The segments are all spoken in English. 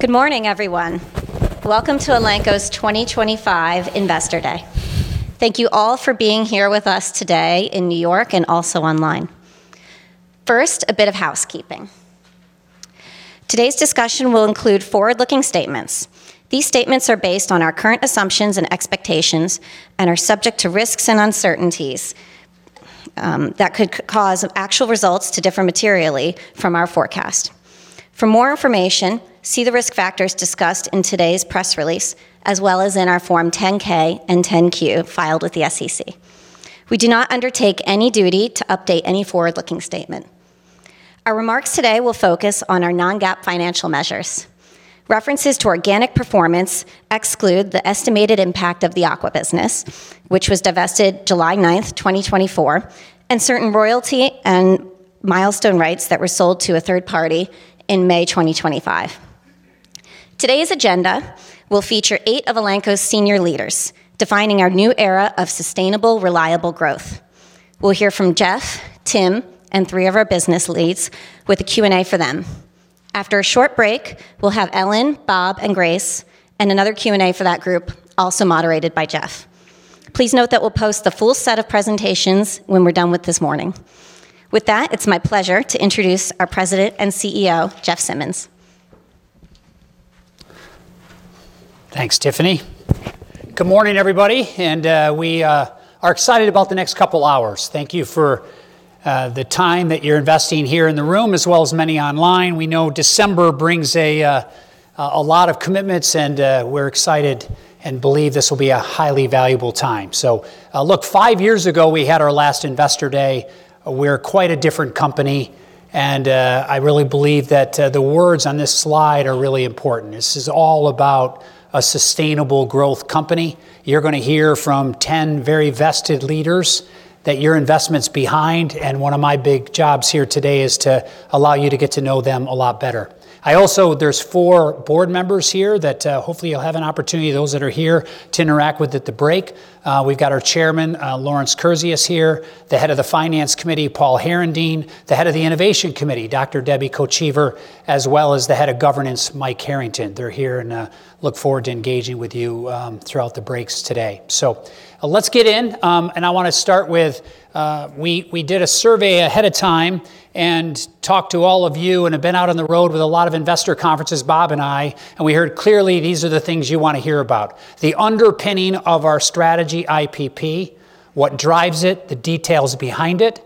Good morning, everyone. Welcome to Elanco's 2025 Investor Day. Thank you all for being here with us today in New York and also online. First, a bit of housekeeping. Today's discussion will include forward-looking statements. These statements are based on our current assumptions and expectations and are subject to risks and uncertainties that could cause actual results to differ materially from our forecast. For more information, see the risk factors discussed in today's press release, as well as in our Form 10-K and 10-Q filed with the SEC. We do not undertake any duty to update any forward-looking statement. Our remarks today will focus on our non-GAAP financial measures. References to organic performance exclude the estimated impact of the aqua business, which was divested July 9, 2024, and certain royalty and milestone rights that were sold to a third party in May 2025. Today's agenda will feature eight of Elanco's senior leaders defining our new era of sustainable, reliable growth. We'll hear from Jeff, Tim, and three of our business leads with a Q&A for them. After a short break, we'll have Ellen, Bob, and Grace, and another Q&A for that group, also moderated by Jeff. Please note that we'll post the full set of presentations when we're done with this morning. With that, it's my pleasure to introduce our President and CEO, Jeff Simmons. Thanks, Tiffany. Good morning, everybody, and we are excited about the next couple of hours. Thank you for the time that you're investing here in the room, as well as many online. We know December brings a lot of commitments, and we're excited and believe this will be a highly valuable time. So, look, five years ago, we had our last Investor Day. We're quite a different company, and I really believe that the words on this slide are really important. This is all about a sustainable growth company. You're going to hear from ten very vested leaders that your investment's behind, and one of my big jobs here today is to allow you to get to know them a lot better. I also [know] there's four board members here that hopefully you'll have an opportunity, those that are here, to interact with at the break. We've got our Chairman, Lawrence Kersey, here, the Head of the Finance Committee, Paul Herendien, the Head of the Innovation Committee, Dr. Debbie Kochevar, as well as the Head of Governance, Mike Harrington. They're here and look forward to engaging with you throughout the breaks today, so let's get in, and I want to start with, we did a survey ahead of time and talked to all of you and have been out on the road with a lot of investor conferences, Bob and I, and we heard clearly these are the things you want to hear about: the underpinning of our strategy, IPP, what drives it, the details behind it,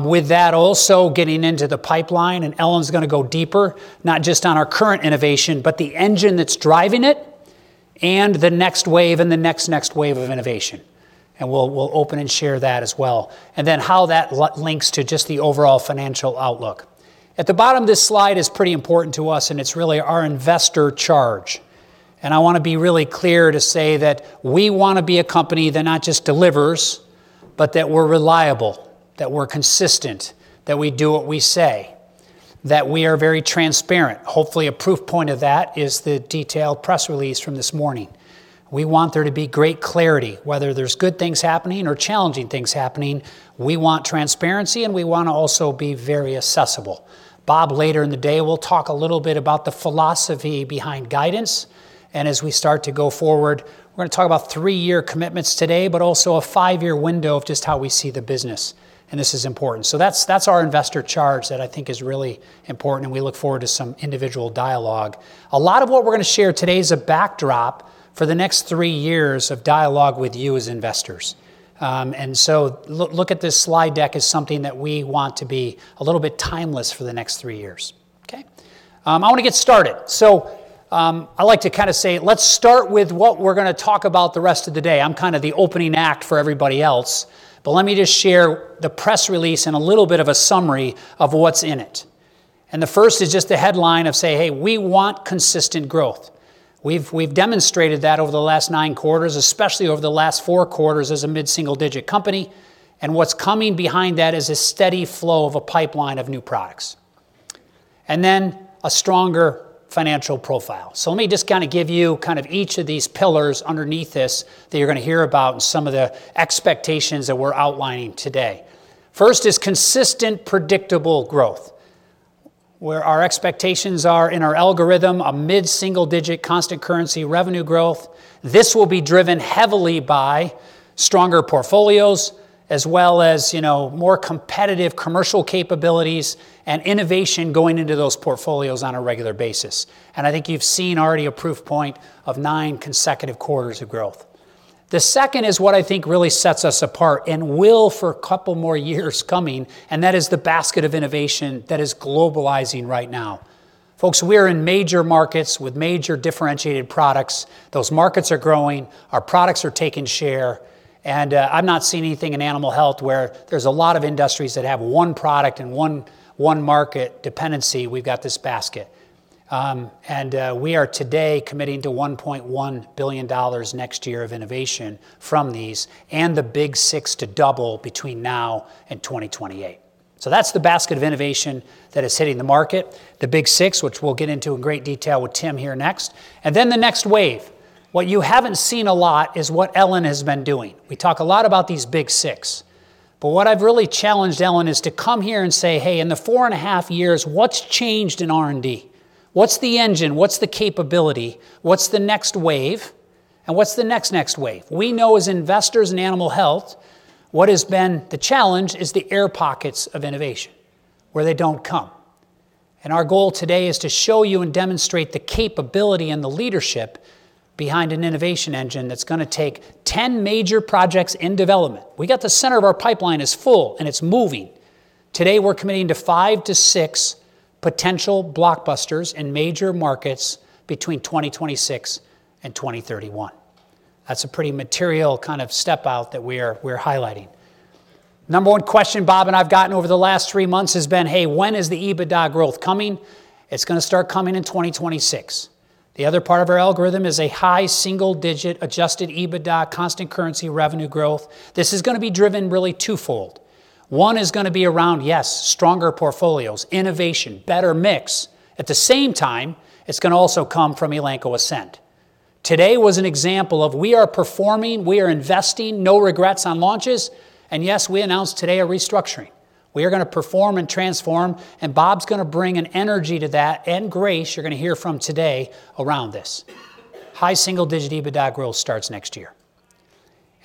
with that also getting into the pipeline. And Ellen's going to go deeper, not just on our current innovation, but the engine that's driving it and the next wave and the next, next wave of innovation. And we'll open and share that as well. And then how that links to just the overall financial outlook. At the bottom of this slide is pretty important to us, and it's really our investor charge. And I want to be really clear to say that we want to be a company that not just delivers, but that we're reliable, that we're consistent, that we do what we say, that we are very transparent. Hopefully, a proof point of that is the detailed press release from this morning. We want there to be great clarity, whether there's good things happening or challenging things happening. We want transparency, and we want to also be very accessible. Bob, later in the day, we'll talk a little bit about the philosophy behind guidance. As we start to go forward, we're going to talk about three-year commitments today, but also a five-year window of just how we see the business. This is important. That's our investor charge that I think is really important, and we look forward to some individual dialogue. A lot of what we're going to share today is a backdrop for the next three years of dialogue with you as investors. Look at this slide deck as something that we want to be a little bit timeless for the next three years. Okay? I want to get started. I like to kind of say, let's start with what we're going to talk about the rest of the day. I'm kind of the opening act for everybody else. But let me just share the press release and a little bit of a summary of what's in it. And the first is just the headline of say, hey, we want consistent growth. We've demonstrated that over the last nine quarters, especially over the last four quarters as a mid-single-digit company. And what's coming behind that is a steady flow of a pipeline of new products and then a stronger financial profile. So let me just kind of give you kind of each of these pillars underneath this that you're going to hear about and some of the expectations that we're outlining today. First is consistent, predictable growth, where our expectations are in our algorithm, a mid-single-digit constant currency revenue growth. This will be driven heavily by stronger portfolios, as well as more competitive commercial capabilities and innovation going into those portfolios on a regular basis. And I think you've seen already a proof point of nine consecutive quarters of growth. The second is what I think really sets us apart and will for a couple more years coming, and that is the basket of innovation that is globalizing right now. Folks, we are in major markets with major differentiated products. Those markets are growing. Our products are taking share. And I've not seen anything in animal health where there's a lot of industries that have one product and one market dependency. We've got this basket. And we are today committing to $1.1 billion next year of innovation from these and the Big Six to double between now and 2028. So that's the basket of innovation that is hitting the market, the Big Six, which we'll get into in great detail with Tim here next. And then the next wave, what you haven't seen a lot is what Ellen has been doing. We talk a lot about these Big Six. But what I've really challenged Ellen is to come here and say, hey, in the four and a half years, what's changed in R&D? What's the engine? What's the capability? What's the next wave? And what's the next, next wave? We know as investors in animal health, what has been the challenge is the air pockets of innovation where they don't come. And our goal today is to show you and demonstrate the capability and the leadership behind an innovation engine that's going to take ten major projects in development. We got the center of our pipeline is full and it's moving. Today we're committing to five to six potential blockbusters in major markets between 2026 and 2031. That's a pretty material kind of step out that we're highlighting. Number one question, Bob, and I've gotten over the last three months has been, hey, when is the EBITDA growth coming? It's going to start coming in 2026. The other part of our algorithm is a high single-digit adjusted EBITDA constant currency revenue growth. This is going to be driven really twofold. One is going to be around, yes, stronger portfolios, innovation, better mix. At the same time, it's going to also come from Elanco Ascend. Today was an example of we are performing, we are investing, no regrets on launches. Yes, we announced today a restructuring. We are going to perform and transform. Bob's going to bring an energy to that. Grace, you're going to hear from today around this. High single-digit EBITDA growth starts next year.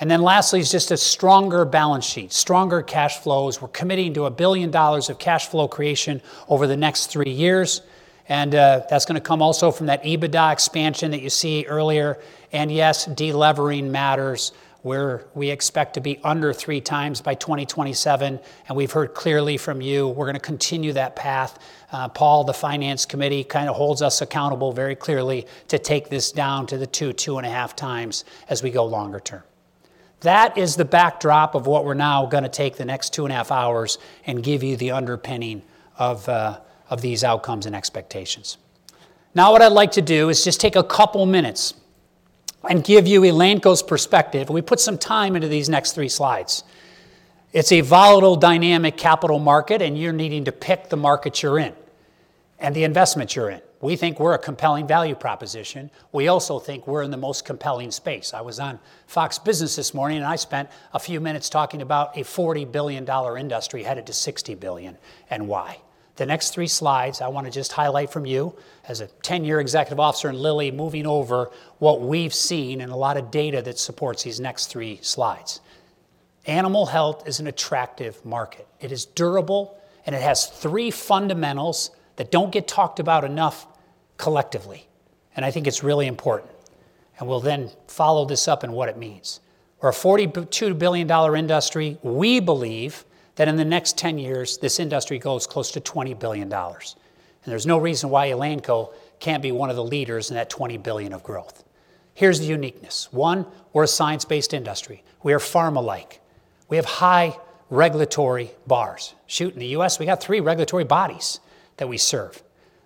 And then lastly is just a stronger balance sheet, stronger cash flows. We're committing to $1 billion of cash flow creation over the next three years. And that's going to come also from that EBITDA expansion that you see earlier. And yes, deleveraging matters where we expect to be under three times by 2027. And we've heard clearly from you, we're going to continue that path. Paul, the Finance Committee, kind of holds us accountable very clearly to take this down to the two, two and a half times as we go longer term. That is the backdrop of what we're now going to take the next two and a half hours and give you the underpinning of these outcomes and expectations. Now, what I'd like to do is just take a couple of minutes and give you Elanco's perspective. We put some time into these next three slides. It's a volatile, dynamic capital market, and you're needing to pick the market you're in and the investment you're in. We think we're a compelling value proposition. We also think we're in the most compelling space. I was on Fox Business this morning, and I spent a few minutes talking about a $40 billion industry headed to $60 billion and why. The next three slides I want to just highlight from you as a ten-year executive officer in Lilly moving over what we've seen and a lot of data that supports these next three slides. Animal health is an attractive market. It is durable, and it has three fundamentals that don't get talked about enough collectively. And I think it's really important. And we'll then follow this up in what it means. We're a $42 billion industry. We believe that in the next ten years, this industry goes close to $20 billion, and there's no reason why Elanco can't be one of the leaders in that $20 billion of growth. Here's the uniqueness. One, we're a science-based industry. We are pharma-like. We have high regulatory bars. Shoot, in the U.S., we got three regulatory bodies that we serve.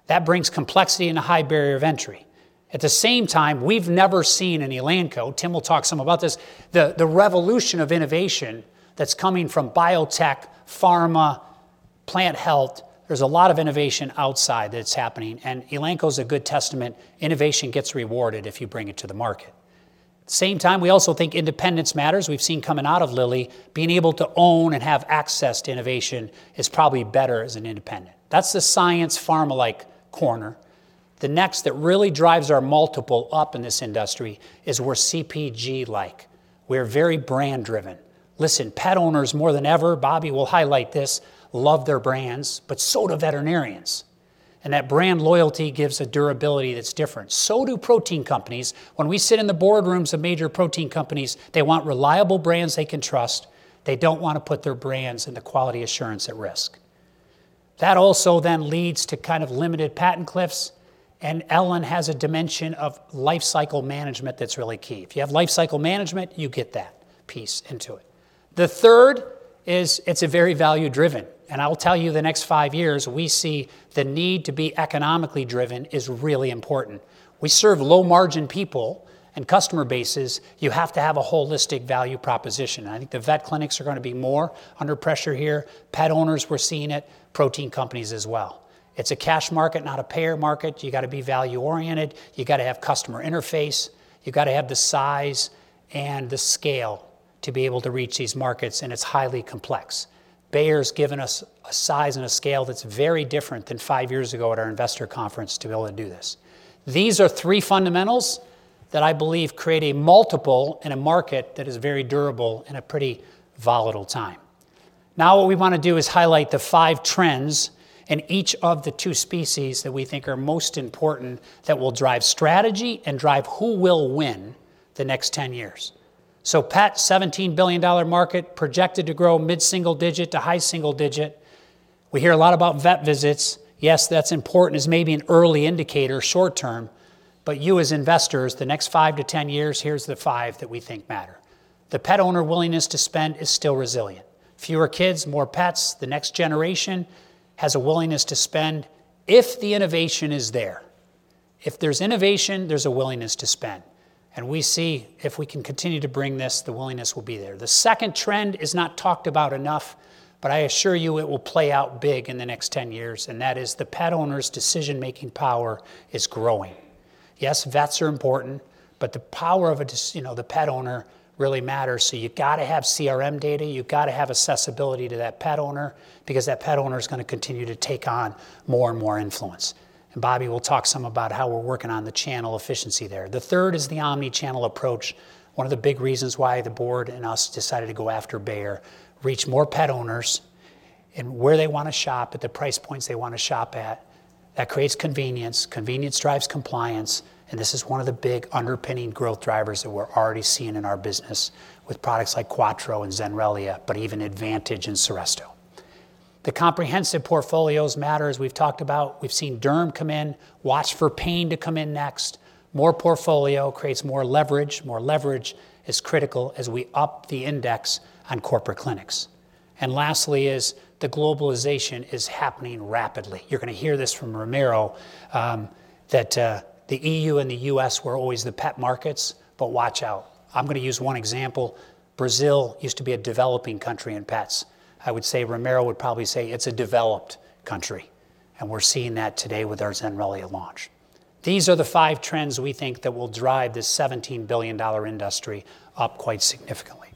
That brings complexity and a high barrier of entry. At the same time, we've never seen in Elanco. Tim will talk some about this, the revolution of innovation that's coming from biotech, pharma, plant health. There's a lot of innovation outside that's happening, and Elanco's a good testament. Innovation gets rewarded if you bring it to the market. At the same time, we also think independence matters. We've seen coming out of Lilly, being able to own and have access to innovation is probably better as an independent. That's the science pharma-like corner. The next that really drives our multiple up in this industry is we're CPG-like. We're very brand-driven. Listen, pet owners more than ever, Bobby will highlight this, love their brands, but so do veterinarians. And that brand loyalty gives a durability that's different. So do protein companies. When we sit in the boardrooms of major protein companies, they want reliable brands they can trust. They don't want to put their brands and the quality assurance at risk. That also then leads to kind of limited patent cliffs. And Ellen has a dimension of life cycle management that's really key. If you have life cycle management, you get that piece into it. The third is it's very value-driven. And I'll tell you the next five years, we see the need to be economically driven is really important. We serve low-margin people and customer bases. You have to have a holistic value proposition. And I think the vet clinics are going to be more under pressure here. Pet owners, we're seeing it, protein companies as well. It's a cash market, not a payer market. You got to be value-oriented. You got to have customer interface. You got to have the size and the scale to be able to reach these markets. And it's highly complex. Bayer's given us a size and a scale that's very different than five years ago at our investor conference to be able to do this. These are three fundamentals that I believe create a multiple in a market that is very durable in a pretty volatile time. Now, what we want to do is highlight the five trends in each of the two species that we think are most important that will drive strategy and drive who will win the next ten years, so pet, $17 billion market projected to grow mid-single digit to high single digit. We hear a lot about vet visits. Yes, that's important as maybe an early indicator short term, but you as investors, the next five to ten years, here's the five that we think matter. The pet owner willingness to spend is still resilient. Fewer kids, more pets. The next generation has a willingness to spend if the innovation is there. If there's innovation, there's a willingness to spend, and we see if we can continue to bring this, the willingness will be there. The second trend is not talked about enough, but I assure you it will play out big in the next 10 years, and that is the pet owner's decision-making power is growing. Yes, vets are important, but the power of the pet owner really matters, so you've got to have CRM data. You've got to have accessibility to that pet owner because that pet owner is going to continue to take on more and more influence, and Bobby will talk some about how we're working on the channel efficiency there. The third is the omnichannel approach. One of the big reasons why the board and us decided to go after Bayer, reach more pet owners and where they want to shop at the price points they want to shop at. That creates convenience. Convenience drives compliance. This is one of the big underpinning growth drivers that we're already seeing in our business with products like Quattro and Zenrelia, but even Advantage and Seresto. The comprehensive portfolios matter as we've talked about. We've seen Derm come in, watch for Pain to come in next. More portfolio creates more leverage. More leverage is critical as we up the index on corporate clinics. And lastly is the globalization is happening rapidly. You're going to hear this from Romero that the EU and the US were always the pet markets, but watch out. I'm going to use one example. Brazil used to be a developing country in pets. I would say Romero would probably say it's a developed country. And we're seeing that today with our Zenrelia launch. These are the five trends we think that will drive this $17 billion industry up quite significantly.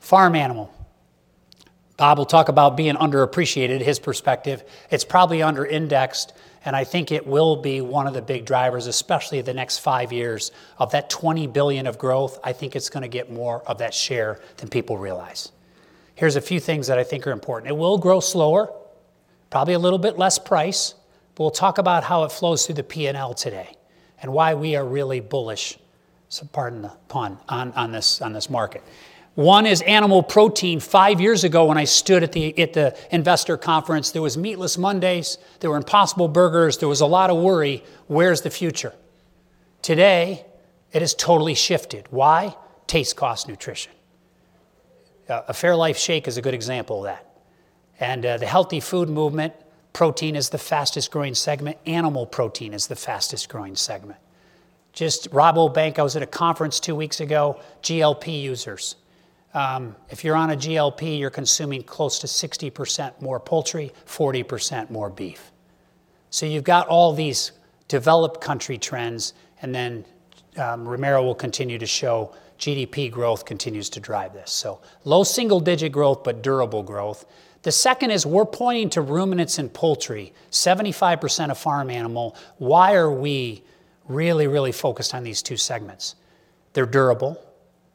Farm animal. Bob will talk about being underappreciated, his perspective. It's probably underindexed, and I think it will be one of the big drivers, especially the next five years of that $20 billion of growth. I think it's going to get more of that share than people realize. Here's a few things that I think are important. It will grow slower, probably a little bit less price, but we'll talk about how it flows through the P&L today and why we are really bullish, pardon the pun, on this market. One is animal protein. Five years ago when I stood at the investor conference, there was Meatless Mondays. There were Impossible Burgers. There was a lot of worry. Where's the future? Today, it has totally shifted. Why? Taste, cost, nutrition. A Fairlife Shake is a good example of that, and the healthy food movement, protein is the fastest growing segment. Animal protein is the fastest growing segment. Just Rabobank, I was at a conference two weeks ago, GLP users. If you're on a GLP, you're consuming close to 60% more poultry, 40% more beef. So you've got all these developed country trends. And then emerging will continue to show GDP growth continues to drive this. So low single-digit growth, but durable growth. The second is we're pointing to ruminants and poultry, 75% of farm animal. Why are we really, really focused on these two segments? They're durable.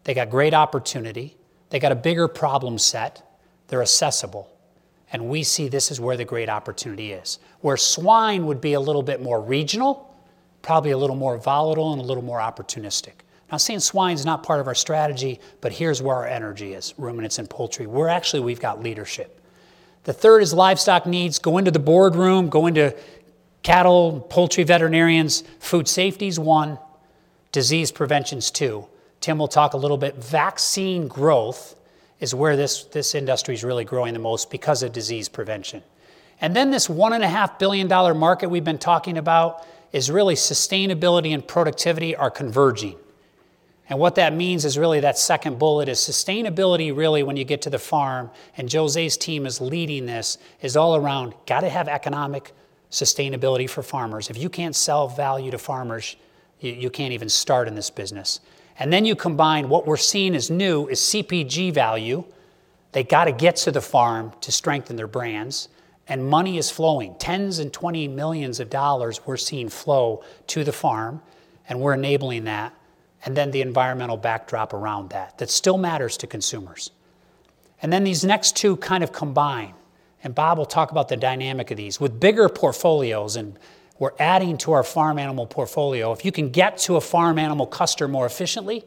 They got great opportunity. They got a bigger problem set. They're accessible. And we see this is where the great opportunity is. Where swine would be a little bit more regional, probably a little more volatile and a little more opportunistic. Not saying swine's not part of our strategy, but here's where our energy is, ruminants and poultry. Where actually we've got leadership. The third is livestock needs. Go into the boardroom, go into cattle, poultry veterinarians. Food safety's one. Disease prevention's two. Tim will talk a little bit. Vaccine growth is where this industry is really growing the most because of disease prevention, and then this $1.5 billion market we've been talking about is really sustainability and productivity are converging, and what that means is really that second bullet is sustainability really when you get to the farm, and José's team is leading this. Is all around got to have economic sustainability for farmers. If you can't sell value to farmers, you can't even start in this business, and then you combine what we're seeing as new is CPG value. They got to get to the farm to strengthen their brands, and money is flowing. Tens and twenty millions of dollars we're seeing flow to the farm, and we're enabling that. Then the environmental backdrop around that still matters to consumers. These next two kind of combine, and Bob will talk about the dynamic of these with bigger portfolios. We're adding to our farm animal portfolio. If you can get to a farm animal customer more efficiently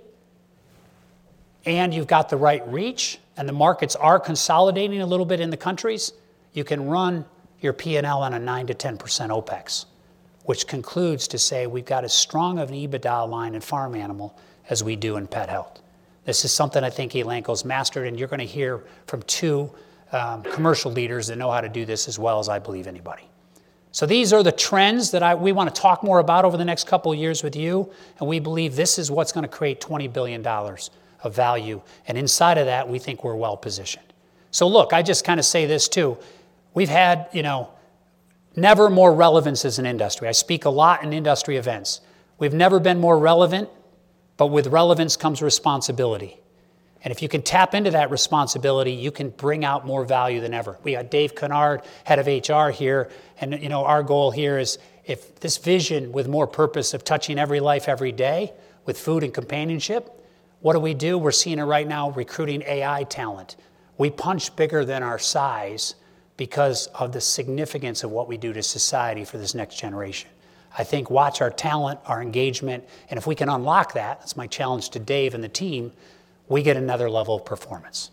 and you've got the right reach and the markets are consolidating a little bit in the countries, you can run your P&L on a 9%-10% OpEx, which concludes to say we've got as strong of an EBITDA line in farm animal as we do in pet health. This is something I think Elanco's mastered, and you're going to hear from two commercial leaders that know how to do this as well as I believe anybody. So these are the trends that we want to talk more about over the next couple of years with you. And we believe this is what's going to create $20 billion of value. And inside of that, we think we're well positioned. So look, I just kind of say this too. We've had never more relevance as an industry. I speak a lot in industry events. We've never been more relevant, but with relevance comes responsibility. And if you can tap into that responsibility, you can bring out more value than ever. We have Dave Kinard, head of HR here. And our goal here is, if this vision with more purpose of touching every life every day with food and companionship, what do we do? We're seeing it right now, recruiting AI talent. We punch bigger than our size because of the significance of what we do to society for this next generation. I think watch our talent, our engagement. And if we can unlock that, that's my challenge to Dave and the team. We get another level of performance.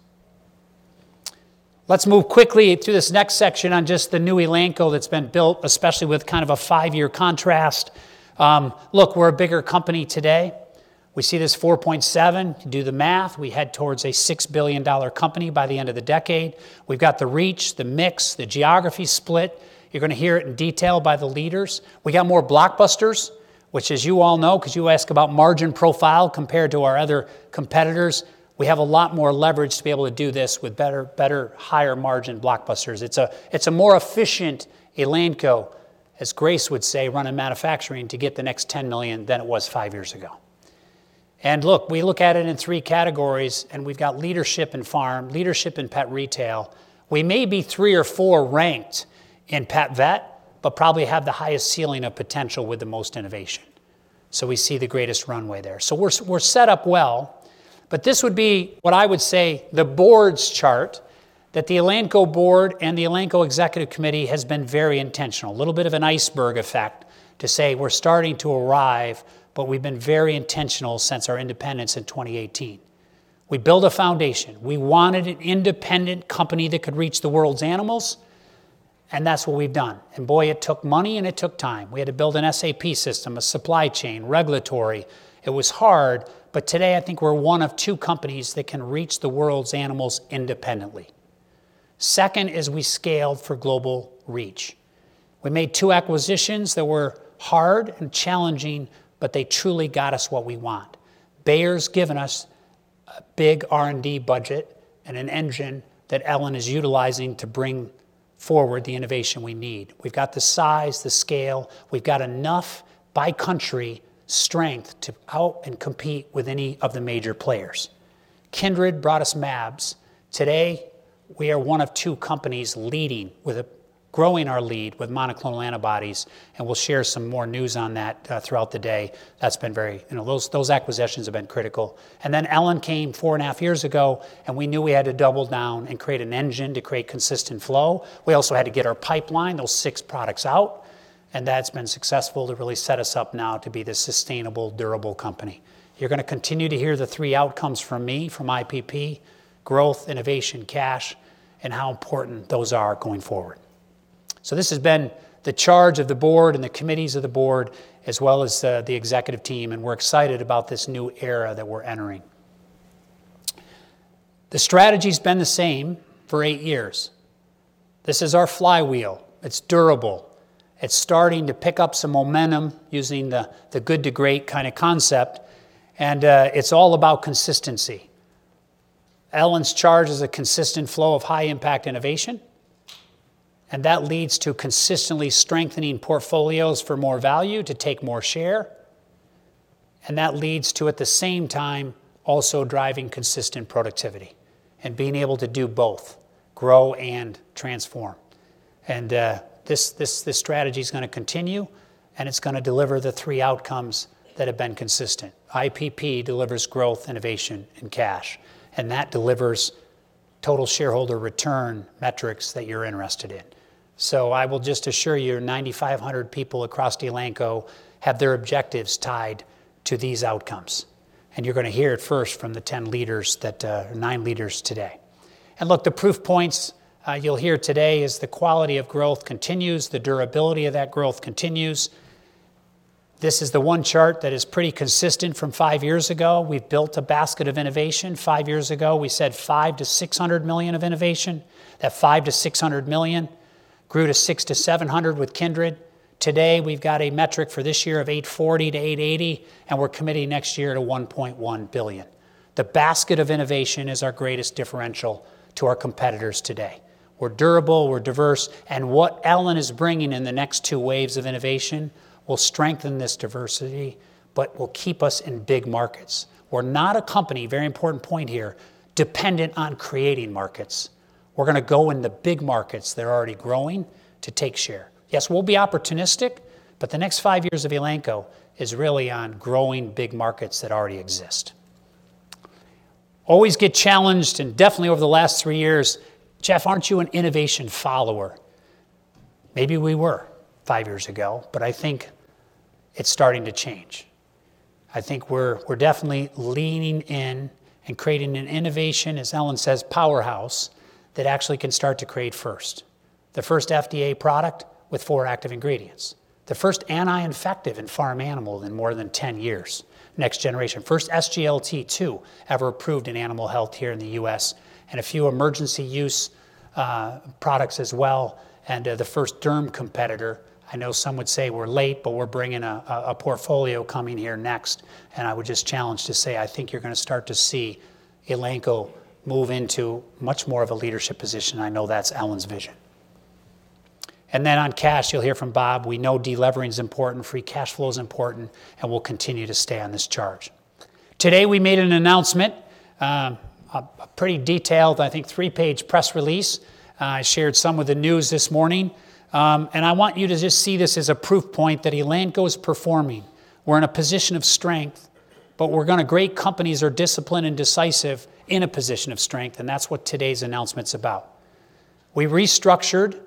Let's move quickly through this next section on just the new Elanco that's been built, especially with kind of a five-year contrast. Look, we're a bigger company today. We see this $4.7 billion. Do the math. We head towards a $6 billion company by the end of the decade. We've got the reach, the mix, the geography split. You're going to hear it in detail by the leaders. We got more blockbusters, which as you all know, because you ask about margin profile compared to our other competitors, we have a lot more leverage to be able to do this with better, higher margin blockbusters. It's a more efficient Elanco, as Grace would say, running manufacturing to get the next 10 million than it was five years ago. Look, we look at it in three categories. We've got leadership in farm, leadership in pet retail. We may be three or four ranked in pet vet, but probably have the highest ceiling of potential with the most innovation. We see the greatest runway there. We're set up well. This would be what I would say the board's chart that the Elanco board and the Elanco executive committee has been very intentional. A little bit of an iceberg effect to say we're starting to arrive, but we've been very intentional since our independence in 2018. We built a foundation. We wanted an independent company that could reach the world's animals. And that's what we've done. And boy, it took money and it took time. We had to build an SAP system, a supply chain, regulatory. It was hard. But today, I think we're one of two companies that can reach the world's animals independently. Second is we scaled for global reach. We made two acquisitions that were hard and challenging, but they truly got us what we want. Bayer's given us a big R&D budget and an engine that Ellen is utilizing to bring forward the innovation we need. We've got the size, the scale. We've got enough by country strength to out and compete with any of the major players. Kindred brought us MABS. Today, we are one of two companies leading with growing our lead with monoclonal antibodies, and we'll share some more news on that throughout the day. That's been key. Those acquisitions have been critical, and then Ellen came four and a half years ago, and we knew we had to double down and create an engine to create consistent flow. We also had to get our pipeline, those six products out, and that's been successful to really set us up now to be this sustainable, durable company. You're going to continue to hear the three outcomes from me, from IPP, growth, innovation, cash, and how important those are going forward, so this has been the charge of the board and the committees of the board, as well as the executive team, and we're excited about this new era that we're entering. The strategy has been the same for eight years. This is our flywheel. It's durable. It's starting to pick up some momentum using the good to great kind of concept. And it's all about consistency. Ellen's charge is a consistent flow of high-impact innovation. And that leads to consistently strengthening portfolios for more value to take more share. And that leads to, at the same time, also driving consistent productivity and being able to do both, grow and transform. And this strategy is going to continue. And it's going to deliver the three outcomes that have been consistent. IPP delivers growth, innovation, and cash. And that delivers total shareholder return metrics that you're interested in. So I will just assure you 9,500 people across Elanco have their objectives tied to these outcomes. And you're going to hear it first from the 10 leaders that are nine leaders today. Look, the proof points you'll hear today is the quality of growth continues. The durability of that growth continues. This is the one chart that is pretty consistent from five years ago. We've built a basket of innovation. Five years ago, we said $5-$600 million of innovation. That $5-$600 million grew to $600-$700 million with Kindred. Today, we've got a metric for this year of $840-$880 million. And we're committing next year to $1.1 billion. The basket of innovation is our greatest differential to our competitors today. We're durable. We're diverse. And what Ellen is bringing in the next two waves of innovation will strengthen this diversity, but will keep us in big markets. We're not a company, very important point here, dependent on creating markets. We're going to go in the big markets that are already growing to take share. Yes, we'll be opportunistic, but the next five years of Elanco is really on growing big markets that already exist. Always get challenged and definitely over the last three years, Jeff, aren't you an innovation follower? Maybe we were five years ago, but I think it's starting to change. I think we're definitely leaning in and creating an innovation, as Ellen says, powerhouse that actually can start to create first. The first FDA product with four active ingredients. The first anti-infective in farm animal in more than 10 years. Next generation. First SGLT2 ever approved in animal health here in the U.S. and a few emergency use products as well. And the first derm competitor. I know some would say we're late, but we're bringing a portfolio coming here next. I would just challenge to say I think you're going to start to see Elanco move into much more of a leadership position. I know that's Ellen's vision. And then on cash, you'll hear from Bob. We know delivering is important. Free cash flow is important. And we'll continue to stay on this charge. Today, we made an announcement, a pretty detailed, I think, three-page press release. I shared some of the news this morning. And I want you to just see this as a proof point that Elanco is performing. We're in a position of strength, but we're going to great companies are disciplined and decisive in a position of strength. And that's what today's announcement's about. We restructured,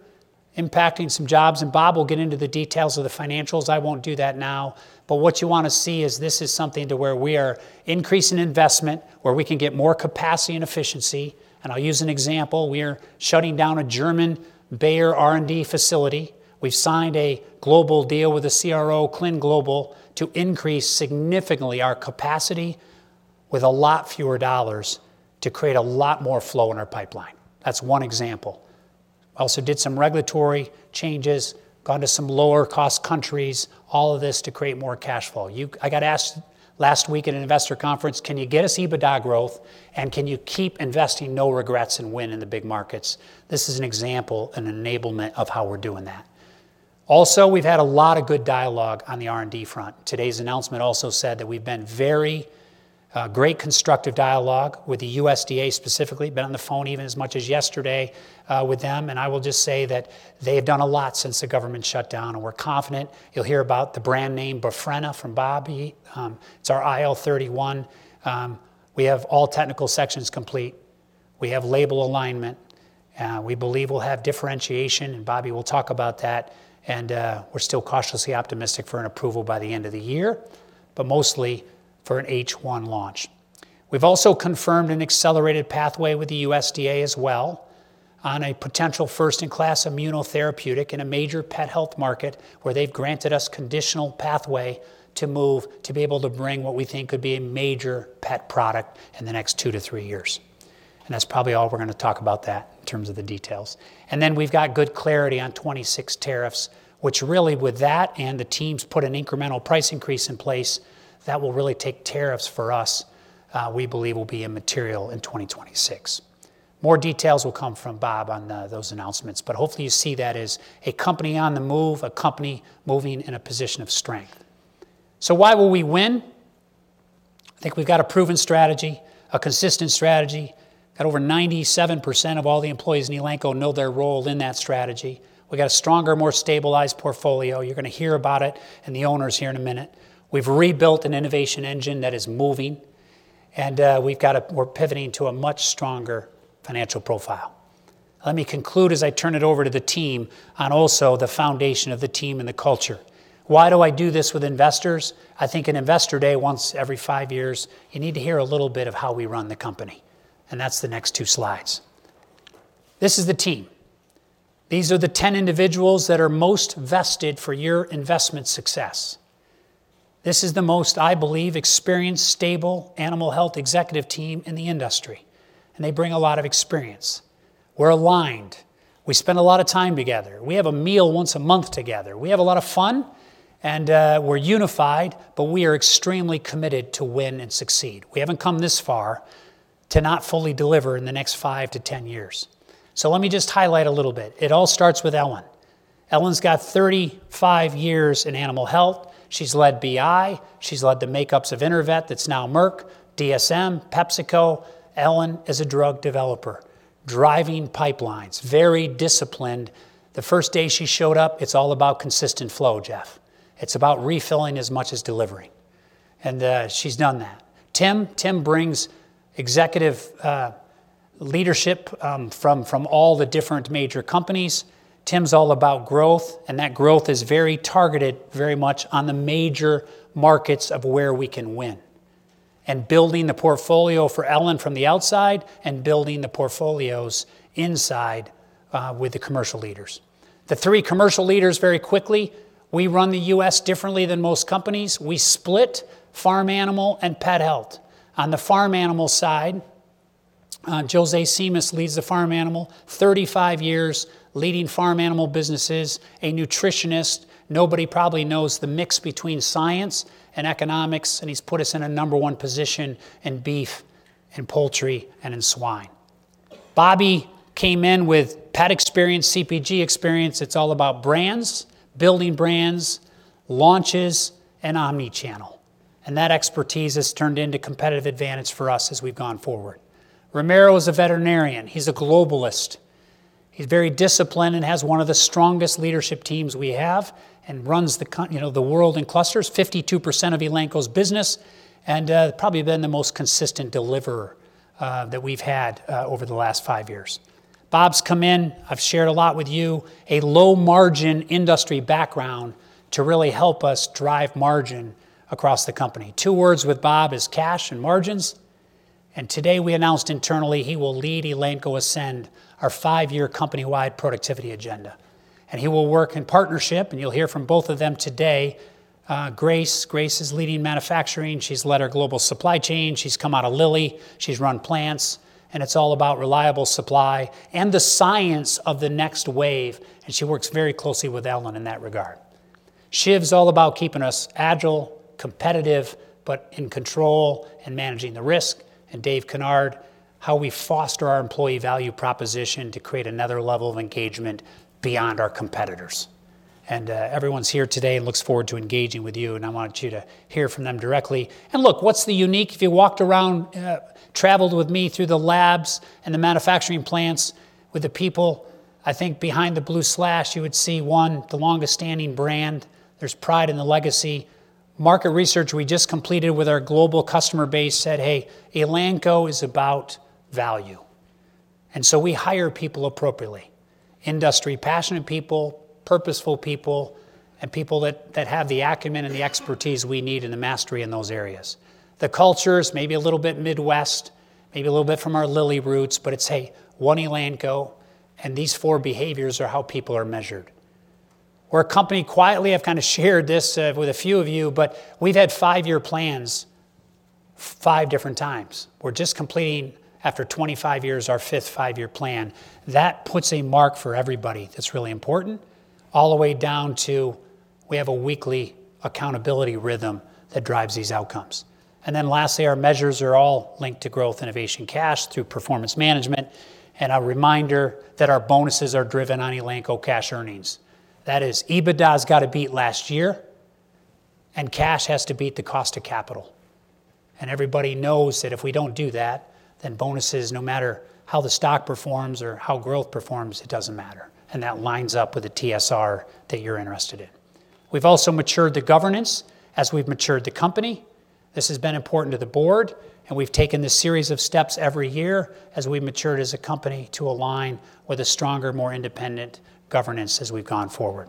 impacting some jobs. And Bob will get into the details of the financials. I won't do that now. But what you want to see is this is something to where we are increasing investment, where we can get more capacity and efficiency. And I'll use an example. We are shutting down a German Bayer R&D facility. We've signed a global deal with the CRO, ClinGlobal, to increase significantly our capacity with a lot fewer dollars to create a lot more flow in our pipeline. That's one example. We also did some regulatory changes, gone to some lower-cost countries, all of this to create more cash flow. I got asked last week at an investor conference, can you get us EBITDA growth? And can you keep investing no regrets and win in the big markets? This is an example, an enablement of how we're doing that. Also, we've had a lot of good dialogue on the R&D front. Today's announcement also said that we've been having very constructive dialogue with the USDA specifically. We've been on the phone as recently as yesterday with them. I will just say that they have done a lot since the government shutdown. We're confident. You'll hear about the brand name Bafrena from Bobby. It's our IL-31. We have all technical sections complete. We have label alignment. We believe we'll have differentiation. Bobby will talk about that. We're still cautiously optimistic for an approval by the end of the year, but mostly for an H1 launch. We've also confirmed an accelerated pathway with the USDA as well on a potential first-in-class immunotherapeutic in a major pet health market where they've granted us conditional pathway to move to be able to bring what we think could be a major pet product in the next two to three years. That's probably all we're going to talk about that in terms of the details. We've got good clarity on 2026 tariffs, which really with that and the teams put an incremental price increase in place that will really take tariffs for us, we believe will be immaterial in 2026. More details will come from Bob on those announcements. Hopefully, you see that as a company on the move, a company moving in a position of strength. Why will we win? I think we've got a proven strategy, a consistent strategy. Over 97% of all the employees in Elanco know their role in that strategy. We've got a stronger, more stabilized portfolio. You're going to hear about it and the owners here in a minute. We've rebuilt an innovation engine that is moving. We're pivoting to a much stronger financial profile. Let me conclude as I turn it over to the team on also the foundation of the team and the culture. Why do I do this with investors? I think an investor day once every five years, you need to hear a little bit of how we run the company. And that's the next two slides. This is the team. These are the 10 individuals that are most vested for your investment success. This is the most, I believe, experienced, stable animal health executive team in the industry. And they bring a lot of experience. We're aligned. We spend a lot of time together. We have a meal once a month together. We have a lot of fun. And we're unified, but we are extremely committed to win and succeed. We haven't come this far to not fully deliver in the next five to 10 years. So let me just highlight a little bit. It all starts with Ellen. Ellen's got 35 years in animal health. She's led BI. She's led the makeups of InterVet that's now Merck, DSM, PepsiCo. Ellen is a drug developer, driving pipelines, very disciplined. The first day she showed up, it's all about consistent flow, Jeff. It's about refilling as much as delivering. And she's done that. Tim, Tim brings executive leadership from all the different major companies. Tim's all about growth. And that growth is very targeted, very much on the major markets of where we can win. And building the portfolio for Ellen from the outside and building the portfolios inside with the commercial leaders. The three commercial leaders, very quickly, we run the U.S. differently than most companies. We split farm animal and pet health. On the farm animal side, José Simas leads the farm animal, 35 years leading farm animal businesses, a nutritionist. Nobody probably knows the mix between science and economics. He's put us in a number one position in beef and poultry and in swine. Bobby came in with pet experience, CPG experience. It's all about brands, building brands, launches, and omnichannel. That expertise has turned into competitive advantage for us as we've gone forward. Romero is a veterinarian. He's a globalist. He's very disciplined and has one of the strongest leadership teams we have and runs the world in clusters, 52% of Elanco's business. He's probably been the most consistent deliverer that we've had over the last five years. Bob's come in. I've shared a lot with you, a low-margin industry background to really help us drive margin across the company. Two words with Bob is cash and margins. And today, we announced internally he will lead Elanco Ascend, our five-year company-wide productivity agenda. And he will work in partnership. And you'll hear from both of them today. Grace, Grace is leading manufacturing. She's led our global supply chain. She's come out of Lilly. She's run plants. And it's all about reliable supply and the science of the next wave. And she works very closely with Ellen in that regard. Shiv's all about keeping us agile, competitive, but in control and managing the risk. And Dave Kinard, how we foster our employee value proposition to create another level of engagement beyond our competitors. And everyone's here today and looks forward to engaging with you. And I want you to hear from them directly. And look, what's unique if you walked around, traveled with me through the labs and the manufacturing plants with the people? I think behind the blue slash, you would see one, the longest-standing brand. There's pride in the legacy. Market research we just completed with our global customer base said, "Hey, Elanco is about value." And so we hire people appropriately, industry-passionate people, purposeful people, and people that have the acumen and the expertise we need and the mastery in those areas. The culture is maybe a little bit Midwest, maybe a little bit from our Lilly roots, but it's, "Hey, one Elanco." And these four behaviors are how people are measured. We're a company quietly. I've kind of shared this with a few of you, but we've had five-year plans five different times. We're just completing after 25 years our fifth five-year plan. That puts a mark for everybody. That's really important all the way down to we have a weekly accountability rhythm that drives these outcomes. And then lastly, our measures are all linked to growth, innovation, cash through performance management. And a reminder that our bonuses are driven on Elanco cash earnings. That is, EBITDA has got to beat last year. And cash has to beat the cost of capital. And everybody knows that if we don't do that, then bonuses, no matter how the stock performs or how growth performs, it doesn't matter. And that lines up with the TSR that you're interested in. We've also matured the governance as we've matured the company. This has been important to the board. And we've taken this series of steps every year as we've matured as a company to align with a stronger, more independent governance as we've gone forward.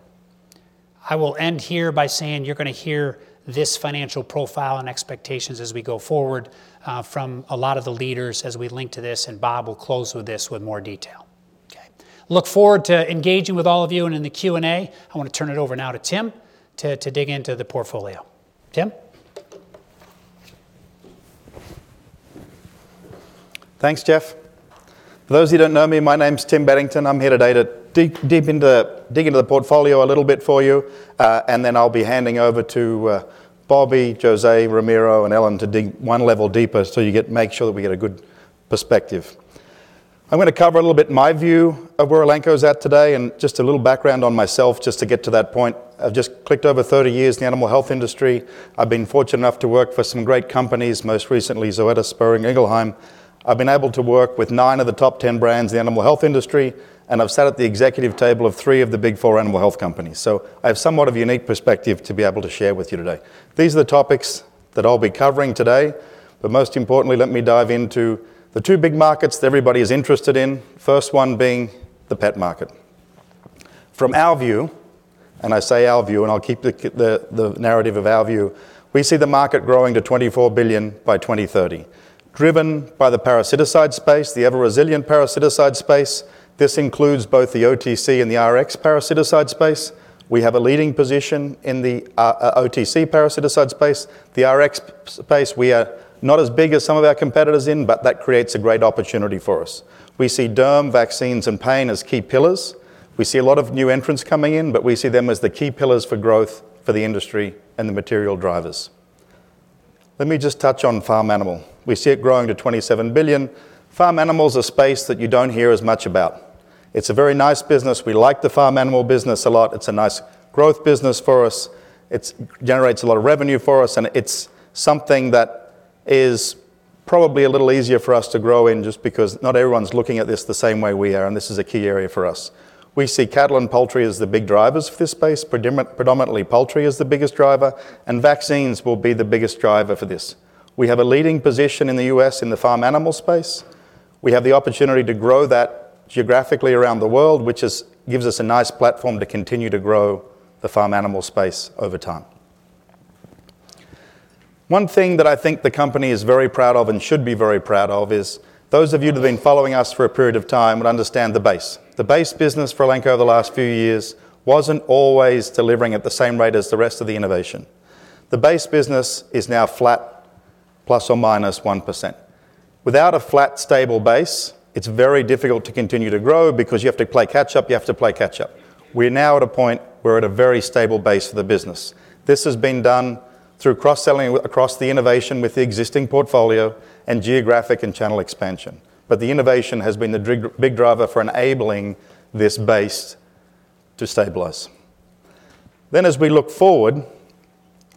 I will end here by saying you're going to hear this financial profile and expectations as we go forward from a lot of the leaders as we link to this. And Bob will close with this with more detail. Okay. Look forward to engaging with all of you. And in the Q&A, I want to turn it over now to Tim to dig into the portfolio. Tim. Thanks, Jeff. For those who don't know me, my name's Tim Bennington. I'm here today to dig into the portfolio a little bit for you. And then I'll be handing over to Bobby, José, Romero, and Ellen to dig one level deeper so you get to make sure that we get a good perspective. I'm going to cover a little bit my view of where Elanco's at today and just a little background on myself just to get to that point. I've just clicked over 30 years in the animal health industry. I've been fortunate enough to work for some great companies, most recently Zoetis, Boehringer Ingelheim. I've been able to work with nine of the top 10 brands in the animal health industry, and I've sat at the executive table of three of the big four animal health companies, so I have somewhat of a unique perspective to be able to share with you today. These are the topics that I'll be covering today, but most importantly, let me dive into the two big markets that everybody is interested in, first one being the pet market. From our view, and I say our view, and I'll keep the narrative of our view, we see the market growing to $24 billion by 2030, driven by the parasiticide space, the ever-resilient parasiticide space. This includes both the OTC and the RX parasiticide space. We have a leading position in the OTC parasiticide space. The RX space, we are not as big as some of our competitors in, but that creates a great opportunity for us. We see derm, vaccines, and pain as key pillars. We see a lot of new entrants coming in, but we see them as the key pillars for growth for the industry and the material drivers. Let me just touch on farm animal. We see it growing to $27 billion. Farm animals are space that you don't hear as much about. It's a very nice business. We like the farm animal business a lot. It's a nice growth business for us. It generates a lot of revenue for us. It's something that is probably a little easier for us to grow in just because not everyone's looking at this the same way we are. This is a key area for us. We see cattle and poultry as the big drivers for this space. Predominantly, poultry is the biggest driver. Vaccines will be the biggest driver for this. We have a leading position in the U.S. in the farm animal space. We have the opportunity to grow that geographically around the world, which gives us a nice platform to continue to grow the farm animal space over time. One thing that I think the company is very proud of and should be very proud of is those of you that have been following us for a period of time would understand the base. The base business for Elanco over the last few years wasn't always delivering at the same rate as the rest of the innovation. The base business is now flat, plus or minus 1%. Without a flat, stable base, it's very difficult to continue to grow because you have to play catch-up. You have to play catch-up. We're now at a point where we're at a very stable base for the business. This has been done through cross-selling across the innovation with the existing portfolio and geographic and channel expansion. But the innovation has been the big driver for enabling this base to stabilize. Then, as we look forward,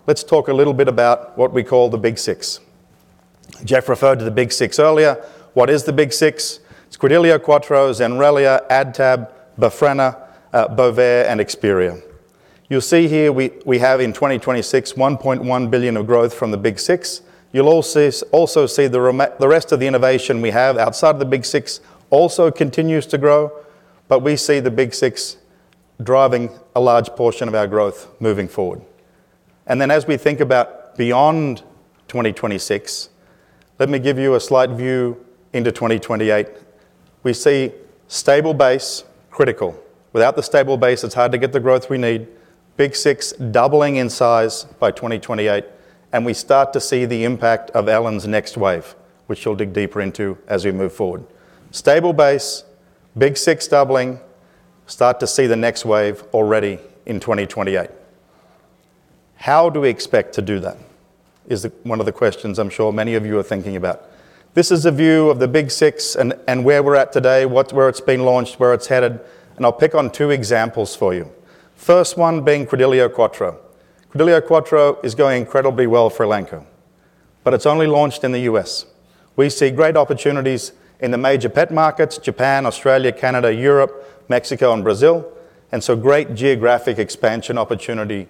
let's talk a little bit about what we call the big six. Jeff referred to the big six earlier. What is the big six? It's Credelio Quattro, Zenrelia, AdTab, Athian, Bovaer, and Experior. You'll see here we have in 2026, $1.1 billion of growth from the big six. You'll also see the rest of the innovation we have outside of the big six also continues to grow, but we see the big six driving a large portion of our growth moving forward, and then, as we think about beyond 2026, let me give you a slight view into 2028. We see stable base critical. Without the stable base, it's hard to get the growth we need. Big six doubling in size by 2028, and we start to see the impact of Ellen's next wave, which we'll dig deeper into as we move forward. Stable base, big six doubling, start to see the next wave already in 2028. How do we expect to do that? Is one of the questions I'm sure many of you are thinking about. This is a view of the big six and where we're at today, where it's been launched, where it's headed. And I'll pick on two examples for you. First one being Credelio Quattro. Credelio Quattro is going incredibly well for Elanco, but it's only launched in the U.S. We see great opportunities in the major pet markets: Japan, Australia, Canada, Europe, Mexico, and Brazil. And so great geographic expansion opportunity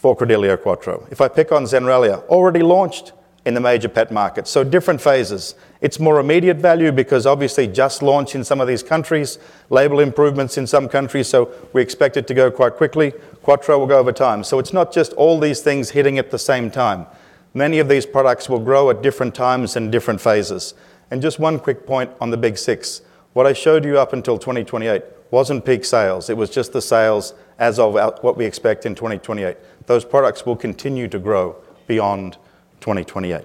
for Credelio Quattro. If I pick on Zenrelia, already launched in the major pet markets. So different phases. It's more immediate value because obviously just launched in some of these countries, label improvements in some countries. So we expect it to go quite quickly. Quattro will go over time. So it's not just all these things hitting at the same time. Many of these products will grow at different times and different phases. And just one quick point on the big six. What I showed you up until 2028 wasn't peak sales. It was just the sales as of what we expect in 2028. Those products will continue to grow beyond 2028.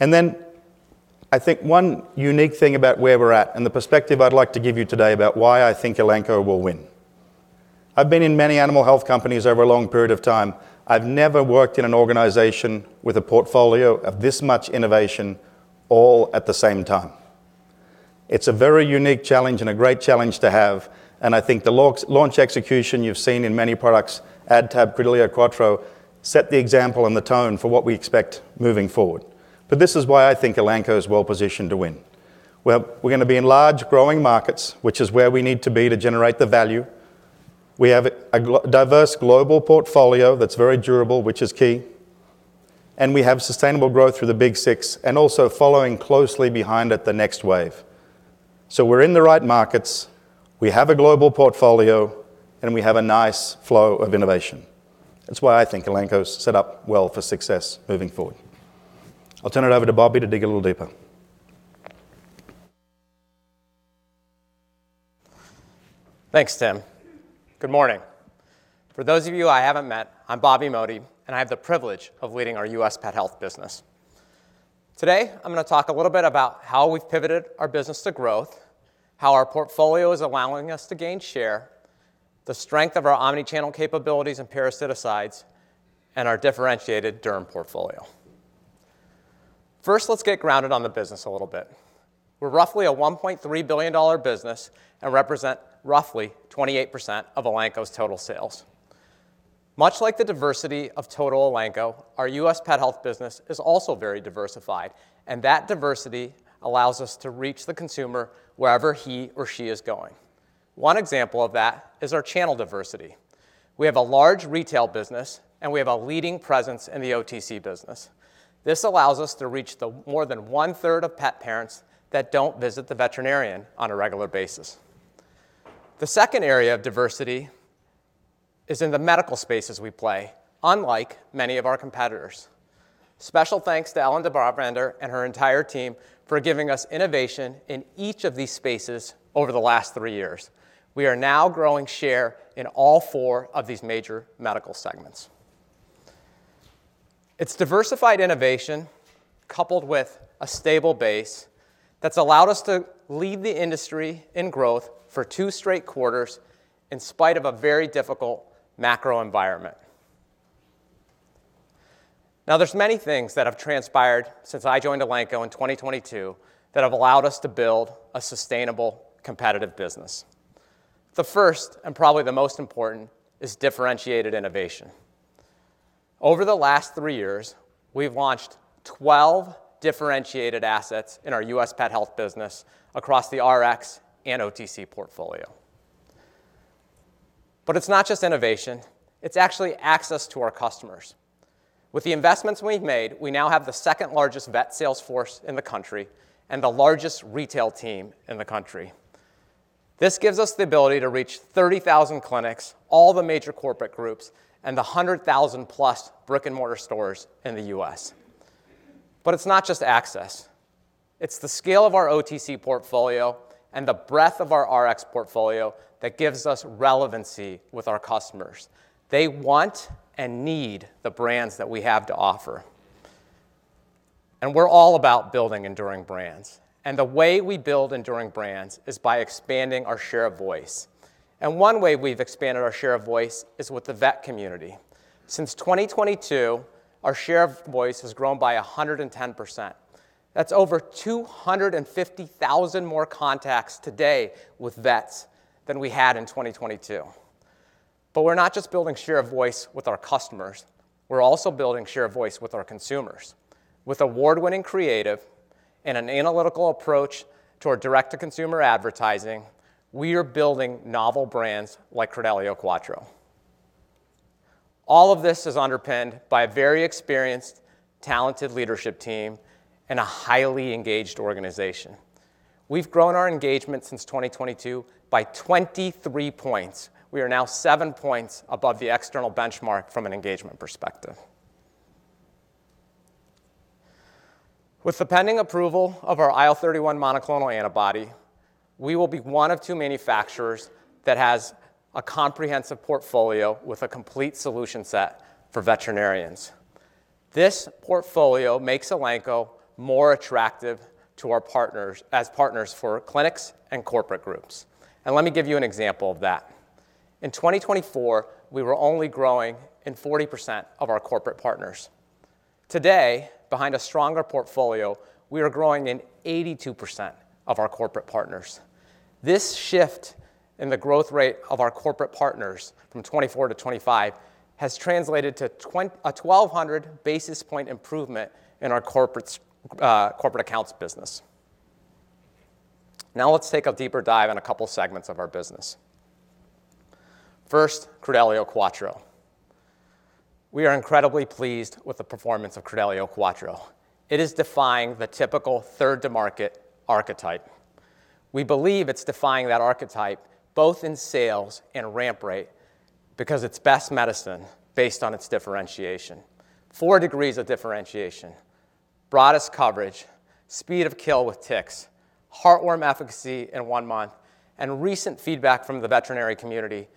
And then I think one unique thing about where we're at and the perspective I'd like to give you today about why I think Elanco will win. I've been in many animal health companies over a long period of time. I've never worked in an organization with a portfolio of this much innovation all at the same time. It's a very unique challenge and a great challenge to have. And I think the launch execution you've seen in many products, AdTab, Credelio Quattro, set the example and the tone for what we expect moving forward. But this is why I think Elanco is well positioned to win. We're going to be in large growing markets, which is where we need to be to generate the value. We have a diverse global portfolio that's very durable, which is key, and we have sustainable growth through the big six and also following closely behind at the next wave, so we're in the right markets. We have a global portfolio, and we have a nice flow of innovation. That's why I think Elanco's set up well for success moving forward. I'll turn it over to Bobby to dig a little deeper. Thanks, Tim. Good morning. For those of you I haven't met, I'm Bobby Modi, and I have the privilege of leading our U.S. pet health business. Today, I'm going to talk a little bit about how we've pivoted our business to growth, how our portfolio is allowing us to gain share, the strength of our omnichannel capabilities and parasiticides, and our differentiated derm portfolio. First, let's get grounded on the business a little bit. We're roughly a $1.3 billion business and represent roughly 28% of Elanco's total sales. Much like the diversity of total Elanco, our U.S. pet health business is also very diversified, and that diversity allows us to reach the consumer wherever he or she is going. One example of that is our channel diversity. We have a large retail business, and we have a leading presence in the OTC business. This allows us to reach more than one-third of pet parents that don't visit the veterinarian on a regular basis. The second area of diversity is in the medical spaces we play, unlike many of our competitors. Special thanks to Ellen de Brabander and her entire team for giving us innovation in each of these spaces over the last three years. We are now growing share in all four of these major medical segments. It's diversified innovation coupled with a stable base that's allowed us to lead the industry in growth for two straight quarters in spite of a very difficult macro environment. Now, there's many things that have transpired since I joined Elanco in 2022 that have allowed us to build a sustainable competitive business. The first and probably the most important is differentiated innovation. Over the last three years, we've launched 12 differentiated assets in our U.S. pet health business across the RX and OTC portfolio. But it's not just innovation. It's actually access to our customers. With the investments we've made, we now have the second largest vet sales force in the country and the largest retail team in the country. This gives us the ability to reach 30,000 clinics, all the major corporate groups, and the 100,000-plus brick-and-mortar stores in the U.S. But it's not just access. It's the scale of our OTC portfolio and the breadth of our RX portfolio that gives us relevancy with our customers. They want and need the brands that we have to offer. And we're all about building enduring brands. And the way we build enduring brands is by expanding our share of voice. One way we've expanded our share of voice is with the vet community. Since 2022, our share of voice has grown by 110%. That's over 250,000 more contacts today with vets than we had in 2022. But we're not just building share of voice with our customers. We're also building share of voice with our consumers. With award-winning creative and an analytical approach to our direct-to-consumer advertising, we are building novel brands like Credelio Quattro. All of this is underpinned by a very experienced, talented leadership team and a highly engaged organization. We've grown our engagement since 2022 by 23 points. We are now 7 points above the external benchmark from an engagement perspective. With the pending approval of our IL-31 monoclonal antibody, we will be one of two manufacturers that has a comprehensive portfolio with a complete solution set for veterinarians. This portfolio makes Elanco more attractive to our partners as partners for clinics and corporate groups. Let me give you an example of that. In 2024, we were only growing in 40% of our corporate partners. Today, behind a stronger portfolio, we are growing in 82% of our corporate partners. This shift in the growth rate of our corporate partners from 24 to 25 has translated to a 1,200 basis points improvement in our corporate accounts business. Now let's take a deeper dive in a couple of segments of our business. First, Credelio Quattro. We are incredibly pleased with the performance of Credelio Quattro. It is defying the typical third-to-market archetype. We believe it's defying that archetype both in sales and ramp rate because it's best medicine based on its differentiation. Four degrees of differentiation, broadest coverage, speed of kill with ticks, heartworm efficacy in one month, and recent feedback from the veterinary community,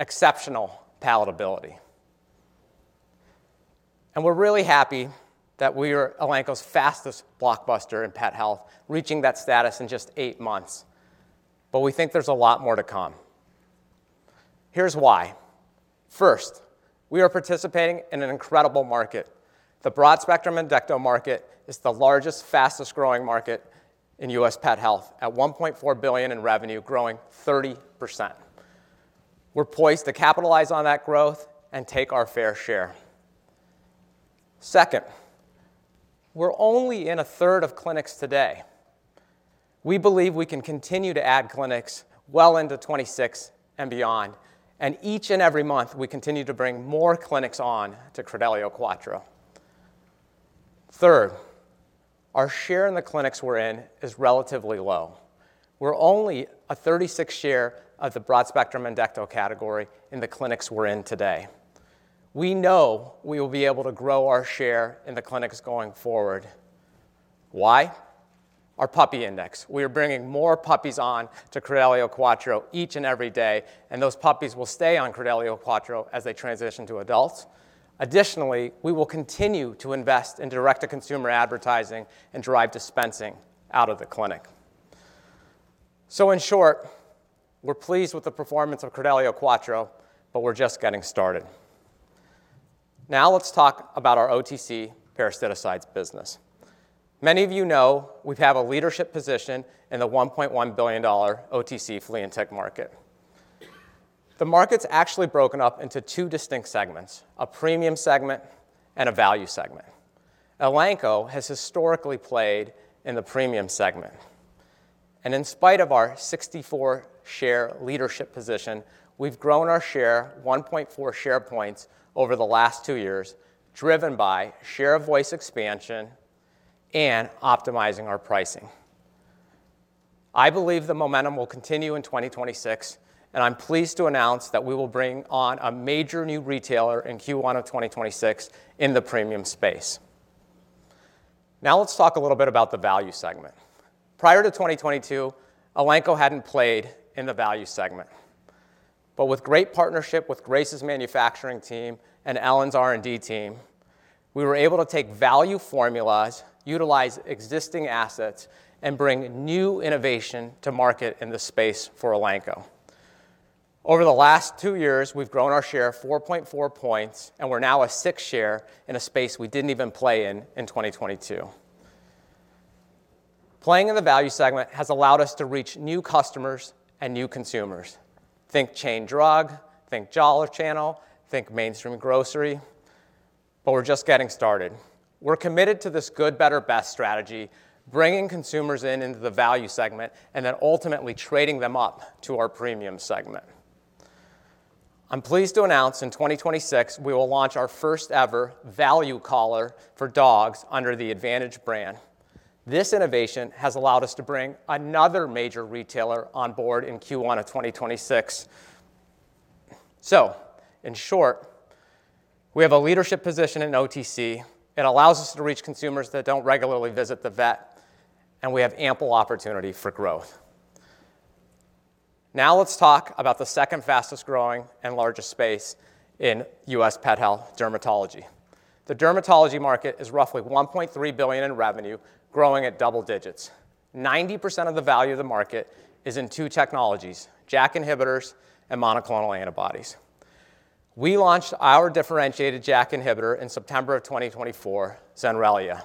exceptional palatability. And we're really happy that we are Elanco's fastest blockbuster in pet health, reaching that status in just eight months. But we think there's a lot more to come. Here's why. First, we are participating in an incredible market. The broad spectrum endectocide market is the largest, fastest growing market in U.S. pet health at $1.4 billion in revenue, growing 30%. We're poised to capitalize on that growth and take our fair share. Second, we're only in a third of clinics today. We believe we can continue to add clinics well into 2026 and beyond. And each and every month, we continue to bring more clinics on to Credelio Quattro. Third, our share in the clinics we're in is relatively low. We're only a 36th share of the broad spectrum and dewormer category in the clinics we're in today. We know we will be able to grow our share in the clinics going forward. Why? Our puppy index. We are bringing more puppies on to Credelio Quattro each and every day. And those puppies will stay on Credelio Quattro as they transition to adults. Additionally, we will continue to invest in direct-to-consumer advertising and drive dispensing out of the clinic. So in short, we're pleased with the performance of Credelio Quattro, but we're just getting started. Now let's talk about our OTC parasiticides business. Many of you know we have a leadership position in the $1.1 billion OTC flea and tick market. The market's actually broken up into two distinct segments: a premium segment and a value segment. Elanco has historically played in the premium segment. In spite of our 64-share leadership position, we've grown our share 1.4 share points over the last two years, driven by share of voice expansion and optimizing our pricing. I believe the momentum will continue in 2026. I'm pleased to announce that we will bring on a major new retailer in Q1 of 2026 in the premium space. Now let's talk a little bit about the value segment. Prior to 2022, Elanco hadn't played in the value segment. But with great partnership with Grace's manufacturing team and Ellen's R&D team, we were able to take value formulas, utilize existing assets, and bring new innovation to market in the space for Elanco. Over the last two years, we've grown our share 4.4 points, and we're now a 6th share in a space we didn't even play in in 2022. Playing in the value segment has allowed us to reach new customers and new consumers. Think chain drug, think dollar channel, think mainstream grocery. But we're just getting started. We're committed to this good, better, best strategy, bringing consumers into the value segment and then ultimately trading them up to our premium segment. I'm pleased to announce in 2026, we will launch our first-ever value collar for dogs under the Advantage brand. This innovation has allowed us to bring another major retailer on board in Q1 of 2026. So in short, we have a leadership position in OTC. It allows us to reach consumers that don't regularly visit the vet, and we have ample opportunity for growth. Now let's talk about the second fastest growing and largest space in U.S. pet health dermatology. The dermatology market is roughly $1.3 billion in revenue, growing at double digits. 90% of the value of the market is in two technologies: JAK inhibitors and monoclonal antibodies. We launched our differentiated JAK inhibitor in September of 2024, Zenrelia.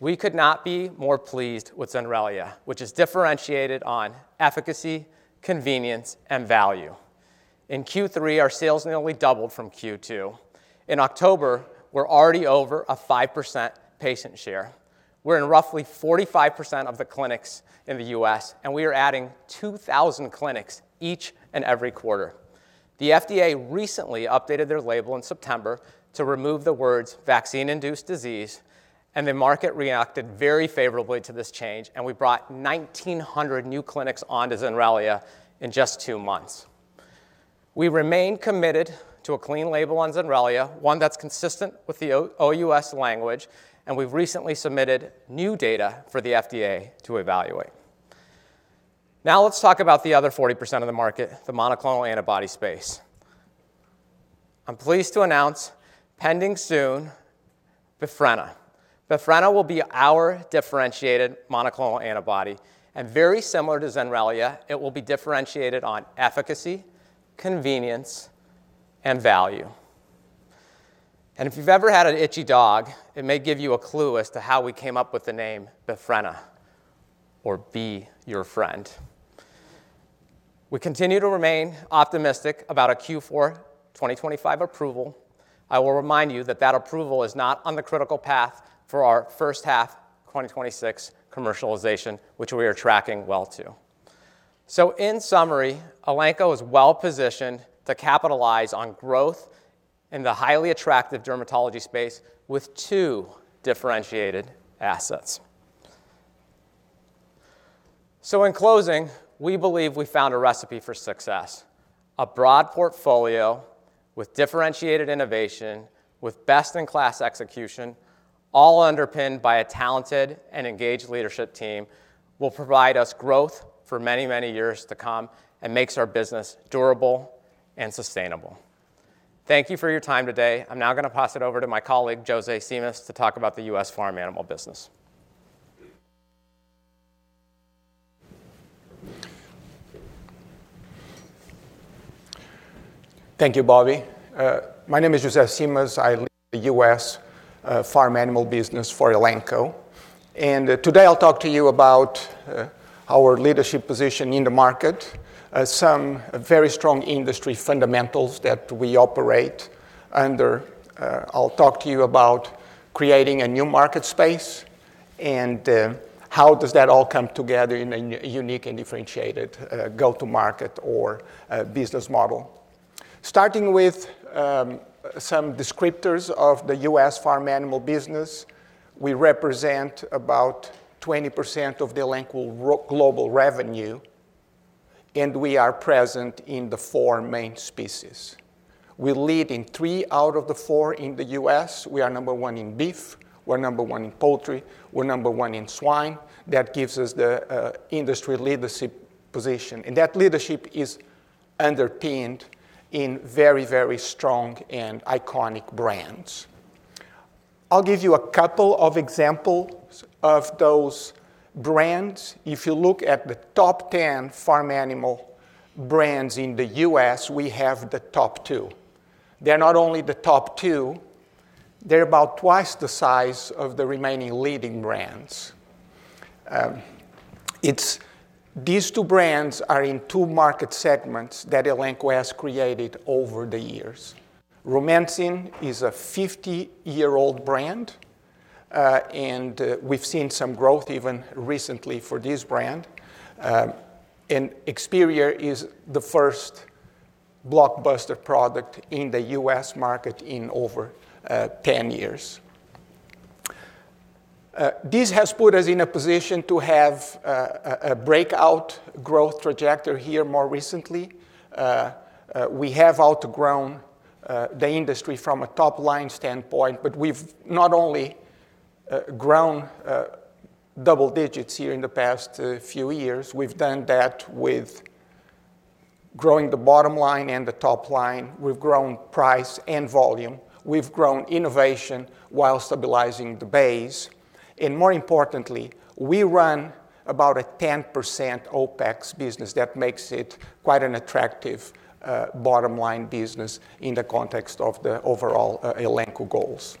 We could not be more pleased with Zenrelia, which is differentiated on efficacy, convenience, and value. In Q3, our sales nearly doubled from Q2. In October, we're already over a 5% patient share. We're in roughly 45% of the clinics in the U.S., and we are adding 2,000 clinics each and every quarter. The FDA recently updated their label in September to remove the words "vaccine-induced disease," and the market reacted very favorably to this change, and we brought 1,900 new clinics on to Zenrelia in just two months. We remain committed to a clean label on Zenrelia, one that's consistent with the OUS language, and we've recently submitted new data for the FDA to evaluate. Now let's talk about the other 40% of the market, the monoclonal antibody space. I'm pleased to announce, pending soon, Bafrenna. Bafrenna will be our differentiated monoclonal antibody, and very similar to Zenrelia, it will be differentiated on efficacy, convenience, and value, and if you've ever had an itchy dog, it may give you a clue as to how we came up with the name Bafrenna, or be your friend. We continue to remain optimistic about a Q4 2025 approval. I will remind you that that approval is not on the critical path for our first half 2026 commercialization, which we are tracking well too, so in summary, Elanco is well positioned to capitalize on growth in the highly attractive dermatology space with two differentiated assets, so in closing, we believe we found a recipe for success. A broad portfolio with differentiated innovation, with best-in-class execution, all underpinned by a talented and engaged leadership team, will provide us growth for many, many years to come and makes our business durable and sustainable. Thank you for your time today. I'm now going to pass it over to my colleague, José Simas, to talk about the U.S. farm animal business. Thank you, Bobby. My name is José Simas. I lead the U.S. farm animal business for Elanco, and today I'll talk to you about our leadership position in the market, some very strong industry fundamentals that we operate under. I'll talk to you about creating a new market space and how does that all come together in a unique and differentiated go-to-market or business model. Starting with some descriptors of the U.S. farm animal business, we represent about 20% of the Elanco global revenue, and we are present in the four main species. We lead in three out of the four in the U.S. We are number one in beef. We're number one in poultry. We're number one in swine. That gives us the industry leadership position, and that leadership is underpinned in very, very strong and iconic brands. I'll give you a couple of examples of those brands. If you look at the top 10 farm animal brands in the U.S., we have the top two. They're not only the top two. They're about twice the size of the remaining leading brands. These two brands are in two market segments that Elanco has created over the years. Rumensin is a 50-year-old brand, and we've seen some growth even recently for this brand, and Experior is the first blockbuster product in the U.S. market in over 10 years. This has put us in a position to have a breakout growth trajectory here more recently. We have outgrown the industry from a top-line standpoint, but we've not only grown double digits here in the past few years. We've done that with growing the bottom line and the top line. We've grown price and volume. We've grown innovation while stabilizing the base. And more importantly, we run about a 10% OPEX business. That makes it quite an attractive bottom-line business in the context of the overall Elanco goals.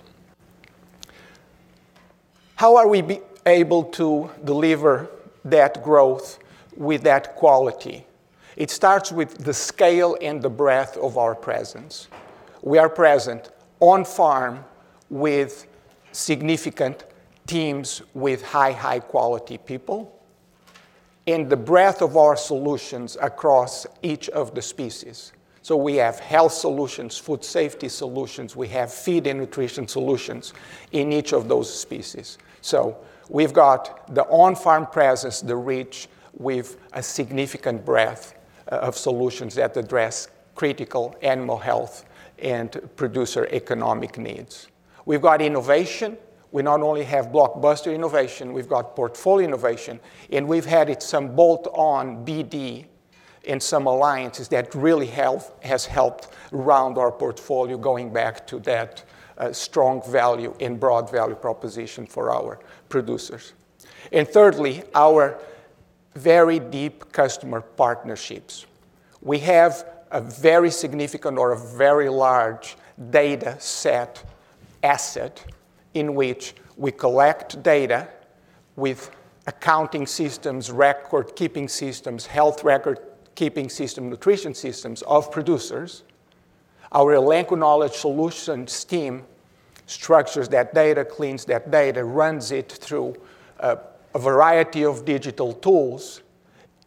How are we able to deliver that growth with that quality? It starts with the scale and the breadth of our presence. We are present on-farm with significant teams with high, high-quality people and the breadth of our solutions across each of the species. So we have health solutions, food safety solutions. We have feed and nutrition solutions in each of those species. So we've got the on-farm presence, the reach. We've a significant breadth of solutions that address critical animal health and producer economic needs. We've got innovation. We not only have blockbuster innovation. We've got portfolio innovation. And we've had some bolt-on BD and some alliances that really have helped round our portfolio going back to that strong value and broad value proposition for our producers. And thirdly, our very deep customer partnerships. We have a very significant or a very large data set asset in which we collect data with accounting systems, record-keeping systems, health record-keeping systems, nutrition systems of producers. Our Elanco knowledge solutions team structures that data, cleans that data, runs it through a variety of digital tools.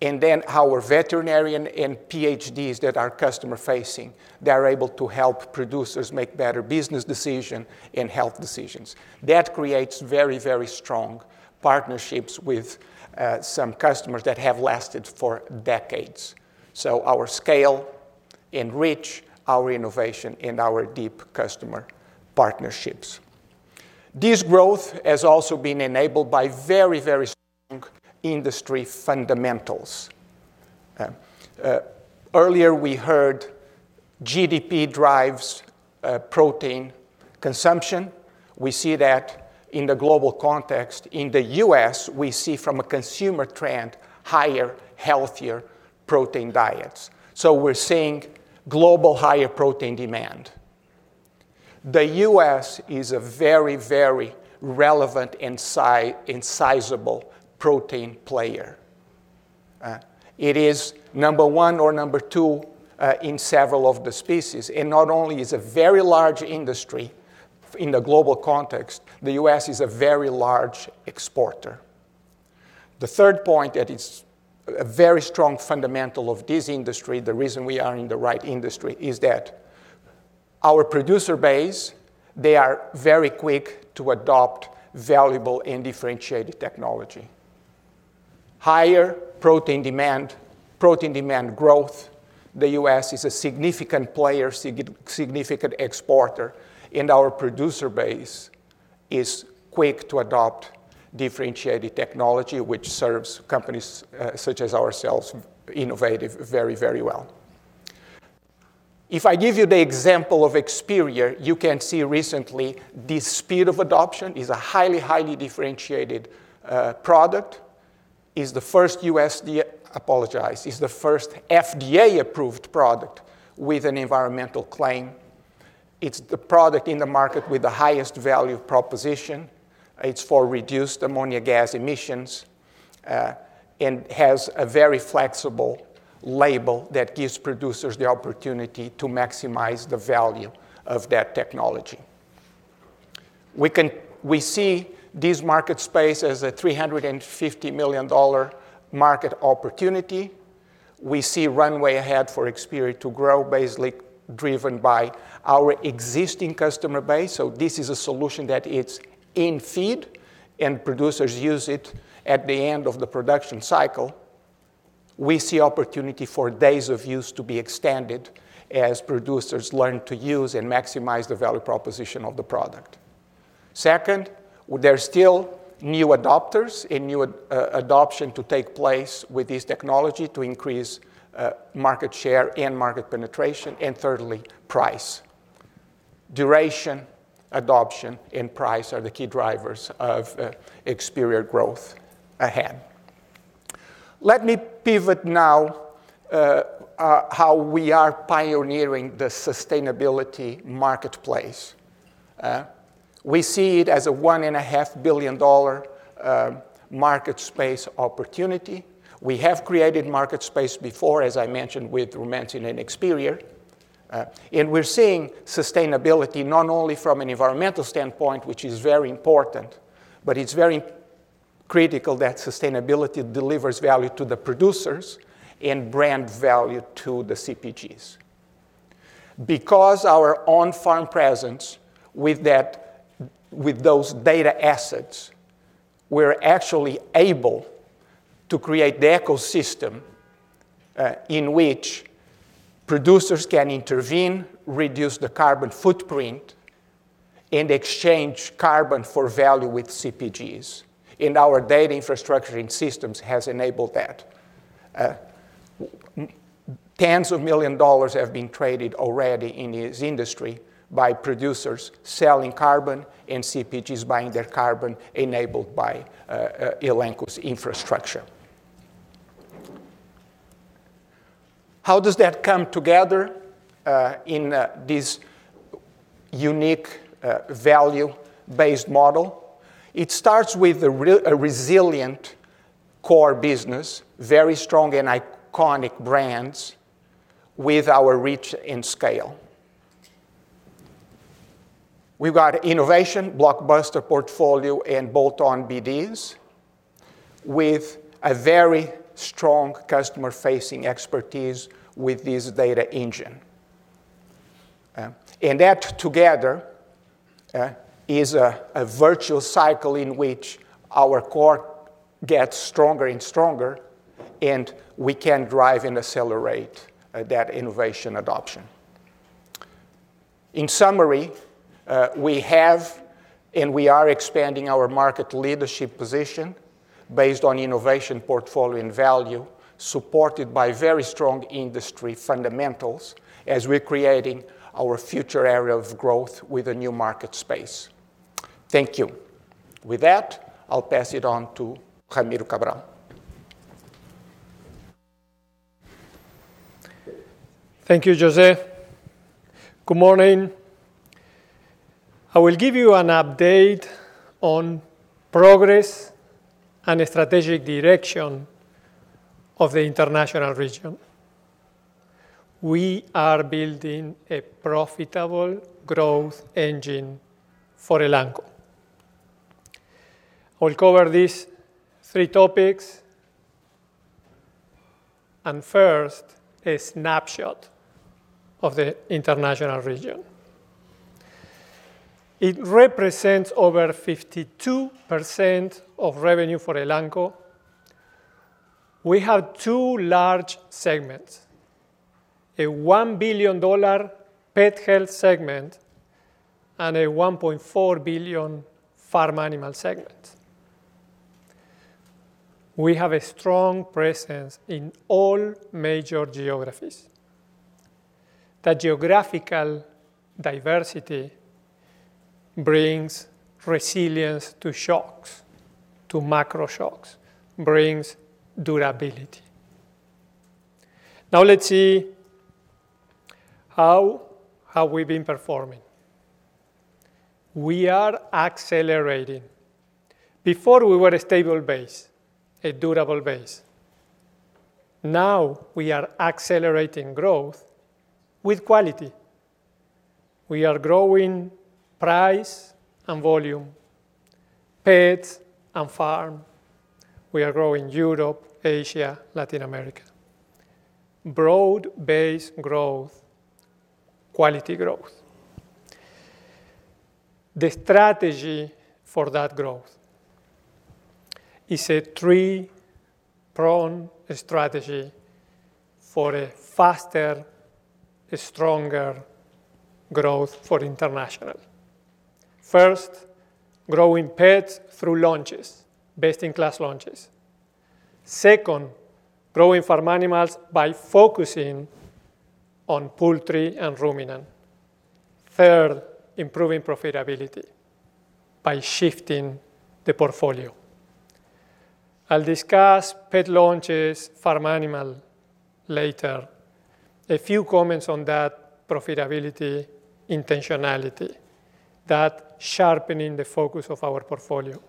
And then our veterinarian and PhDs that are customer-facing, they are able to help producers make better business decisions and health decisions. That creates very, very strong partnerships with some customers that have lasted for decades. So our scale enriches our innovation and our deep customer partnerships. This growth has also been enabled by very, very strong industry fundamentals. Earlier, we heard GDP drives protein consumption. We see that in the global context. In the US, we see from a consumer trend, higher, healthier protein diets. So we're seeing global higher protein demand. The US is a very, very relevant and sizable protein player. It is number one or number two in several of the species. And not only is it a very large industry in the global context, the US is a very large exporter. The third point that is a very strong fundamental of this industry, the reason we are in the right industry, is that our producer base, they are very quick to adopt valuable and differentiated technology. Higher protein demand, protein demand growth. The US is a significant player, significant exporter, and our producer base is quick to adopt differentiated technology, which serves companies such as ourselves, innovative very, very well. If I give you the example of Experior, you can see recently the speed of adoption is a highly, highly differentiated product. It's the first USDA, apologize, it's the first FDA-approved product with an environmental claim. It's the product in the market with the highest value proposition. It's for reduced ammonia gas emissions and has a very flexible label that gives producers the opportunity to maximize the value of that technology. We see this market space as a $350 million market opportunity. We see runway ahead for Experior to grow, basically driven by our existing customer base. So this is a solution that is in feed, and producers use it at the end of the production cycle. We see opportunity for days of use to be extended as producers learn to use and maximize the value proposition of the product. Second, there are still new adopters and new adoption to take place with this technology to increase market share and market penetration, and thirdly, price. Duration, adoption, and price are the key drivers of Experior's growth ahead. Let me pivot now how we are pioneering the sustainability marketplace. We see it as a $1.5 billion market space opportunity. We have created market space before, as I mentioned, with Rumensin and Experior. And we're seeing sustainability not only from an environmental standpoint, which is very important, but it's very critical that sustainability delivers value to the producers and brand value to the CPGs. Because our on-farm presence with those data assets, we're actually able to create the ecosystem in which producers can intervene, reduce the carbon footprint, and exchange carbon for value with CPGs, and our data infrastructure and systems have enabled that. Tens of millions of dollars have been traded already in this industry by producers selling carbon and CPGs buying their carbon enabled by Elanco's infrastructure. How does that come together in this unique value-based model? It starts with a resilient core business, very strong and iconic brands with our reach and scale. We've got innovation, blockbuster portfolio, and bolt-on BDs with a very strong customer-facing expertise with this data engine, and that together is a virtuous cycle in which our core gets stronger and stronger, and we can drive and accelerate that innovation adoption. In summary, we have and we are expanding our market leadership position based on innovation portfolio and value supported by very strong industry fundamentals as we're creating our future area of growth with a new market space. Thank you. With that, I'll pass it on to Ramiro Cabral. Thank you, José. Good morning. I will give you an update on progress and strategic direction of the international region. We are building a profitable growth engine for Elanco. I will cover these three topics. First, a snapshot of the international region. It represents over 52% of revenue for Elanco. We have two large segments: a $1 billion pet health segment and a $1.4 billion farm animal segment. We have a strong presence in all major geographies. That geographical diversity brings resilience to shocks, to macro shocks, brings durability. Now let's see how we've been performing. We are accelerating. Before, we were a stable base, a durable base. Now we are accelerating growth with quality. We are growing price and volume, pets and farm. We are growing Europe, Asia, Latin America. Broad-based growth, quality growth. The strategy for that growth is a three-pronged strategy for a faster, stronger growth for international. First, growing pets through launches, best-in-class launches. Second, growing farm animals by focusing on poultry and ruminant. Third, improving profitability by shifting the portfolio. I'll discuss pet launches, farm animal later. A few comments on that profitability, intentionality, that sharpening the focus of our portfolio.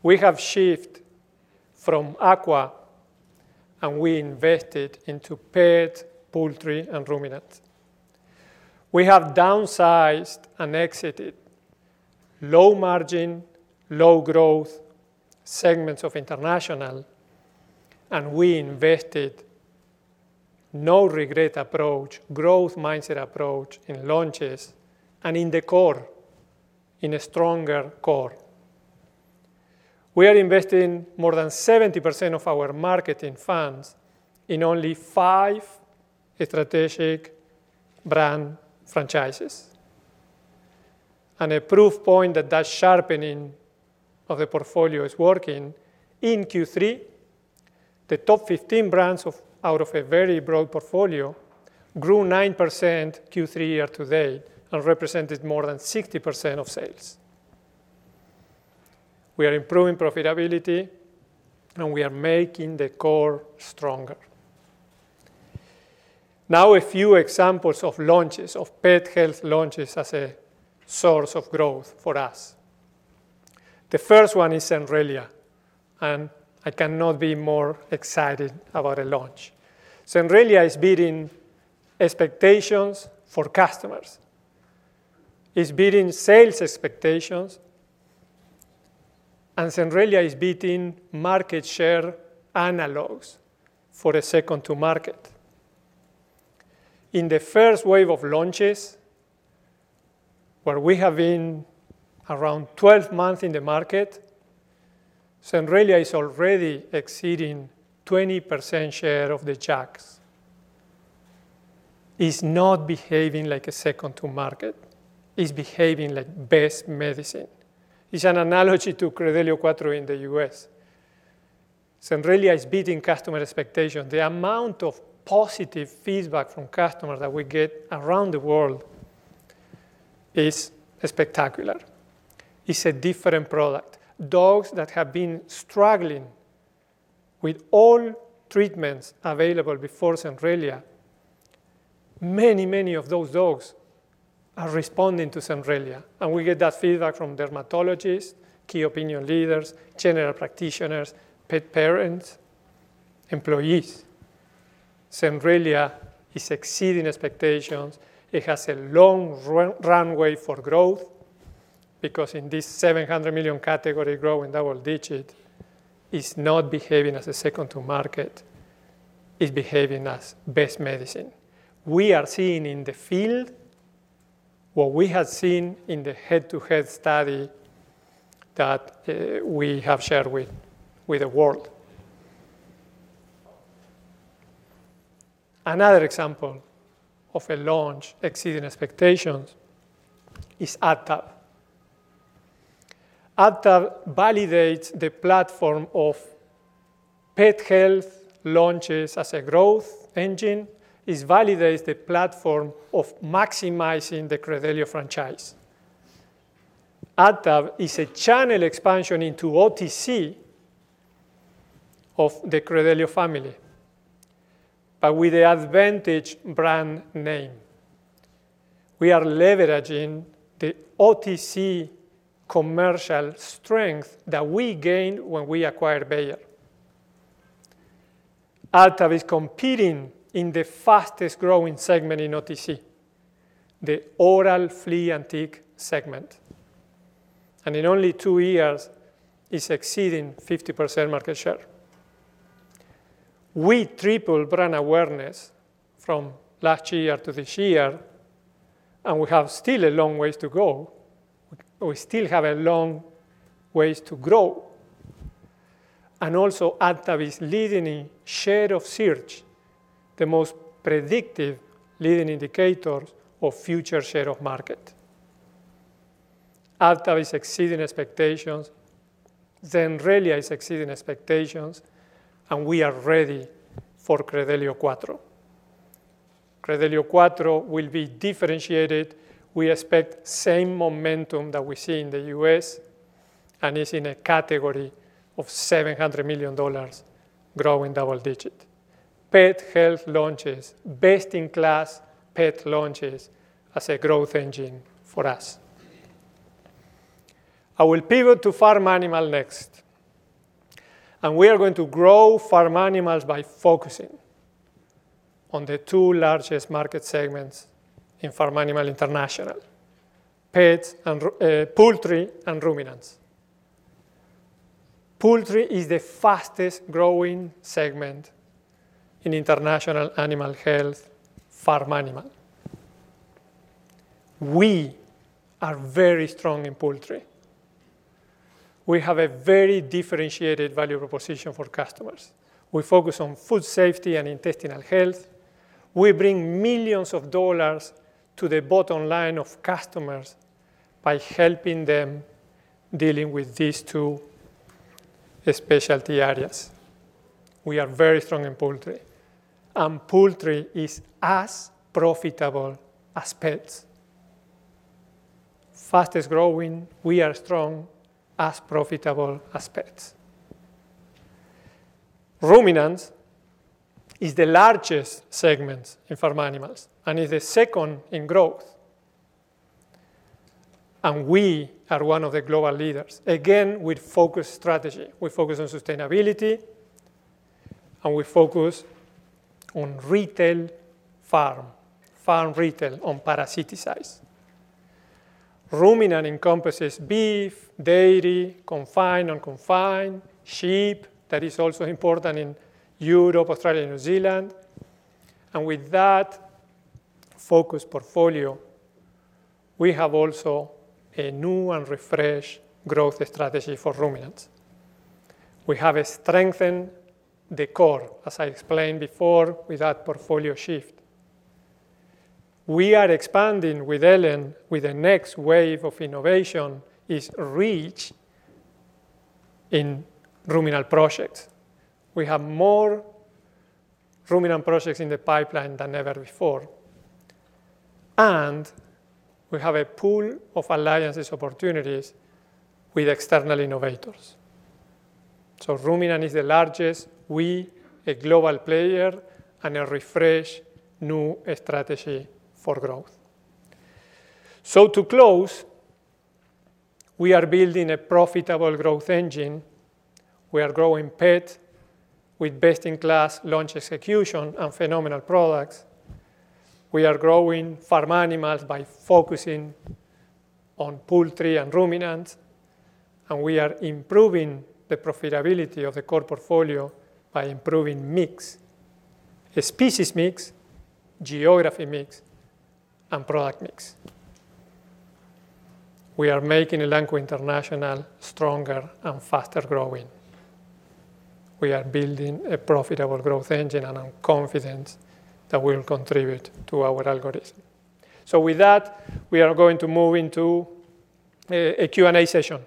We have shifted from aqua, and we invested into pets, poultry, and ruminants. We have downsized and exited low-margin, low-growth segments of international, and we invested in a no-regret approach, growth mindset approach in launches, and in the core, in a stronger core. We are investing more than 70% of our marketing funds in only five strategic brand franchises. And a proof point that sharpening of the portfolio is working in Q3. The top 15 brands out of a very broad portfolio grew 9% Q3 year to date and represented more than 60% of sales. We are improving profitability, and we are making the core stronger. Now a few examples of launches, of pet health launches as a source of growth for us. The first one is Zenrelia, and I cannot be more excited about a launch. Zenrelia is beating expectations for customers. It's beating sales expectations, and Zenrelia is beating market share analogs for a second-to-market. In the first wave of launches, where we have been around 12 months in the market, Zenrelia is already exceeding 20% share of the JAKs. It's not behaving like a second-to-market. It's behaving like best medicine. It's an analogy to Credelio Quattro in the US. Zenrelia is beating customer expectations. The amount of positive feedback from customers that we get around the world is spectacular. It's a different product. Dogs that have been struggling with all treatments available before Zenrelia, many, many of those dogs are responding to Zenrelia. And we get that feedback from dermatologists, key opinion leaders, general practitioners, pet parents, employees. Zenrelia is exceeding expectations. It has a long runway for growth because in this $700 million category, growing double-digit, it's not behaving as a second-to-market. It's behaving as best medicine. We are seeing in the field what we have seen in the head-to-head study that we have shared with the world. Another example of a launch exceeding expectations is AdTab. AdTab validates the platform of pet health launches as a growth engine. It validates the platform of maximizing the Credelio franchise. AdTab is a channel expansion into OTC of the Credelio family, but with the Advantage brand name. We are leveraging the OTC commercial strength that we gained when we acquired Bayer. AdTab is competing in the fastest-growing segment in OTC, the oral flea and tick segment. In only two years, it's exceeding 50% market share. We tripled brand awareness from last year to this year, and we still have a long way to go. We still have a long way to grow. Also, AdTab is leading in share of search, the most predictive leading indicators of future share of market. AdTab is exceeding expectations. Zenrelia is exceeding expectations, and we are ready for Credelio Quattro. Credelio Quattro will be differentiated. We expect the same momentum that we see in the U.S., and it's in a category of $700 million growing double-digit. Pet health launches, best-in-class pet launches as a growth engine for us. I will pivot to farm animal next, and we are going to grow farm animals by focusing on the two largest market segments in farm animal international: poultry and ruminants. Poultry is the fastest-growing segment in international animal health farm animal. We are very strong in poultry. We have a very differentiated value proposition for customers. We focus on food safety and intestinal health. We bring millions of dollars to the bottom line of customers by helping them deal with these two specialty areas. We are very strong in poultry, and poultry is as profitable as pets. Fastest-growing, we are strong as profitable as pets. Ruminants is the largest segment in farm animals and is the second in growth, and we are one of the global leaders. Again, we focus on strategy. We focus on sustainability, and we focus on retail farm, farm retail on parasiticides. Ruminant encompasses beef, dairy, confined and unconfined, sheep that is also important in Europe, Australia, and New Zealand, and with that focus portfolio, we have also a new and refreshed growth strategy for ruminants. We have strengthened the core, as I explained before, with that portfolio shift. We are expanding with Ellen with the next wave of innovation is reach in ruminal projects. We have more ruminal projects in the pipeline than ever before, and we have a pool of alliances opportunities with external innovators, so ruminant is the largest we, a global player, and a refreshed new strategy for growth, so to close, we are building a profitable growth engine. We are growing pets with best-in-class launch execution and phenomenal products. We are growing farm animals by focusing on poultry and ruminants. And we are improving the profitability of the core portfolio by improving mix, species mix, geography mix, and product mix. We are making Elanco International stronger and faster-growing. We are building a profitable growth engine and confidence that will contribute to our algorithm. So with that, we are going to move into a Q&A session.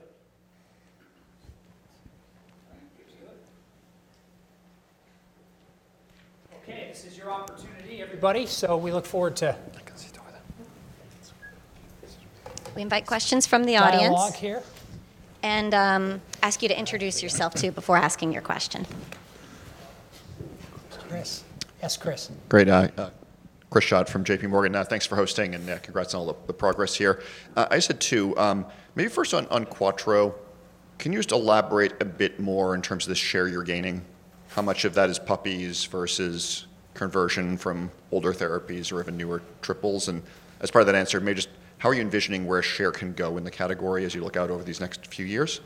Okay. This is your opportunity, everybody. So we look forward to. We invite questions from the audience. I'll log here. Ask you to introduce yourself too before asking your question. Chris. Yes, Chris. Great. Chris Schott from JPMorgan. Thanks for hosting, and congrats on all the progress here. I just had two. Maybe first on Quattro, can you just elaborate a bit more in terms of the share you're gaining? How much of that is puppies versus conversion from older therapies or even newer triples? And as part of that answer, maybe just how are you envisioning where share can go in the category as you look out over these next few years?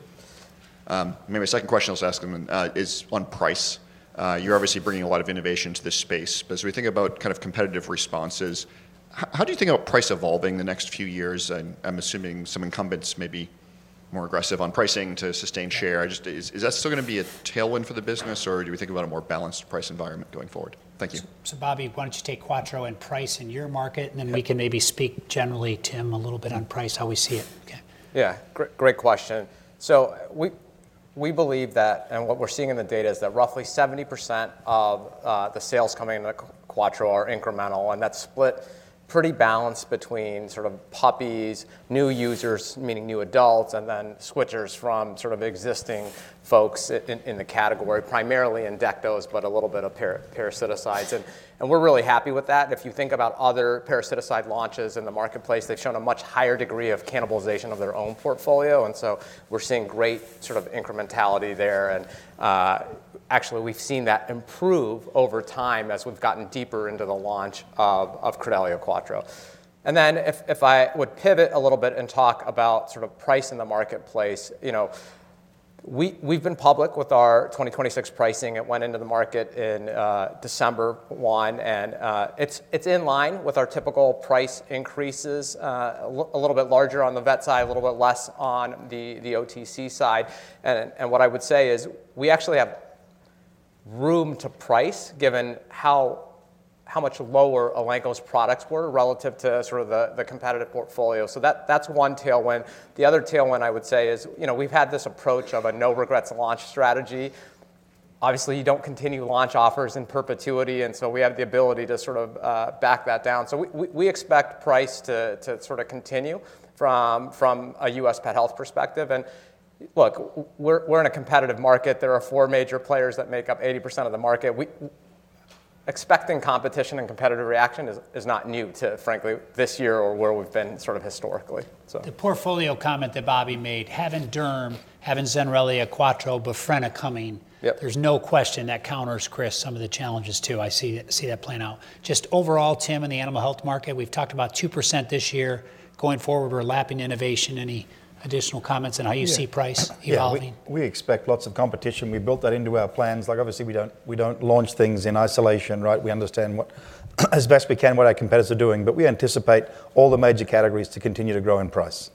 Maybe my second question I'll ask them is on price. You're obviously bringing a lot of innovation to this space. But as we think about kind of competitive responses, how do you think about price evolving the next few years? I'm assuming some incumbents may be more aggressive on pricing to sustain share. Is that still going to be a tailwind for the business, or do we think about a more balanced price environment going forward? Thank you. So Bobby, why don't you take Quattro and price in your market, and then we can maybe speak generally, Tim, a little bit on price, how we see it. Yeah. Great question. So we believe that, and what we're seeing in the data is that roughly 70% of the sales coming into Credelio Quattro are incremental. And that's split pretty balanced between sort of puppies, new users, meaning new adults, and then switchers from sort of existing folks in the category, primarily in dewormers, but a little bit of parasiticides. And we're really happy with that. If you think about other parasiticide launches in the marketplace, they've shown a much higher degree of cannibalization of their own portfolio. And so we're seeing great sort of incrementality there. And actually, we've seen that improve over time as we've gotten deeper into the launch of Credelio Quattro. And then if I would pivot a little bit and talk about sort of pricing in the marketplace, we've been public with our 2026 pricing. It went into the market in December 1. It's in line with our typical price increases, a little bit larger on the vet side, a little bit less on the OTC side. What I would say is we actually have room to price given how much lower Elanco's products were relative to sort of the competitive portfolio. That's one tailwind. The other tailwind I would say is we've had this approach of a no-regrets launch strategy. Obviously, you don't continue launch offers in perpetuity. We have the ability to sort of back that down. We expect price to sort of continue from a U.S. pet health perspective. Look, we're in a competitive market. There are four major players that make up 80% of the market. Expecting competition and competitive reaction is not new to, frankly, this year or where we've been sort of historically. The portfolio comment that Bobby made, having Derm, having Zenrelia, Quattro, Bovaer coming, there's no question that counters, Chris, some of the challenges too. I see that playing out. Just overall, Tim, in the animal health market, we've talked about 2% this year. Going forward, we're lapping innovation. Any additional comments on how you see price evolving? We expect lots of competition. We built that into our plans. Like obviously, we don't launch things in isolation, right? We understand as best we can what our competitors are doing. But we anticipate all the major categories to continue to grow in price.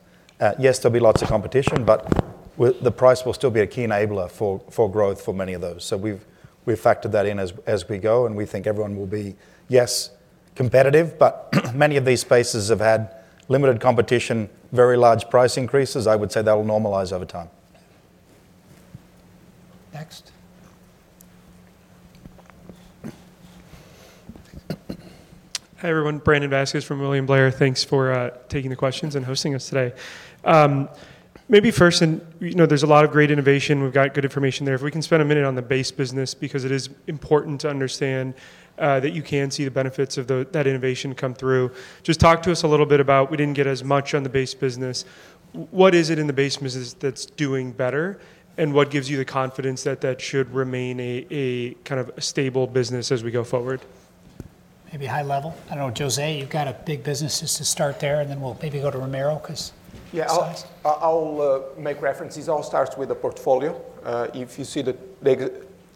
Yes, there'll be lots of competition, but the price will still be a key enabler for growth for many of those. So we've factored that in as we go. And we think everyone will be, yes, competitive. But many of these spaces have had limited competition, very large price increases. I would say that'll normalize over time. Next. Hi everyone. Brandon Vazquez from William Blair. Thanks for taking the questions and hosting us today. Maybe first, there's a lot of great innovation. We've got good information there. If we can spend a minute on the base business, because it is important to understand that you can see the benefits of that innovation come through. Just talk to us a little bit about we didn't get as much on the base business. What is it in the base business that's doing better? And what gives you the confidence that that should remain a kind of stable business as we go forward? Maybe high level. I don't know. José, you've got a big business just to start there, and then we'll maybe go to Ramiro because he's nice. Yeah. I'll make reference. This all starts with the portfolio. If you see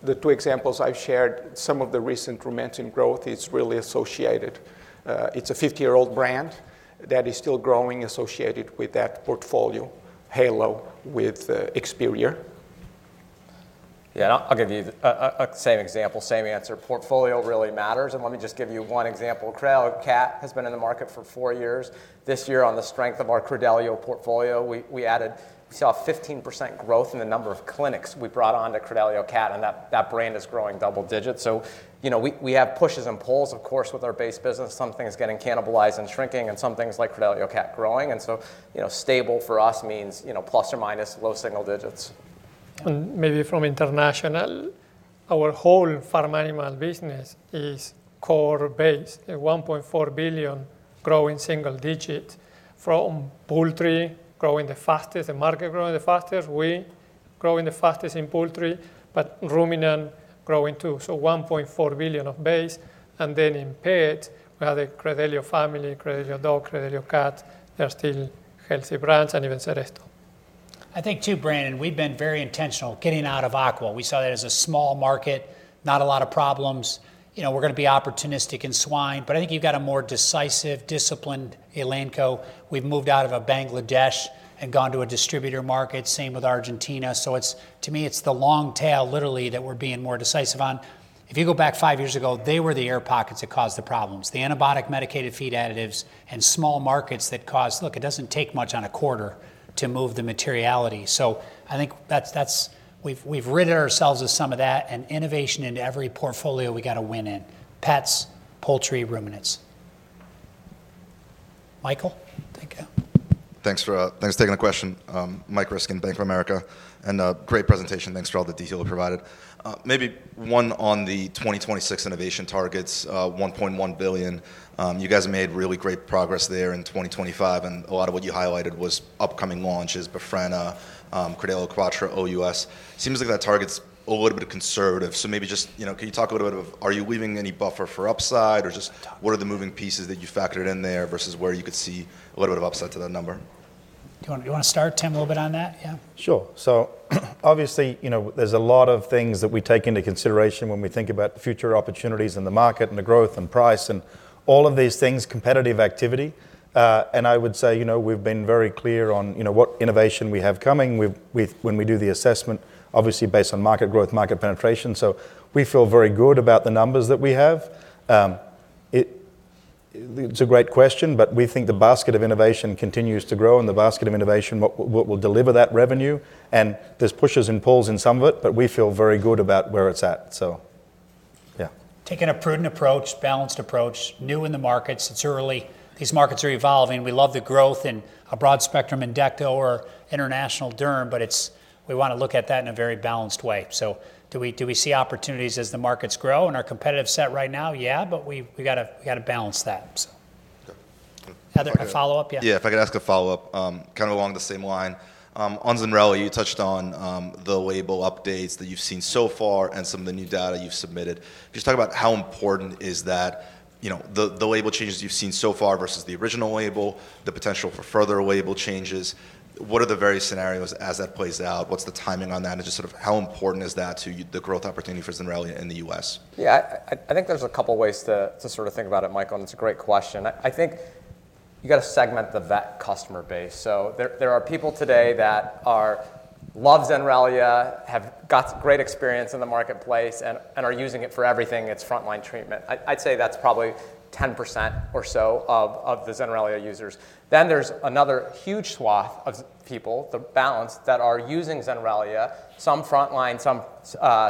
the two examples I've shared, some of the recent organic growth is really associated. It's a 50-year-old brand that is still growing associated with that portfolio, Halo with Experior. Yeah. I'll give you the same example, same answer. Portfolio really matters, and let me just give you one example. Credelio Cat has been in the market for four years. This year, on the strength of our Credelio portfolio, we saw 15% growth in the number of clinics we brought on to Credelio Cat, and that brand is growing double digits, so we have pushes and pulls, of course, with our base business. Some things getting cannibalized and shrinking, and some things like Credelio Cat growing, and so stable for us means plus or minus low single digits. And maybe from international, our whole farm animal business is core base, $1.4 billion growing single digit from poultry growing the fastest, the market growing the fastest. We growing the fastest in poultry, but ruminant growing too. So $1.4 billion of base. And then in pets, we have the Credelio family, Credelio Dog, Credelio Cat. They're still healthy brands and even Seresto. I think too, Brandon, we've been very intentional getting out of Aqua. We saw that as a small market, not a lot of problems. We're going to be opportunistic in swine. I think you've got a more decisive, disciplined Elanco. We've moved out of Bangladesh and gone to a distributor market, same with Argentina. So to me, it's the long tail literally that we're being more decisive on. If you go back five years ago, they were the air pockets that caused the problems, the antibiotic medicated feed additives and small markets that caused, look, it doesn't take much on a quarter to move the materiality. So I think we've rid ourselves of some of that. Innovation into every portfolio, we've got to win in pets, poultry, ruminants. Michael, thank you. Thanks for taking the question. Mike Ryskin, Bank of America. Great presentation. Thanks for all the detail you provided. Maybe one on the 2026 innovation targets, $1.1 billion. You guys made really great progress there in 2025. A lot of what you highlighted was upcoming launches, Bovaer, Credelio Quattro, OUS. That target's a little bit conservative. Maybe you can just talk a little bit about are you leaving any buffer for upside? Or just what are the moving pieces that you factored in there versus where you could see a little bit of upside to that number? Do you want to start, Tim, a little bit on that? Yeah. Sure. So obviously, there's a lot of things that we take into consideration when we think about future opportunities in the market and the growth and price and all of these things, competitive activity. And I would say we've been very clear on what innovation we have coming when we do the assessment, obviously based on market growth, market penetration. So we feel very good about the numbers that we have. It's a great question, but we think the basket of innovation continues to grow, and the basket of innovation will deliver that revenue. And there's pushes and pulls in some of it, but we feel very good about where it's at. So yeah. Taking a prudent approach, balanced approach, new in the markets. It's early. These markets are evolving. We love the growth in a broad spectrum in ecto, or international derm, but we want to look at that in a very balanced way. So do we see opportunities as the markets grow and our competitive set right now? Yeah, but we've got to balance that Heather, a follow-up? Yeah. Yeah. If I could ask a follow-up kind of along the same line. On Zenrelia, you touched on the label updates that you've seen so far and some of the new data you've submitted. Just talk about how important is that the label changes you've seen so far versus the original label, the potential for further label changes. What are the various scenarios as that plays out? What's the timing on that? And just sort of how important is that to the growth opportunity for Zenrelia in the U.S.? Yeah. I think there's a couple of ways to sort of think about it, Michael, and it's a great question. I think you've got to segment the vet customer base, so there are people today that love Zenrelia, have got great experience in the marketplace, and are using it for everything. It's frontline treatment. I'd say that's probably 10% or so of the Zenrelia users. Then there's another huge swath of people, the balance, that are using Zenrelia, some frontline, some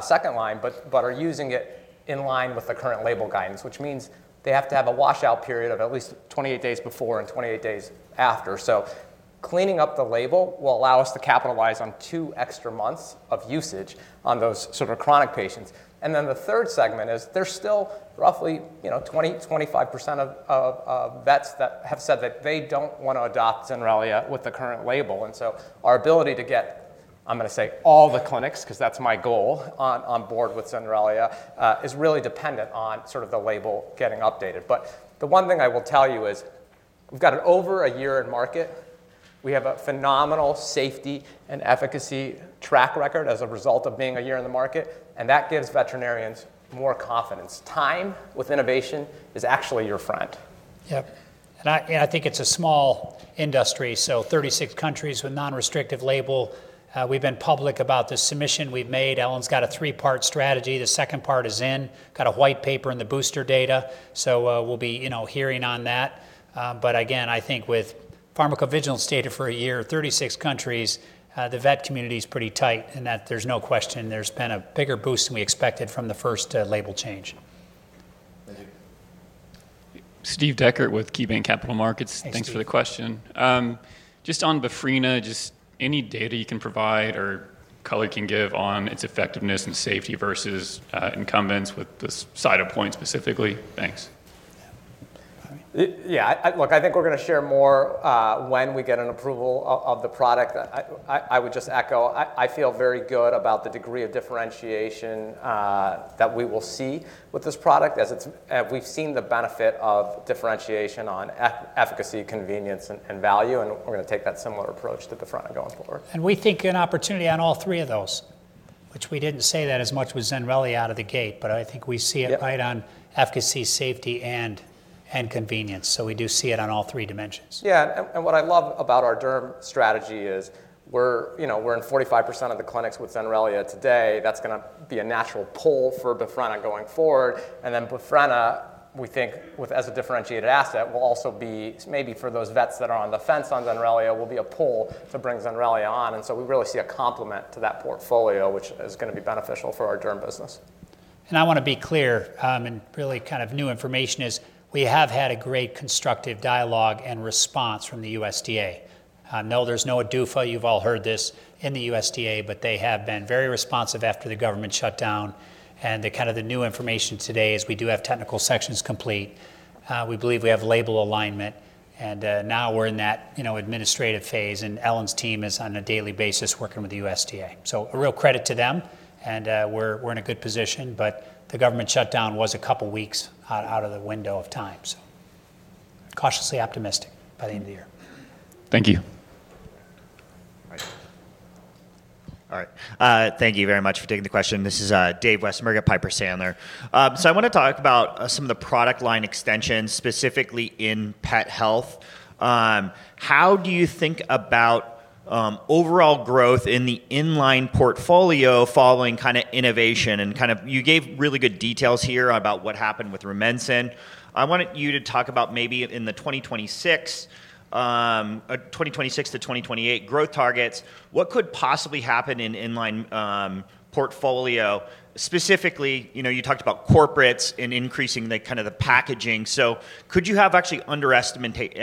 second line, but are using it in line with the current label guidance, which means they have to have a washout period of at least 28 days before and 28 days after, so cleaning up the label will allow us to capitalize on two extra months of usage on those sort of chronic patients. And then the third segment is there's still roughly 20%-25% of vets that have said that they don't want to adopt Zenrelia with the current label. And so our ability to get, I'm going to say all the clinics, because that's my goal, on board with Zenrelia is really dependent on sort of the label getting updated. But the one thing I will tell you is we've got over a year in market. We have a phenomenal safety and efficacy track record as a result of being a year in the market. And that gives veterinarians more confidence. Time with innovation is actually your friend. Yep, and I think it's a small industry. So, 36 countries with non-restrictive label. We've been public about the submission we've made. Ellen's got a three-part strategy. The second part is in. Got a white paper in the booster data. So, we'll be hearing on that. But again, I think with pharmacovigilance data for a year, 36 countries, the vet community is pretty tight, and there's no question there's been a bigger boost than we expected from the first label change. Thank you. Steve Decker with KeyBank Capital Markets. Thanks for the question. Just on Bovaer, just any data you can provide or color you can give on its effectiveness and safety versus incumbents with the side effects points specifically? Thanks. Yeah. Look, I think we're going to share more when we get an approval of the product. I would just echo. I feel very good about the degree of differentiation that we will see with this product as we've seen the benefit of differentiation on efficacy, convenience, and value, and we're going to take that similar approach to the front going forward. And we think an opportunity on all three of those, which we didn't say that as much with Zenrelia out of the gate. But I think we see it right on efficacy, safety, and convenience. So we do see it on all three dimensions. Yeah. And what I love about our derm strategy is we're in 45% of the clinics with Zenrelia today. That's going to be a natural pull for Bofrena going forward. And then Bofrena, we think as a differentiated asset, will also be maybe for those vets that are on the fence on Zenrelia, a pull to bring Zenrelia on. And so we really see a complement to that portfolio, which is going to be beneficial for our derm business. I want to be clear, and really, kind of, the new information is we have had a great constructive dialogue and response from the USDA. No, there's no ADUFA. You've all heard this in the USDA, but they have been very responsive after the government shutdown. And kind of the new information today is we do have technical sections complete. We believe we have label alignment. And now we're in that administrative phase. And Ellen's team is on a daily basis working with the USDA. So a real credit to them. And we're in a good position. But the government shutdown was a couple of weeks out of the window of time. So cautiously optimistic by the end of the year. Thank you. All right. Thank you very much for taking the question. This is Dave Westenberg at Piper Sandler. So I want to talk about some of the product line extensions specifically in pet health. How do you think about overall growth in the inline portfolio following kind of innovation? And kind of you gave really good details here about what happened with Rumensin. I wanted you to talk about maybe in the 2026-2028 growth targets. What could possibly happen in inline portfolio? Specifically, you talked about cattle and increasing kind of the packaging. So could you have actually underestimated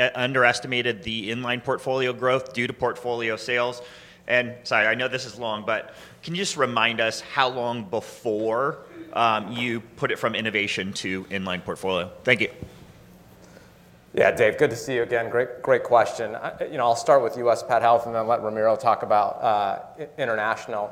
the inline portfolio growth due to cattle sales? And sorry, I know this is long, but can you just remind us how long before you put it from innovation to inline portfolio? Thank you. Yeah. Dave, good to see you again. Great question. I'll start with U.S. pet health and then let Ramiro talk about international.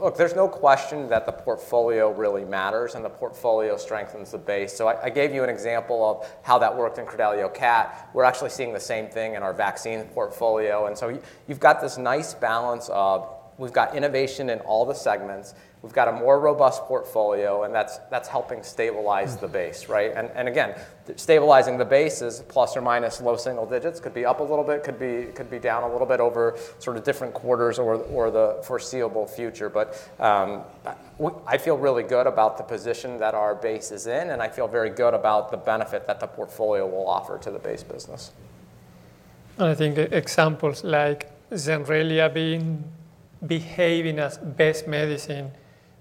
Look, there's no question that the portfolio really matters. And the portfolio strengthens the base. So I gave you an example of how that worked in Credelio Cat. We're actually seeing the same thing in our vaccine portfolio. And so you've got this nice balance of we've got innovation in all the segments. We've got a more robust portfolio. And that's helping stabilize the base, right? And again, stabilizing the bases plus or minus low single digits could be up a little bit, could be down a little bit over sort of different quarters or the foreseeable future. But I feel really good about the position that our base is in. And I feel very good about the benefit that the portfolio will offer to the base business. And I think examples like Zenrelia being behaving as best medicine,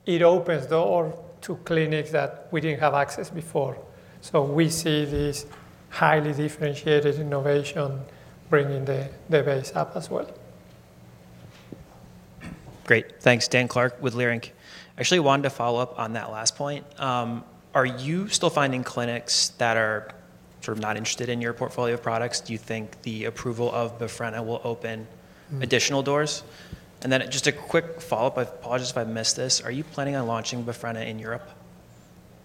it opens the door to clinics that we didn't have access before. So we see this highly differentiated innovation bringing the base up as well. Great. Thanks. Dan Clark with Leerink. Actually wanted to follow up on that last point. Are you still finding clinics that are sort of not interested in your portfolio products? Do you think the approval of Bovaer will open additional doors? And then just a quick follow-up. I apologize if I missed this. Are you planning on launching Bovaer in Europe?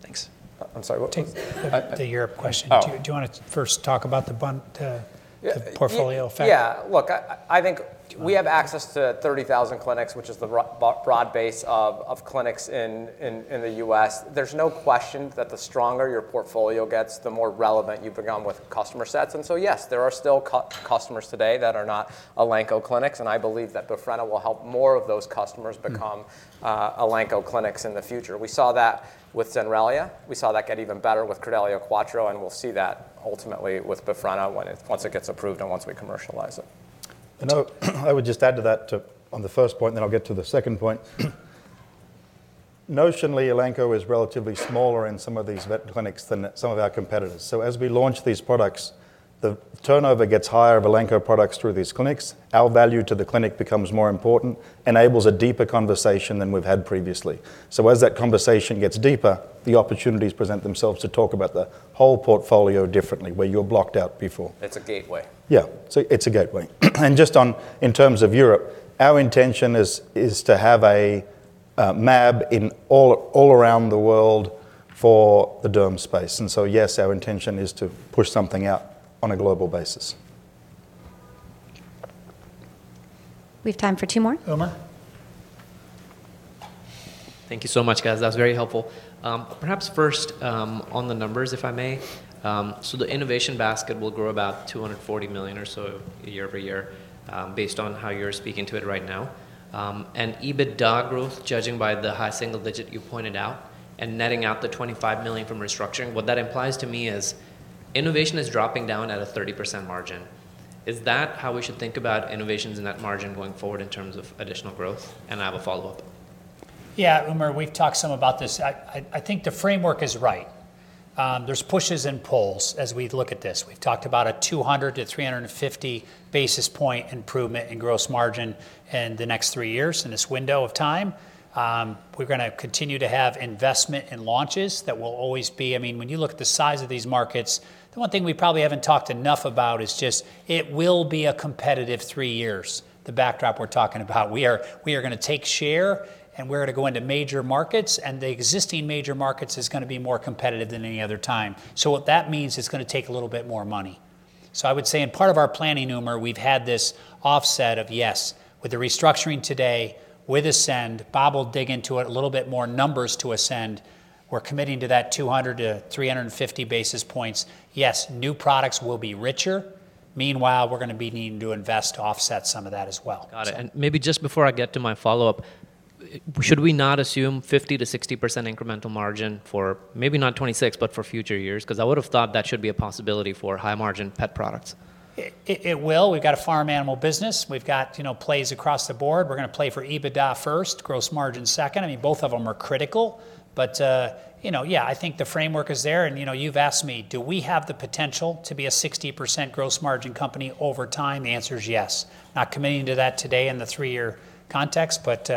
Thanks. I'm sorry. What was that? To Europe question. Do you want to first talk about the portfolio effect? Yeah. Look, I think we have access to 30,000 clinics, which is the broad base of clinics in the U.S. There's no question that the stronger your portfolio gets, the more relevant you become with customer sets. And so yes, there are still customers today that are not Elanco clinics. And I believe that Bovaer will help more of those customers become Elanco clinics in the future. We saw that with Zenrelia. We saw that get even better with Credelio Quattro. And we'll see that ultimately with Bovaer once it gets approved and once we commercialize it. I would just add to that on the first point. Then I'll get to the second point. Notionally, Elanco is relatively smaller in some of these vet clinics than some of our competitors. So as we launch these products, the turnover gets higher of Elanco products through these clinics. Our value to the clinic becomes more important, enables a deeper conversation than we've had previously. So as that conversation gets deeper, the opportunities present themselves to talk about the whole portfolio differently, where you're blocked out before. It's a gateway. Yeah, so it's a gateway and just in terms of Europe, our intention is to have a MAB all around the world for the derm space, and so yes, our intention is to push something out on a global basis. We have time for two more. Thomas. Thank you so much, guys. That was very helpful. Perhaps first on the numbers, if I may. So the innovation basket will grow about $240 million or so year over year based on how you're speaking to it right now. And even dog growth, judging by the high single digit you pointed out and netting out the $25 million from restructuring, what that implies to me is innovation is dropping down at a 30% margin. Is that how we should think about innovations in that margin going forward in terms of additional growth? And I have a follow-up. Yeah. Romero, we've talked some about this. I think the framework is right. There's pushes and pulls as we look at this. We've talked about a 200-350 basis point improvement in gross margin in the next three years in this window of time. We're going to continue to have investment in launches that will always be. I mean, when you look at the size of these markets, the one thing we probably haven't talked enough about is just it will be a competitive three years, the backdrop we're talking about. We are going to take share, and we're going to go into major markets. And the existing major markets is going to be more competitive than any other time. So what that means is it's going to take a little bit more money. So, I would say in part of our planning for more, we've had this offset. Yes, with the restructuring today with Ascend, Bob will dig into it a little bit more in our Ascend. We're committing to that 200-350 basis points. Yes, new products will be richer. Meanwhile, we're going to be needing to invest to offset some of that as well. Got it. And maybe just before I get to my follow-up, should we not assume 50%-60% incremental margin for maybe not 26%, but for future years? Because I would have thought that should be a possibility for high margin pet products. It will. We've got a farm animal business. We've got plays across the board. We're going to play for EBITDA first, gross margin second. I mean, both of them are critical. But yeah, I think the framework is there. And you've asked me, do we have the potential to be a 60% gross margin company over time? The answer is yes. Not committing to that today in the three-year context, but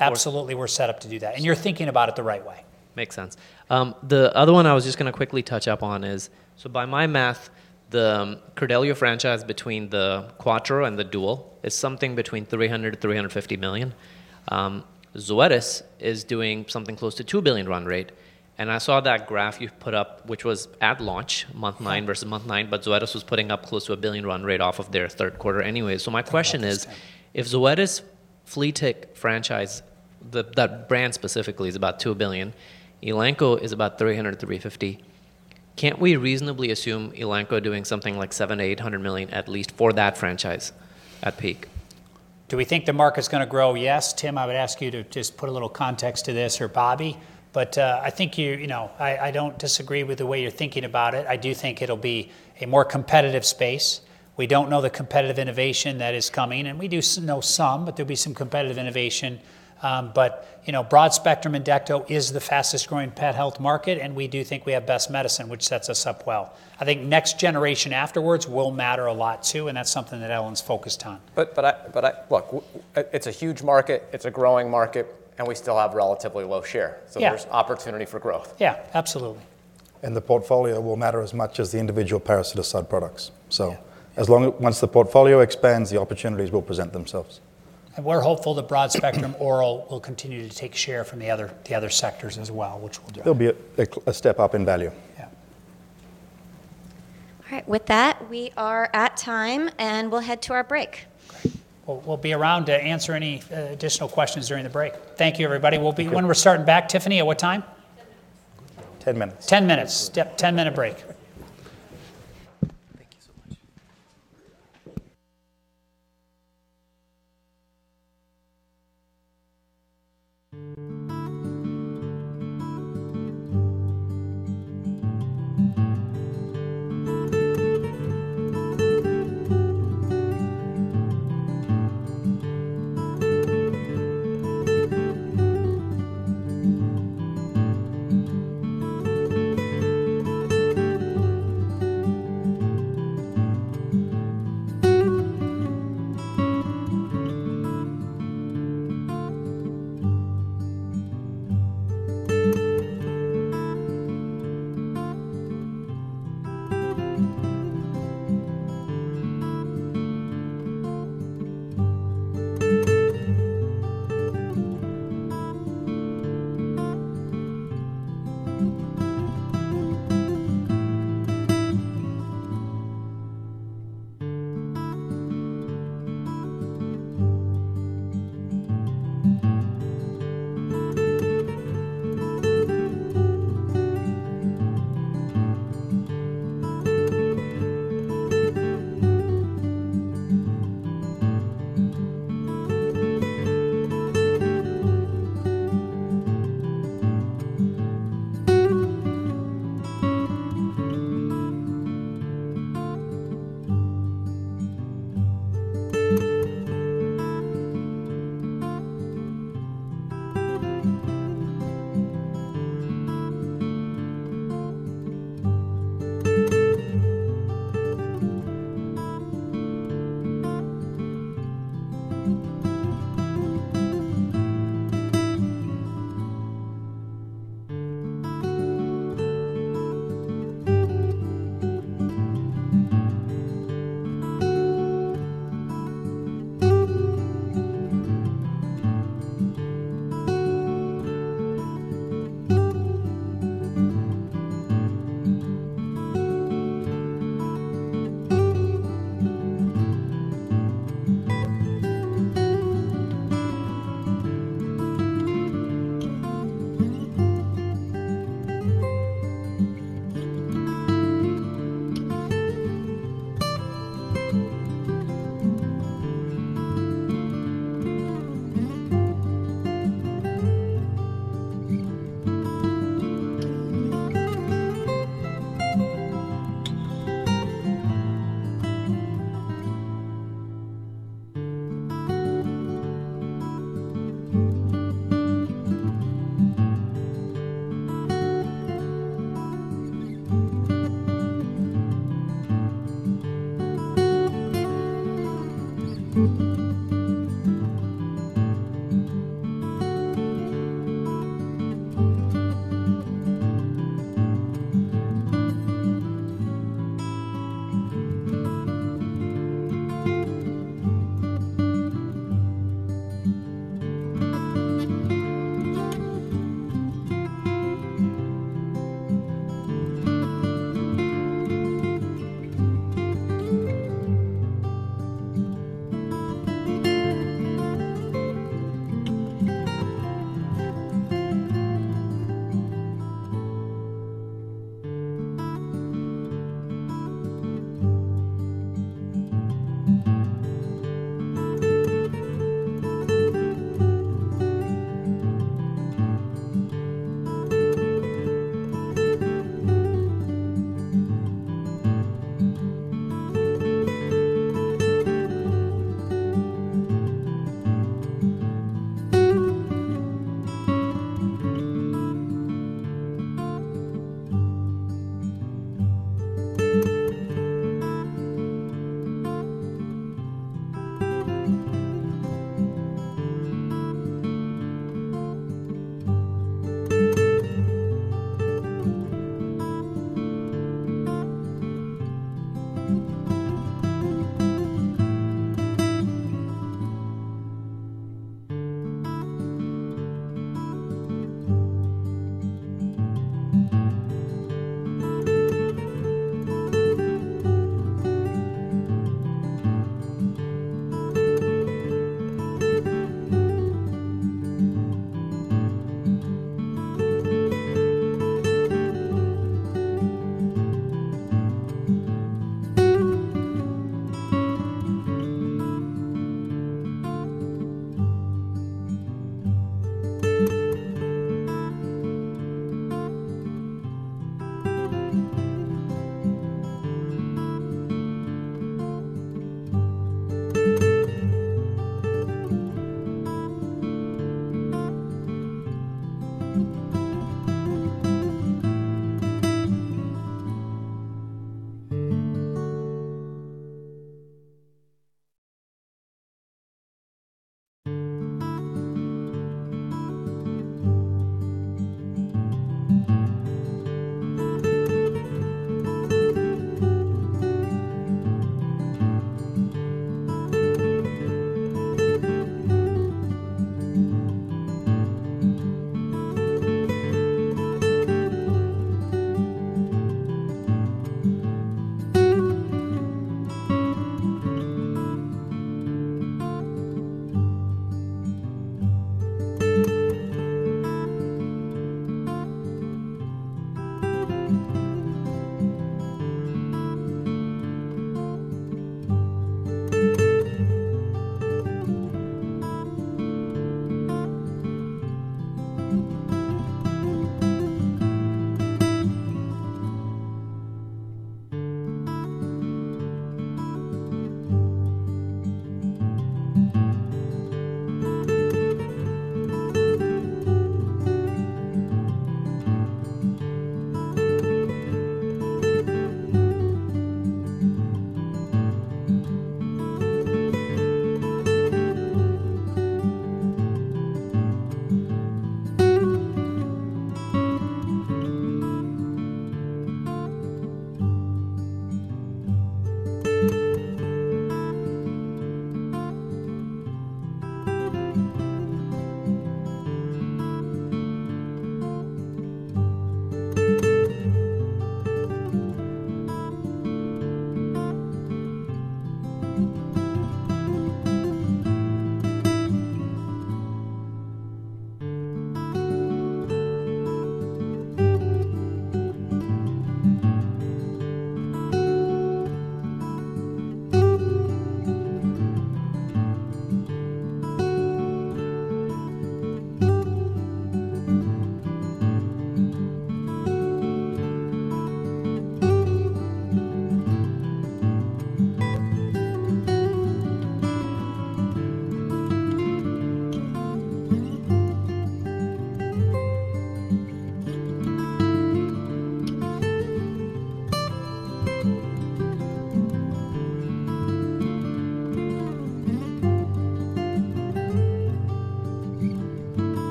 absolutely we're set up to do that. And you're thinking about it the right way. Makes sense. The other one I was just going to quickly touch up on is so by my math, the Credelio franchise between the Quattro and the dual is something between $300 million-$350 million. Zoetis is doing something close to $2 billion run rate. And I saw that graph you put up, which was at launch, month nine versus month nine, but Zoetis was putting up close to $1 billion run rate off of their third quarter anyway. So my question is, if Zoetis flea-tick franchise, that brand specifically is about $2 billion, Elanco is about $300-$350 million, can't we reasonably assume Elanco doing something like $700 million-$800 million at least for that franchise at peak? Do we think the market's going to grow? Yes. Tim, I would ask you to just put a little context to this or Bobby, but I think I don't disagree with the way you're thinking about it. I do think it'll be a more competitive space. We don't know the competitive innovation that is coming, and we do know some, but there'll be some competitive innovation, but broad spectrum insecticide is the fastest growing pet health market. And we do think we have best medicine, which sets us up well. I think next generation afterwards will matter a lot too, and that's something that Ellen's focused on. But look, it's a huge market. It's a growing market. And we still have relatively low share. So there's opportunity for growth. Yeah. Absolutely. The portfolio will matter as much as the individual parasiticide products. Once the portfolio expands, the opportunities will present themselves. We're hopeful that broad spectrum oral will continue to take share from the other sectors as well, which will do. There'll be a step up in value. All right. With that, we are at time, and we'll head to our break. We'll be around to answer any additional questions during the break. Thank you, everybody. When we're starting back, Tiffany, at what time? 10 minutes. 10 minutes. 10-minute break.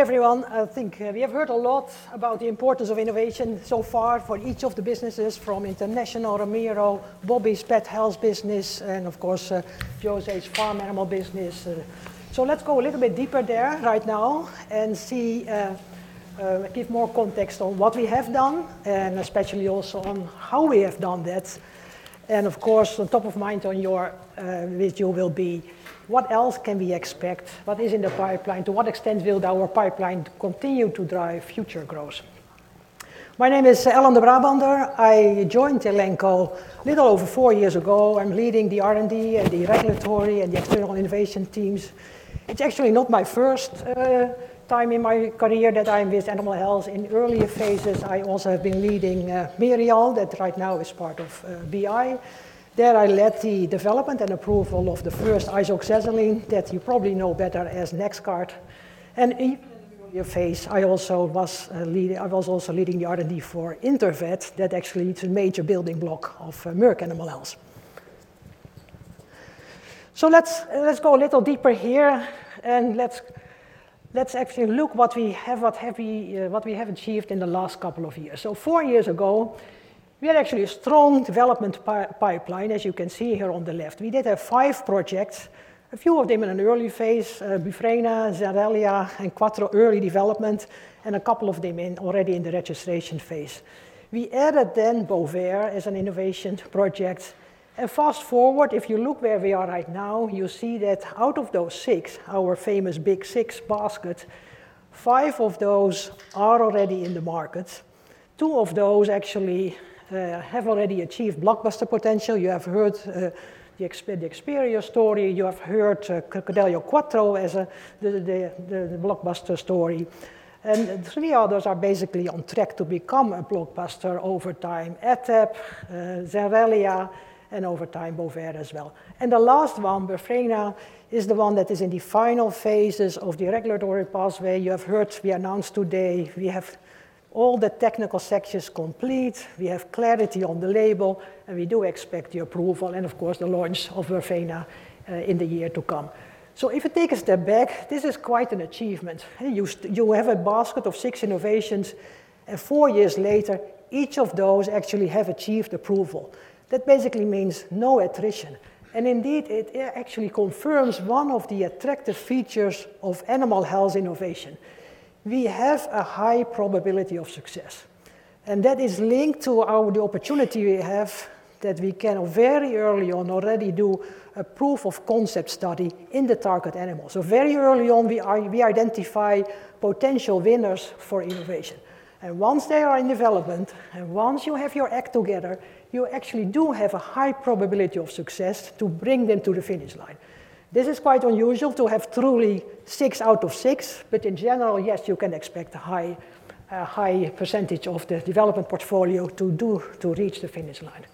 Hi, everyone. I think we have heard a lot about the importance of innovation so far for each of the businesses, from international Romero, Bobby's pet health business, and of course, Joe's H's farm animal business. So let's go a little bit deeper there right now and give more context on what we have done, and especially also on how we have done that. And of course, on top of mind on your video will be, what else can we expect? What is in the pipeline? To what extent will our pipeline continue to drive future growth? My name is Ellen de Brabander. I joined Elanco a little over four years ago. I'm leading the R&D and the regulatory and the external innovation teams. It's actually not my first time in my career that I'm with animal health. In earlier phases, I also have been leading Merial, that right now is part of BI. There I led the development and approval of the first isoxazoline, that you probably know better as NexGard, and in an earlier phase, I also was leading the R&D for Intervet, that actually is a major building block of Merck Animal Health, so let's go a little deeper here, and let's actually look at what we have achieved in the last couple of years, so four years ago, we had actually a strong development pipeline, as you can see here on the left. We did have five projects, a few of them in an early phase: Bufrena, Zenrelia, and Quattro early development, and a couple of them already in the registration phase. We added then Bovaer as an innovation project. And fast forward, if you look where we are right now, you'll see that out of those six, our famous big six baskets, five of those are already in the market. Two of those actually have already achieved blockbuster potential. You have heard the Experior story. You have heard Credelio Quattro as the blockbuster story. And three others are basically on track to become a blockbuster over time: AdTab, Zenrelia, and over time Bovaer as well. And the last one, Bufrena, is the one that is in the final phases of the regulatory pathway. You have heard we announced today we have all the technical sections complete. We have clarity on the label. And we do expect the approval and, of course, the launch of Bufrena in the year to come. So if we take a step back, this is quite an achievement. You have a basket of six innovations. Four years later, each of those actually has achieved approval. That basically means no attrition. Indeed, it actually confirms one of the attractive features of animal health innovation. We have a high probability of success. That is linked to the opportunity we have that we can very early on already do a proof of concept study in the target animals. Very early on, we identify potential winners for innovation. Once they are in development, and once you have your act together, you actually do have a high probability of success to bring them to the finish line. This is quite unusual to have truly six out of six. In general, yes, you can expect a high percentage of the development portfolio to reach the finish line.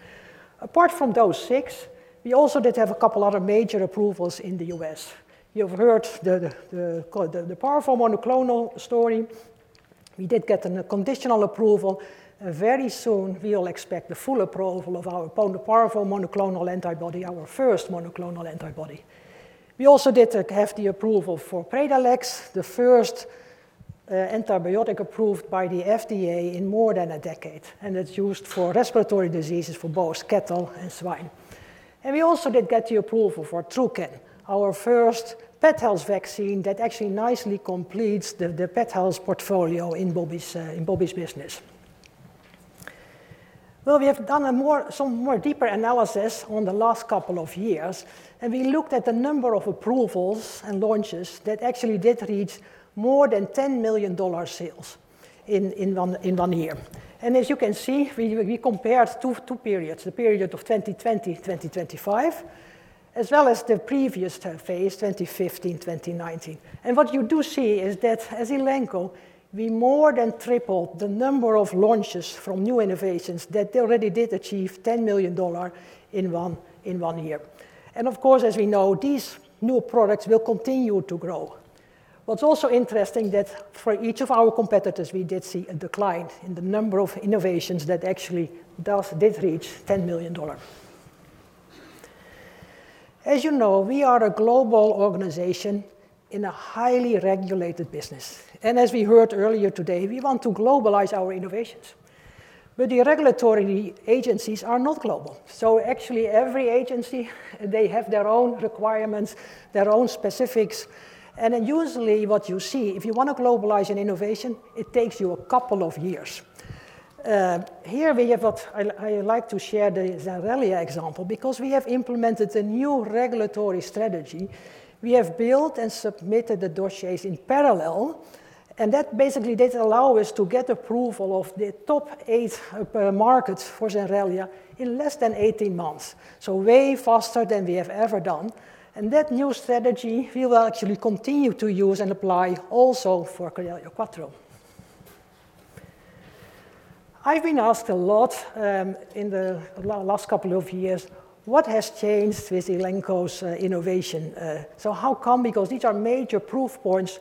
Apart from those six, we also did have a couple of other major approvals in the U.S. You've heard the paraform monoclonal story. We did get a conditional approval. Very soon, we will expect the full approval of our paraform monoclonal antibody, our first monoclonal antibody. We also did have the approval for Predalex, the first antibiotic approved by the FDA in more than a decade, and it's used for respiratory diseases for both cattle and swine, and we also did get the approval for TruCan, our first pet health vaccine that actually nicely completes the pet health portfolio in Bobby's business. Well, we have done some more deeper analysis on the last couple of years, and we looked at the number of approvals and launches that actually did reach more than $10 million sales in one year, and as you can see, we compared two periods, the period of 2020-2025, as well as the previous phase, 2015-2019. What you do see is that as Elanco, we more than tripled the number of launches from new innovations that already did achieve $10 million in one year. Of course, as we know, these new products will continue to grow. What's also interesting is that for each of our competitors, we did see a decline in the number of innovations that actually did reach $10 million. As you know, we are a global organization in a highly regulated business. As we heard earlier today, we want to globalize our innovations. The regulatory agencies are not global. Actually, every agency, they have their own requirements, their own specifics. Usually, what you see, if you want to globalize an innovation, it takes you a couple of years. Here we have what I like to share, the Zenrelia example, because we have implemented a new regulatory strategy. We have built and submitted the dossiers in parallel, and that basically did allow us to get approval of the top eight markets for Zenrelia in less than 18 months, so way faster than we have ever done, and that new strategy, we will actually continue to use and apply also for Credelio Quattro. I've been asked a lot in the last couple of years, what has changed with Elanco's innovation, so how come? Because these are major proof points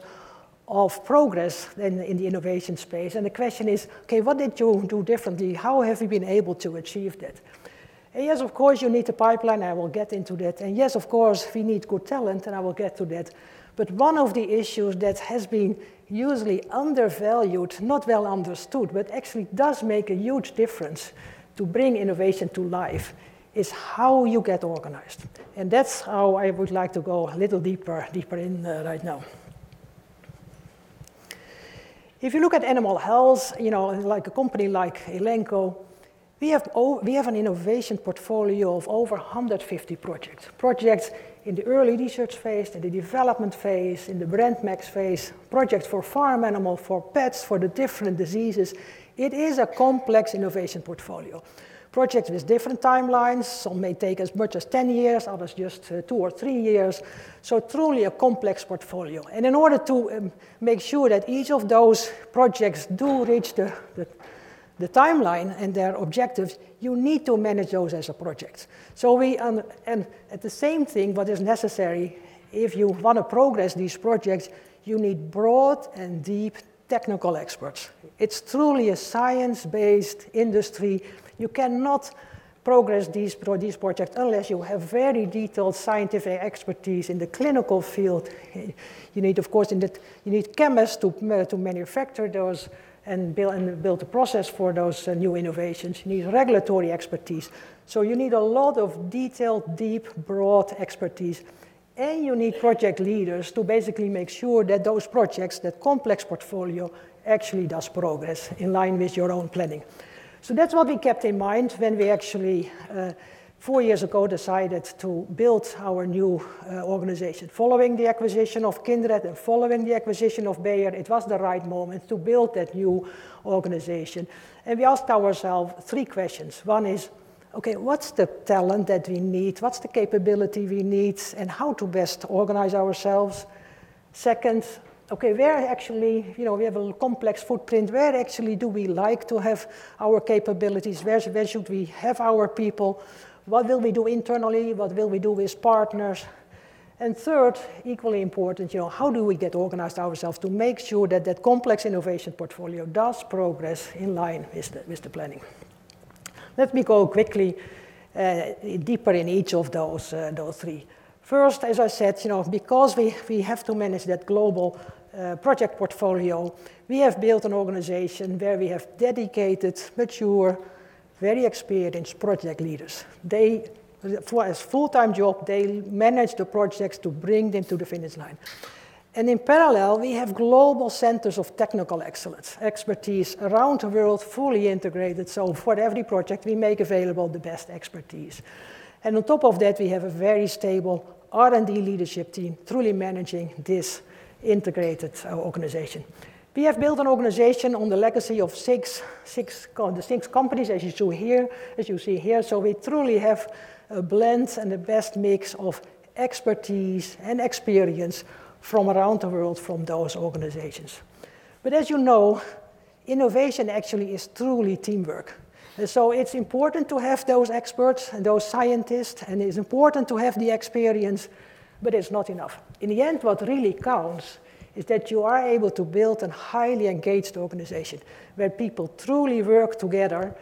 of progress in the innovation space, and the question is, OK, what did you do differently? How have you been able to achieve that, and yes, of course, you need a pipeline. I will get into that, and yes, of course, we need good talent. And I will get to that. But one of the issues that has been usually undervalued, not well understood, but actually does make a huge difference to bring innovation to life is how you get organized. And that's how I would like to go a little deeper in right now. If you look at animal health, like a company like Elanco, we have an innovation portfolio of over 150 projects in the early research phase, in the development phase, in the brand max phase, projects for farm animals, for pets, for the different diseases. It is a complex innovation portfolio, projects with different timelines. Some may take as much as 10 years, others just two or three years. So truly a complex portfolio. And in order to make sure that each of those projects do reach the timeline and their objectives, you need to manage those as a project. And at the same time, what is necessary, if you want to progress these projects, you need broad and deep technical experts. It's truly a science-based industry. You cannot progress these projects unless you have very detailed scientific expertise in the clinical field. You need, of course, you need chemists to manufacture those and build a process for those new innovations. You need regulatory expertise. So you need a lot of detailed, deep, broad expertise. And you need project leaders to basically make sure that those projects, that complex portfolio, actually does progress in line with your own planning. So that's what we kept in mind when we actually, four years ago, decided to build our new organization. Following the acquisition of Kindred and following the acquisition of Bayer, it was the right moment to build that new organization. And we asked ourselves three questions. One is, OK, what's the talent that we need? What's the capability we need? And how to best organize ourselves? Second, OK, where actually we have a complex footprint. Where actually do we like to have our capabilities? Where should we have our people? What will we do internally? What will we do with partners? And third, equally important, how do we get organized ourselves to make sure that that complex innovation portfolio does progress in line with the planning? Let me go quickly deeper in each of those three. First, as I said, because we have to manage that global project portfolio, we have built an organization where we have dedicated, mature, very experienced project leaders. As a full-time job, they manage the projects to bring them to the finish line. And in parallel, we have global centers of technical excellence, expertise around the world, fully integrated. For every project, we make available the best expertise. On top of that, we have a very stable R&D leadership team truly managing this integrated organization. We have built an organization on the legacy of six companies, as you see here. We truly have a blend and the best mix of expertise and experience from around the world from those organizations. As you know, innovation actually is truly teamwork. It's important to have those experts and those scientists. It's important to have the experience. It's not enough. In the end, what really counts is that you are able to build a highly engaged organization where people truly work together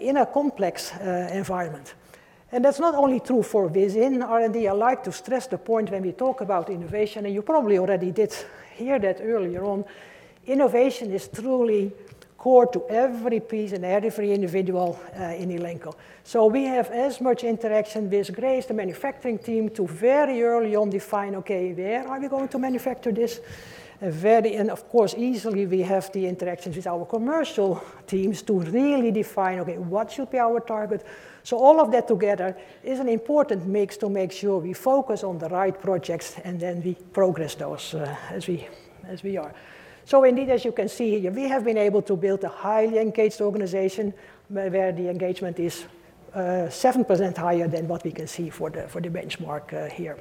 in a complex environment. That's not only true for within R&D. I like to stress the point when we talk about innovation. You probably already did hear that earlier on. Innovation is truly core to every piece and every individual in Elanco. We have as much interaction with Grace, the manufacturing team, to very early on define, OK, where are we going to manufacture this? Of course, easily, we have the interactions with our commercial teams to really define, OK, what should be our target. All of that together is an important mix to make sure we focus on the right projects and then we progress those as we are. Indeed, as you can see here, we have been able to build a highly engaged organization where the engagement is 7% higher than what we can see for the benchmark here.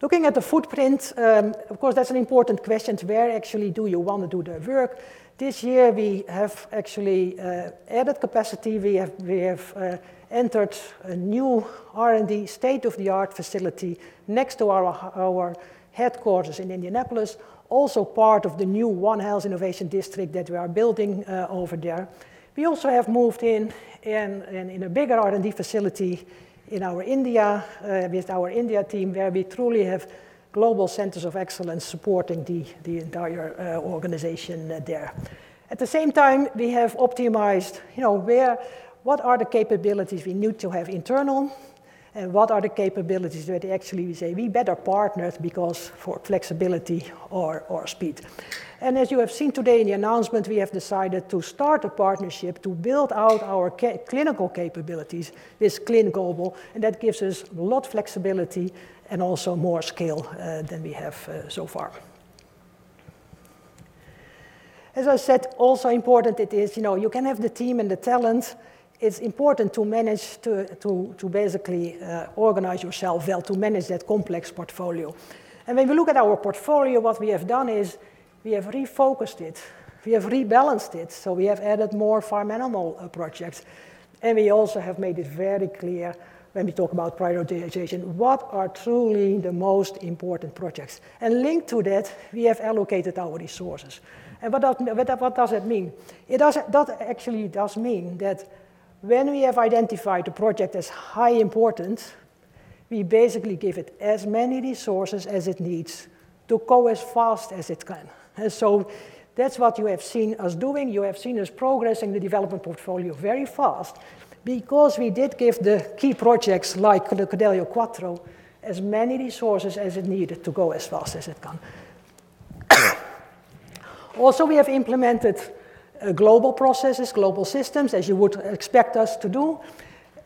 Looking at the footprint, of course, that's an important question. Where actually do you want to do the work? This year, we have actually added capacity. We have entered a new R&D state-of-the-art facility next to our headquarters in Indianapolis, also part of the new One Health Innovation District that we are building over there. We also have moved in a bigger R&D facility in our India with our India team, where we truly have global centers of excellence supporting the entire organization there. At the same time, we have optimized what are the capabilities we need to have internal, and what are the capabilities where actually we say we better partner because for flexibility or speed, and as you have seen today in the announcement, we have decided to start a partnership to build out our clinical capabilities with ClinGlobal, and that gives us a lot of flexibility and also more scale than we have so far. As I said, also important it is you can have the team and the talent. It's important to manage to basically organize yourself well to manage that complex portfolio. When we look at our portfolio, what we have done is we have refocused it. We have rebalanced it, so we have added more farm animal projects. We also have made it very clear when we talk about prioritization what are truly the most important projects. Linked to that, we have allocated our resources. What does that mean? It actually does mean that when we have identified a project as high importance, we basically give it as many resources as it needs to go as fast as it can. That's what you have seen us doing. You have seen us progressing the development portfolio very fast because we did give the key projects like Credelio Quattro as many resources as it needed to go as fast as it can. Also, we have implemented global processes, global systems, as you would expect us to do,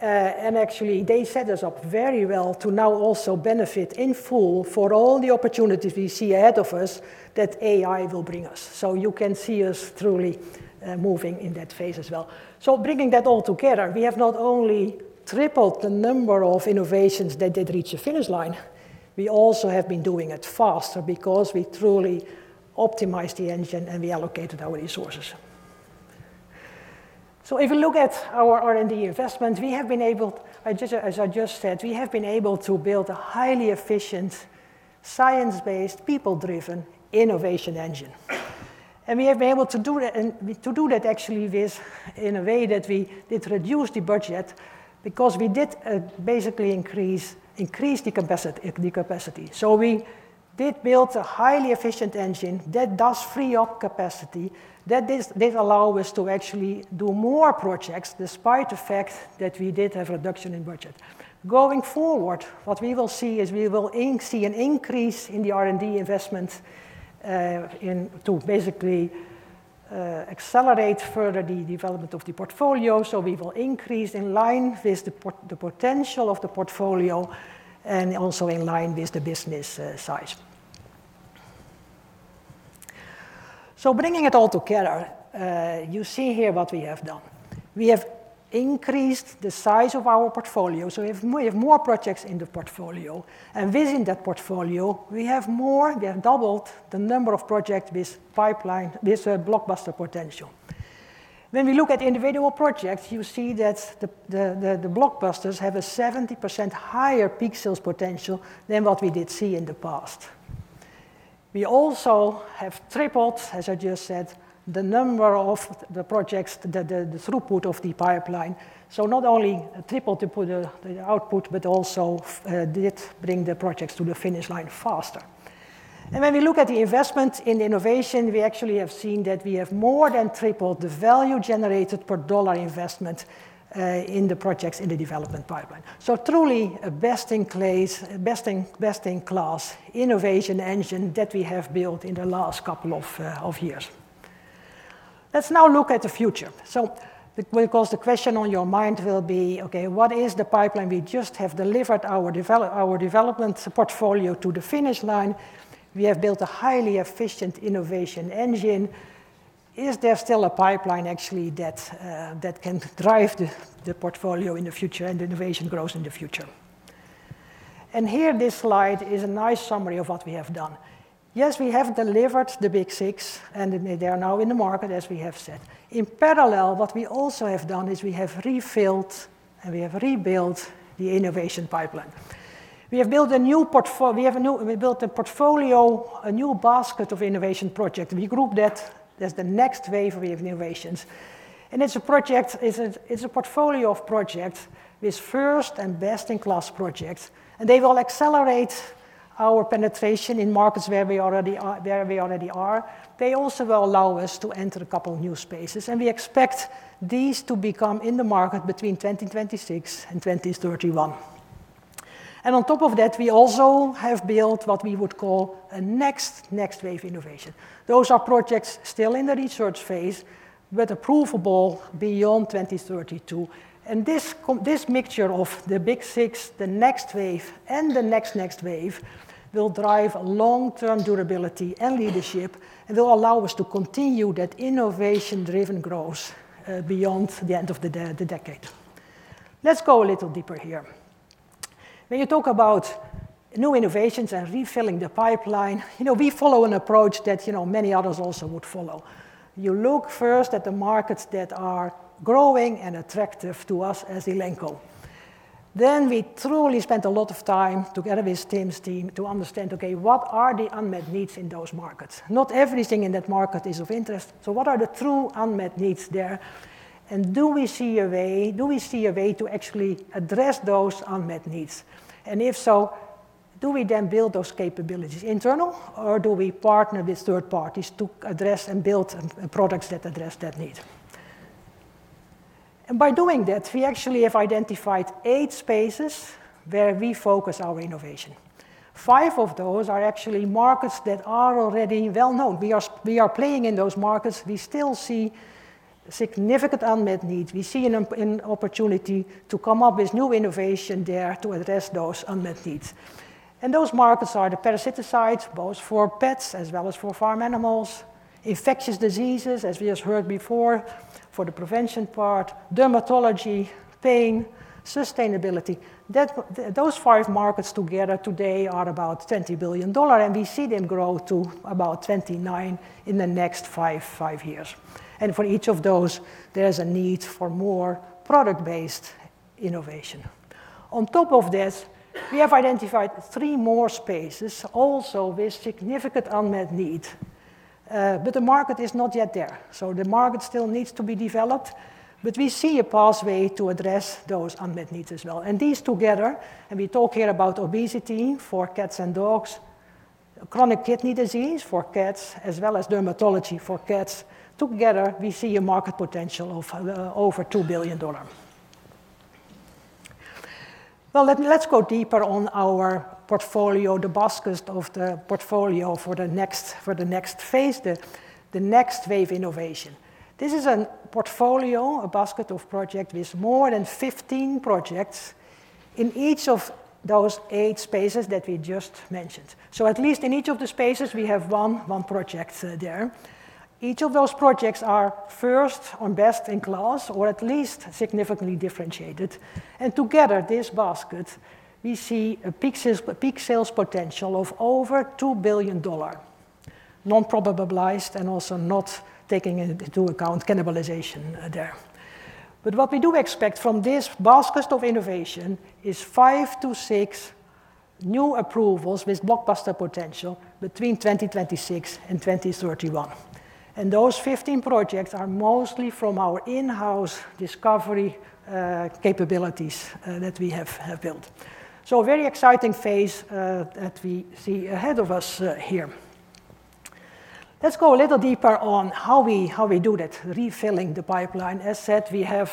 and actually, they set us up very well to now also benefit in full for all the opportunities we see ahead of us that AI will bring us, so you can see us truly moving in that phase as well, so bringing that all together, we have not only tripled the number of innovations that did reach the finish line, we also have been doing it faster because we truly optimized the engine and we allocated our resources, so if we look at our R&D investment, we have been able, as I just said, we have been able to build a highly efficient, science-based, people-driven innovation engine, and we have been able to do that actually in a way that we did reduce the budget because we did basically increase the capacity. So we did build a highly efficient engine that does free up capacity that did allow us to actually do more projects despite the fact that we did have a reduction in budget. Going forward, what we will see is we will see an increase in the R&D investment to basically accelerate further the development of the portfolio. So we will increase in line with the potential of the portfolio and also in line with the business size. So bringing it all together, you see here what we have done. We have increased the size of our portfolio. So we have more projects in the portfolio. And within that portfolio, we have more, we have doubled the number of projects with blockbuster potential. When we look at individual projects, you see that the blockbusters have a 70% higher peak sales potential than what we did see in the past. We also have tripled, as I just said, the number of the projects, the throughput of the pipeline. So not only tripled the output, but also did bring the projects to the finish line faster. And when we look at the investment in innovation, we actually have seen that we have more than tripled the value generated per dollar investment in the projects in the development pipeline. So truly a best-in-class innovation engine that we have built in the last couple of years. Let's now look at the future. So of course, the question on your mind will be, OK, what is the pipeline? We just have delivered our development portfolio to the finish line. We have built a highly efficient innovation engine. Is there still a pipeline actually that can drive the portfolio in the future and the innovation grows in the future? Here, this slide is a nice summary of what we have done. Yes, we have delivered the big six. And they are now in the market, as we have said. In parallel, what we also have done is we have refilled and we have rebuilt the innovation pipeline. We have built a new portfolio. We built a portfolio, a new basket of innovation projects. We group that as the next wave of innovations. And it's a portfolio of projects with first and best-in-class projects. And they will accelerate our penetration in markets where we already are. They also will allow us to enter a couple of new spaces. And we expect these to become in the market between 2026 and 2031. And on top of that, we also have built what we would call a next wave innovation. Those are projects still in the research phase, but approvable beyond 2032. And this mixture of the big six, the next wave, and the next next wave will drive long-term durability and leadership and will allow us to continue that innovation-driven growth beyond the end of the decade. Let's go a little deeper here. When you talk about new innovations and refilling the pipeline, we follow an approach that many others also would follow. You look first at the markets that are growing and attractive to us as Elanco. Then we truly spent a lot of time together with Tim's team to understand, OK, what are the unmet needs in those markets? Not everything in that market is of interest. So what are the true unmet needs there? And do we see a way, do we see a way to actually address those unmet needs? And if so, do we then build those capabilities internal? Or do we partner with third parties to address and build products that address that need? And by doing that, we actually have identified eight spaces where we focus our innovation. Five of those are actually markets that are already well known. We are playing in those markets. We still see significant unmet needs. We see an opportunity to come up with new innovation there to address those unmet needs. And those markets are the parasiticides, both for pets as well as for farm animals, infectious diseases, as we just heard before, for the prevention part, dermatology, pain, sustainability. Those five markets together today are about $20 billion. And we see them grow to about $29 billion in the next five years. And for each of those, there is a need for more product-based innovation. On top of this, we have identified three more spaces also with significant unmet needs, but the market is not yet there, so the market still needs to be developed, but we see a pathway to address those unmet needs as well, and these together, and we talk here about obesity for cats and dogs, chronic kidney disease for cats, as well as dermatology for cats, together we see a market potential of over $2 billion. Well, let's go deeper on our portfolio, the basket of the portfolio for the next phase, the next wave innovation. This is a portfolio, a basket of projects with more than 15 projects in each of those eight spaces that we just mentioned. So at least in each of the spaces, we have one project there. Each of those projects are first or best in class or at least significantly differentiated. And together, this basket, we see a peak sales potential of over $2 billion, non-risk-adjusted and also not taking into account cannibalization there. But what we do expect from this basket of innovation is five to six new approvals with blockbuster potential between 2026 and 2031. And those 15 projects are mostly from our in-house discovery capabilities that we have built. So a very exciting phase that we see ahead of us here. Let's go a little deeper on how we do that, refilling the pipeline. As said, we have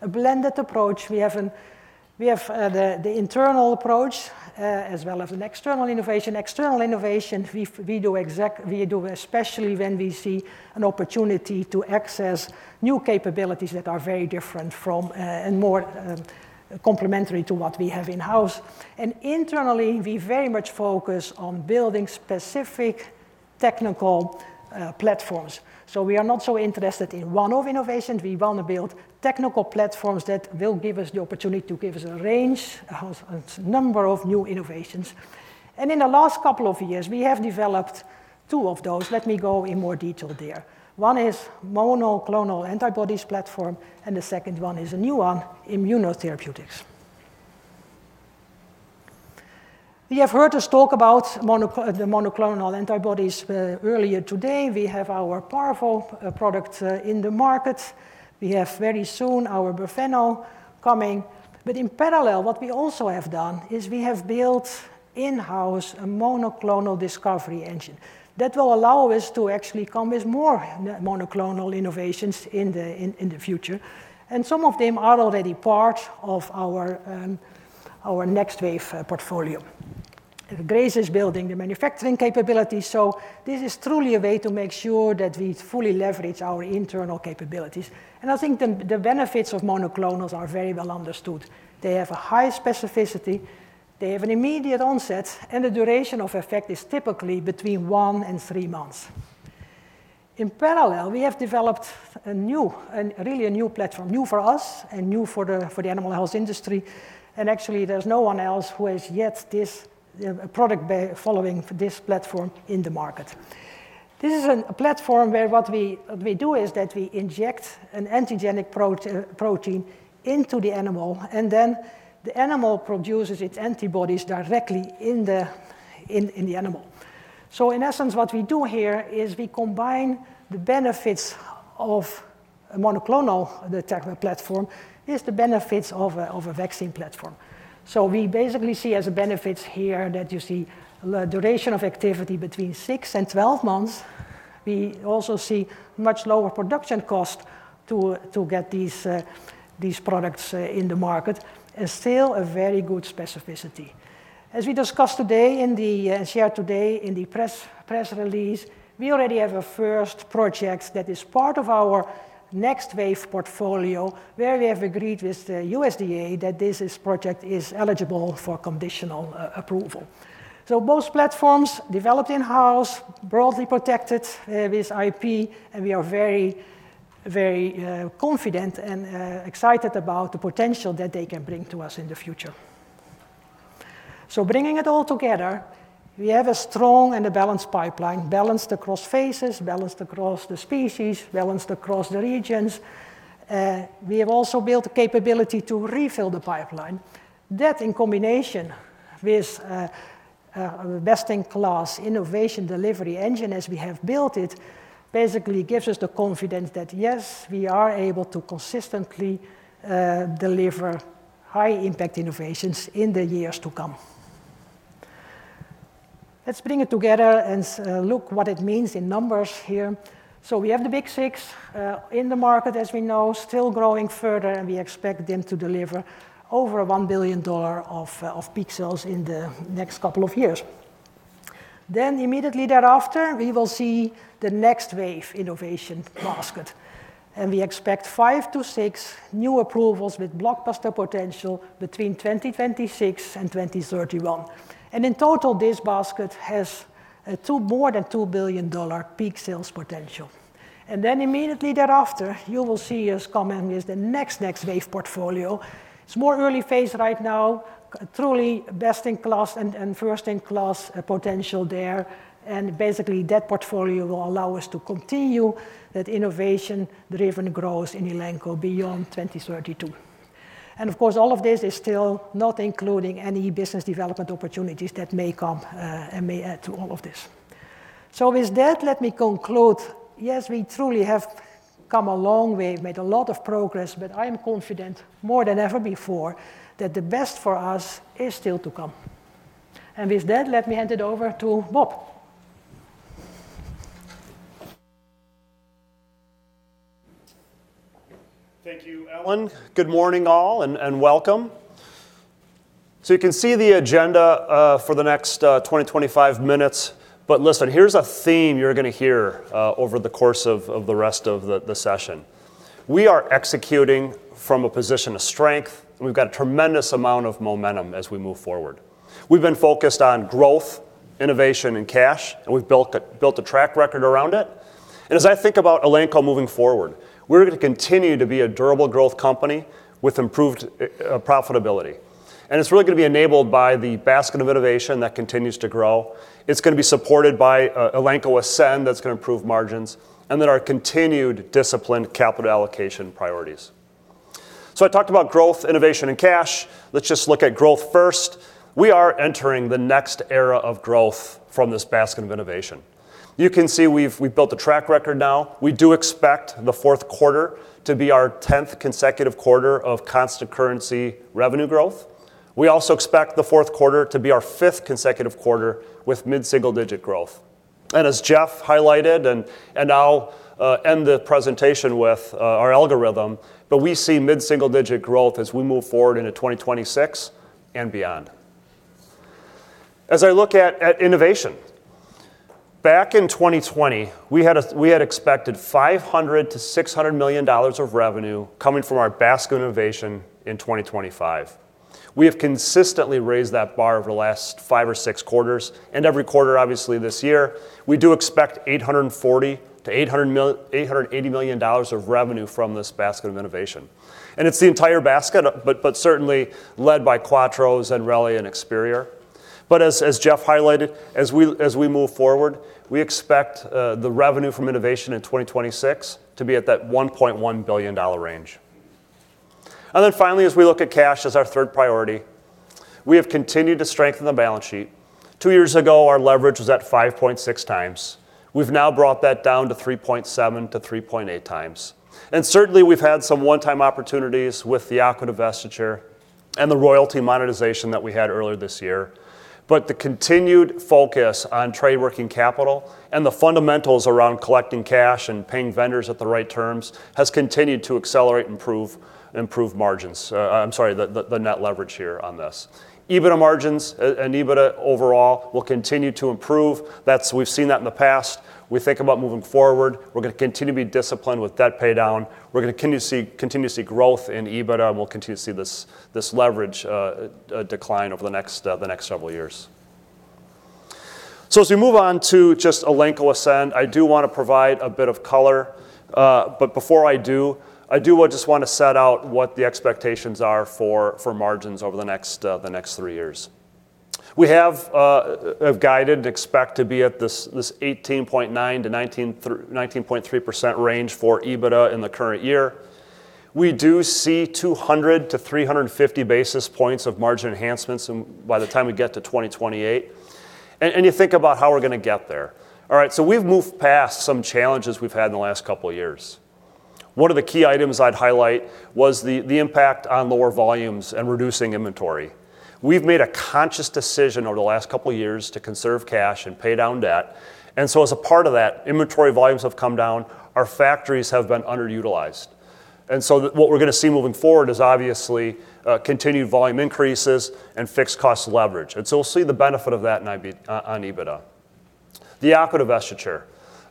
a blended approach. We have the internal approach as well as an external innovation. External innovation, we do especially when we see an opportunity to access new capabilities that are very different and more complementary to what we have in-house. And internally, we very much focus on building specific technical platforms. So we are not so interested in one-off innovations. We want to build technical platforms that will give us the opportunity to give us a range, a number of new innovations, and in the last couple of years, we have developed two of those. Let me go in more detail there. One is monoclonal antibodies platform, and the second one is a new one, immunotherapeutics. You have heard us talk about the monoclonal antibodies earlier today. We have our powerful product in the market. We have very soon our Brifeno coming, but in parallel, what we also have done is we have built in-house a monoclonal discovery engine that will allow us to actually come with more monoclonal innovations in the future, and some of them are already part of our next wave portfolio. Grace is building the manufacturing capability so this is truly a way to make sure that we fully leverage our internal capabilities. And I think the benefits of monoclonals are very well understood. They have a high specificity. They have an immediate onset. And the duration of effect is typically between one and three months. In parallel, we have developed a new, really a new platform, new for us and new for the animal health industry. And actually, there's no one else who has yet this product following this platform in the market. This is a platform where what we do is that we inject an antigenic protein into the animal. And then the animal produces its antibodies directly in the animal. So in essence, what we do here is we combine the benefits of a monoclonal, the Tecma platform, with the benefits of a vaccine platform. So we basically see as a benefit here that you see a duration of activity between six and 12 months. We also see much lower production cost to get these products in the market and still a very good specificity. As we discussed today and shared today in the press release, we already have a first project that is part of our next wave portfolio where we have agreed with the USDA that this project is eligible for conditional approval. So both platforms developed in-house, broadly protected with IP. And we are very, very confident and excited about the potential that they can bring to us in the future. So bringing it all together, we have a strong and a balanced pipeline balanced across phases, balanced across the species, balanced across the regions. We have also built a capability to refill the pipeline. That in combination with a best-in-class innovation delivery engine as we have built it basically gives us the confidence that yes, we are able to consistently deliver high-impact innovations in the years to come. Let's bring it together and look what it means in numbers here. So we have the big six in the market, as we know, still growing further. And we expect them to deliver over $1 billion of peak sales in the next couple of years. Then immediately thereafter, we will see the next wave innovation basket. And we expect five to six new approvals with blockbuster potential between 2026 and 2031. And in total, this basket has more than $2 billion peak sales potential. And then immediately thereafter, you will see us coming with the next next wave portfolio. It's more early phase right now, truly best-in-class and first-in-class potential there. And basically, that portfolio will allow us to continue that innovation-driven growth in Elanco beyond 2032. And of course, all of this is still not including any business development opportunities that may come to all of this. So with that, let me conclude. Yes, we truly have come a long way. We've made a lot of progress. But I am confident more than ever before that the best for us is still to come. And with that, let me hand it over to Bob. Thank you, Ellen. Good morning, all, and welcome. So you can see the agenda for the next 20-25 minutes. But listen, here's a theme you're going to hear over the course of the rest of the session. We are executing from a position of strength. And we've got a tremendous amount of momentum as we move forward. We've been focused on growth, innovation, and cash. We've built a track record around it. As I think about Elanco moving forward, we're going to continue to be a durable growth company with improved profitability. It's really going to be enabled by the basket of innovation that continues to grow. It's going to be supported by Elanco Ascend that's going to improve margins and then our continued disciplined capital allocation priorities. I talked about growth, innovation, and cash. Let's just look at growth first. We are entering the next era of growth from this basket of innovation. You can see we've built a track record now. We do expect the fourth quarter to be our 10th consecutive quarter of constant currency revenue growth. We also expect the fourth quarter to be our fifth consecutive quarter with mid-single digit growth. As Jeff highlighted and I'll end the presentation with our algorithm, but we see mid-single digit growth as we move forward into 2026 and beyond. As I look at innovation, back in 2020, we had expected $500-$600 million of revenue coming from our basket of innovation in 2025. We have consistently raised that bar over the last five or six quarters. Every quarter, obviously, this year, we do expect $840-$880 million of revenue from this basket of innovation. And it's the entire basket, but certainly led by Quattro's and Relay and Experior. But as Jeff highlighted, as we move forward, we expect the revenue from innovation in 2026 to be at that $1.1 billion range. And then finally, as we look at cash as our third priority, we have continued to strengthen the balance sheet. Two years ago, our leverage was at 5.6 times. We've now brought that down to 3.7-3.8 times. And certainly, we've had some one-time opportunities with the aqua divestiture and the royalty monetization that we had earlier this year. But the continued focus on trade working capital and the fundamentals around collecting cash and paying vendors at the right terms has continued to accelerate and improve margins. I'm sorry, the net leverage here on this. EBITDA margins and EBITDA overall will continue to improve. We've seen that in the past. We think about moving forward. We're going to continue to be disciplined with debt pay down. We're going to continue to see growth in EBITDA. And we'll continue to see this leverage decline over the next several years. So as we move on to just Elanco Ascend, I do want to provide a bit of color. But before I do, I do just want to set out what the expectations are for margins over the next three years. We have guided and expect to be at this 18.9%-19.3% range for EBITDA in the current year. We do see 200-350 basis points of margin enhancements by the time we get to 2028. And you think about how we're going to get there. All right, so we've moved past some challenges we've had in the last couple of years. One of the key items I'd highlight was the impact on lower volumes and reducing inventory. We've made a conscious decision over the last couple of years to conserve cash and pay down debt. And so as a part of that, inventory volumes have come down. Our factories have been underutilized. And so what we're going to see moving forward is obviously continued volume increases and fixed cost leverage. And so we'll see the benefit of that on EBITDA. The aqua acquisition,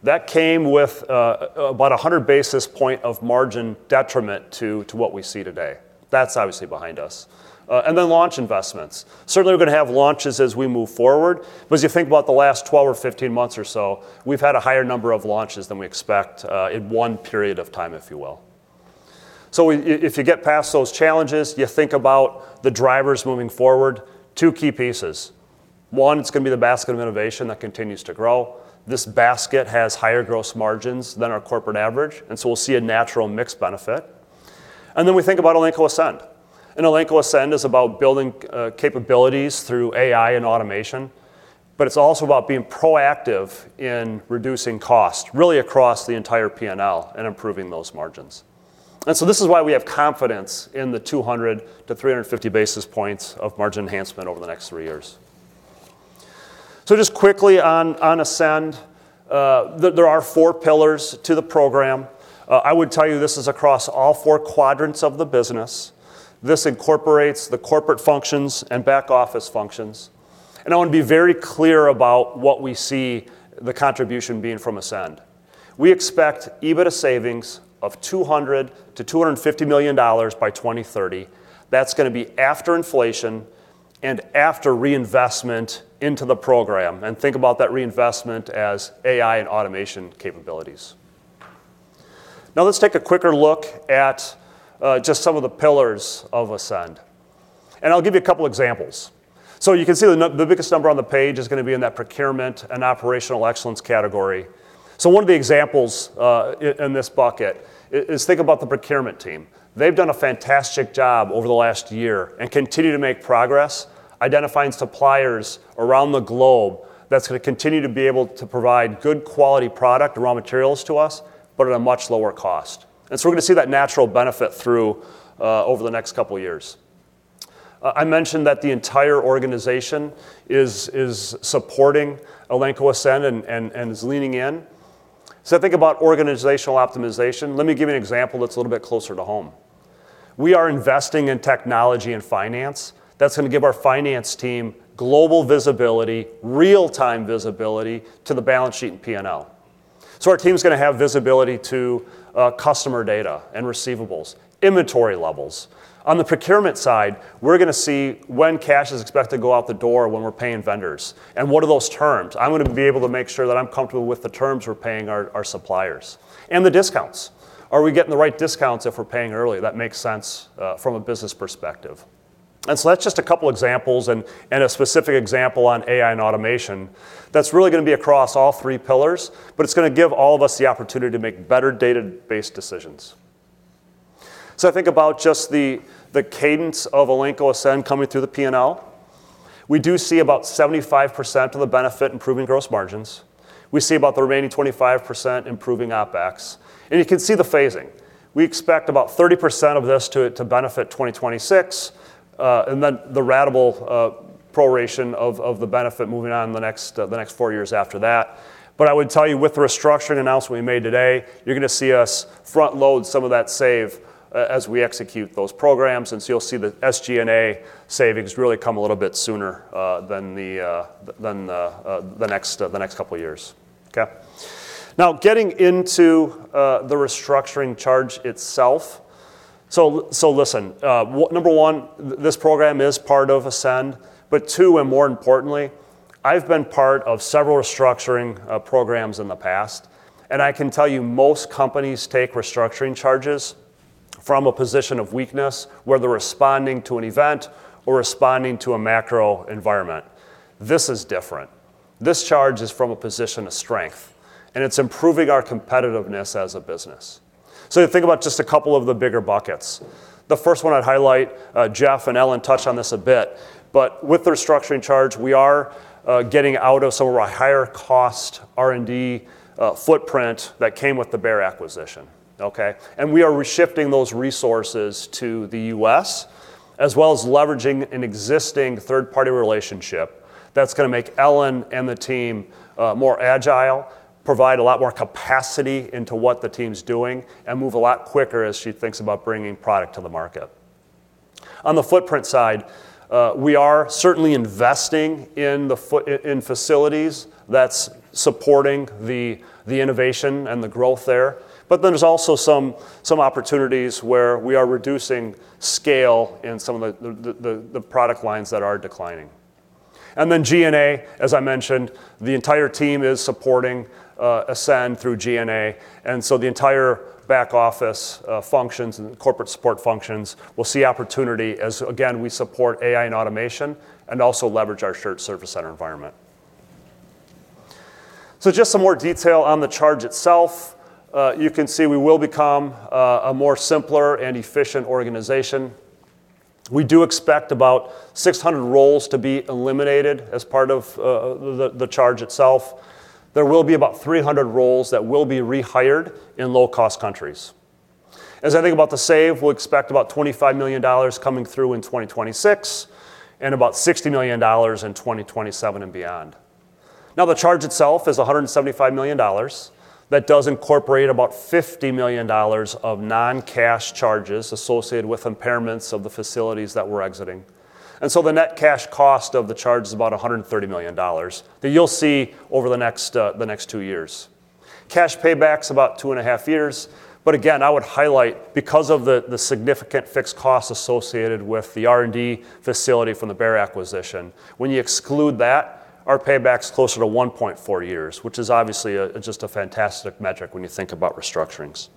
that came with about 100 basis points of margin detriment to what we see today. That's obviously behind us. And then launch investments. Certainly, we're going to have launches as we move forward. But as you think about the last 12 or 15 months or so, we've had a higher number of launches than we expect in one period of time, if you will. So if you get past those challenges, you think about the drivers moving forward, two key pieces. One, it's going to be the basket of innovation that continues to grow. This basket has higher gross margins than our corporate average. And so we'll see a natural mix benefit. And then we think about Elanco Ascend. Elanco Ascend is about building capabilities through AI and automation. It's also about being proactive in reducing cost really across the entire P&L and improving those margins. This is why we have confidence in the 200-350 basis points of margin enhancement over the next three years. Just quickly on Ascend, there are four pillars to the program. I would tell you this is across all four quadrants of the business. This incorporates the corporate functions and back office functions. I want to be very clear about what we see the contribution being from Ascend. We expect EBITDA savings of $200-$250 million by 2030. That's going to be after inflation and after reinvestment into the program. Think about that reinvestment as AI and automation capabilities. Now let's take a quicker look at just some of the pillars of Ascend. And I'll give you a couple of examples. So you can see the biggest number on the page is going to be in that procurement and operational excellence category. So one of the examples in this bucket is, think about the procurement team. They've done a fantastic job over the last year and continue to make progress identifying suppliers around the globe that's going to continue to be able to provide good quality product raw materials to us, but at a much lower cost. And so we're going to see that natural benefit through over the next couple of years. I mentioned that the entire organization is supporting Elanco Ascend and is leaning in. So think about organizational optimization. Let me give you an example that's a little bit closer to home. We are investing in technology and finance. That's going to give our finance team global visibility, real-time visibility to the balance sheet and P&L. So our team is going to have visibility to customer data and receivables, inventory levels. On the procurement side, we're going to see when cash is expected to go out the door when we're paying vendors. And what are those terms? I'm going to be able to make sure that I'm comfortable with the terms we're paying our suppliers. And the discounts. Are we getting the right discounts if we're paying early? That makes sense from a business perspective. And so that's just a couple of examples and a specific example on AI and automation that's really going to be across all three pillars. But it's going to give all of us the opportunity to make better data-based decisions. So think about just the cadence of Elanco Ascend coming through the P&L. We do see about 75% of the benefit improving gross margins. We see about the remaining 25% improving OpEx. And you can see the phasing. We expect about 30% of this to benefit 2026. And then the ratable proration of the benefit moving on in the next four years after that. But I would tell you with the restructuring announcement we made today, you're going to see us front-load some of that save as we execute those programs. And so you'll see the SG&A savings really come a little bit sooner than the next couple of years. Okay. Now getting into the restructuring charge itself. So listen, number one, this program is part of Ascend. But two, and more importantly, I've been part of several restructuring programs in the past. I can tell you most companies take restructuring charges from a position of weakness where they're responding to an event or responding to a macro environment. This is different. This charge is from a position of strength. And it's improving our competitiveness as a business. So think about just a couple of the bigger buckets. The first one I'd highlight, Jeff and Ellen touched on this a bit. But with the restructuring charge, we are getting out of some of our higher cost R&D footprint that came with the Bayer acquisition. Okay. And we are reshifting those resources to the U.S. as well as leveraging an existing third-party relationship that's going to make Ellen and the team more agile, provide a lot more capacity into what the team's doing, and move a lot quicker as she thinks about bringing product to the market. On the footprint side, we are certainly investing in facilities that's supporting the innovation and the growth there. But then there's also some opportunities where we are reducing scale in some of the product lines that are declining. And then G&A, as I mentioned, the entire team is supporting Ascend through G&A. And so the entire back office functions and corporate support functions will see opportunity as, again, we support AI and automation and also leverage our shared service center environment. So just some more detail on the charge itself. You can see we will become a more simpler and efficient organization. We do expect about 600 roles to be eliminated as part of the charge itself. There will be about 300 roles that will be rehired in low-cost countries. As I think about the save, we'll expect about $25 million coming through in 2026 and about $60 million in 2027 and beyond. Now the charge itself is $175 million. That does incorporate about $50 million of non-cash charges associated with impairments of the facilities that we're exiting. And so the net cash cost of the charge is about $130 million that you'll see over the next two years. Cash payback's about two and a half years. But again, I would highlight because of the significant fixed costs associated with the R&D facility from the Bayer acquisition, when you exclude that, our payback's closer to 1.4 years, which is obviously just a fantastic metric when you think about restructurings.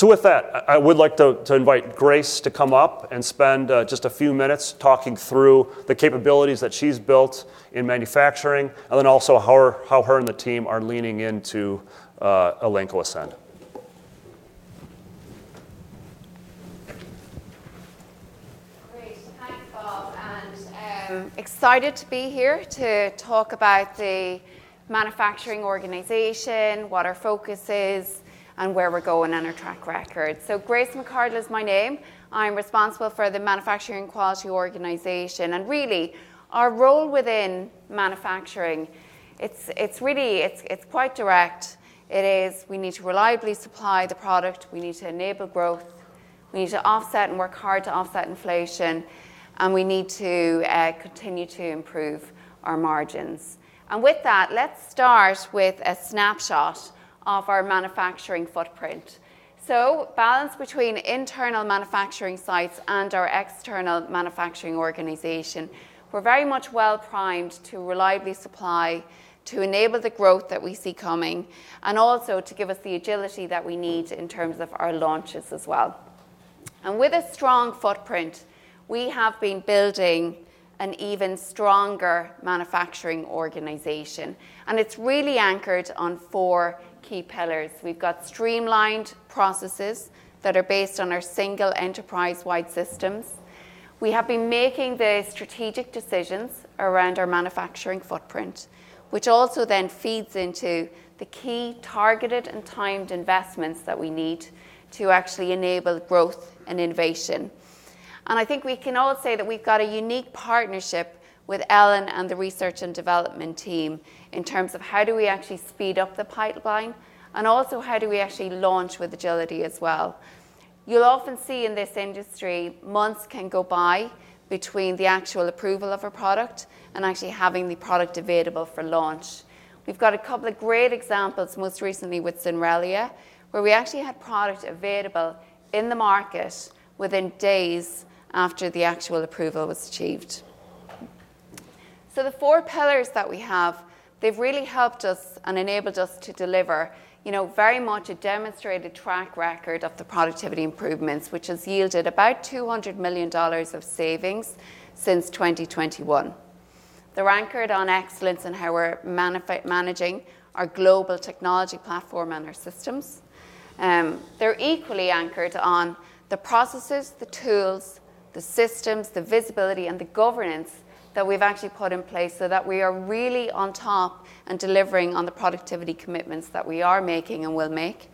So with that, I would like to invite Grace to come up and spend just a few minutes talking through the capabilities that she's built in manufacturing and then also how her and the team are leaning into Elanco Ascend. Great. Hi, everyone. Excited to be here to talk about the manufacturing organization, what our focus is, and where we're going on our track record. So Grace McArdle is my name. I'm responsible for the manufacturing quality organization. And really, our role within manufacturing, it's quite direct. It is we need to reliably supply the product. We need to enable growth. We need to offset and work hard to offset inflation. And we need to continue to improve our margins. And with that, let's start with a snapshot of our manufacturing footprint. So balance between internal manufacturing sites and our external manufacturing organization. We're very much well primed to reliably supply to enable the growth that we see coming and also to give us the agility that we need in terms of our launches as well. And with a strong footprint, we have been building an even stronger manufacturing organization. It's really anchored on four key pillars. We've got streamlined processes that are based on our single enterprise-wide systems. We have been making the strategic decisions around our manufacturing footprint, which also then feeds into the key targeted and timed investments that we need to actually enable growth and innovation. And I think we can all say that we've got a unique partnership with Ellen and the research and development team in terms of how do we actually speed up the pipeline and also how do we actually launch with agility as well. You'll often see in this industry, months can go by between the actual approval of a product and actually having the product available for launch. We've got a couple of great examples most recently with Zenrelia, where we actually had product available in the market within days after the actual approval was achieved. So the four pillars that we have, they've really helped us and enabled us to deliver very much a demonstrated track record of the productivity improvements, which has yielded about $200 million of savings since 2021. They're anchored on excellence and how we're managing our global technology platform and our systems. They're equally anchored on the processes, the tools, the systems, the visibility, and the governance that we've actually put in place so that we are really on top and delivering on the productivity commitments that we are making and will make.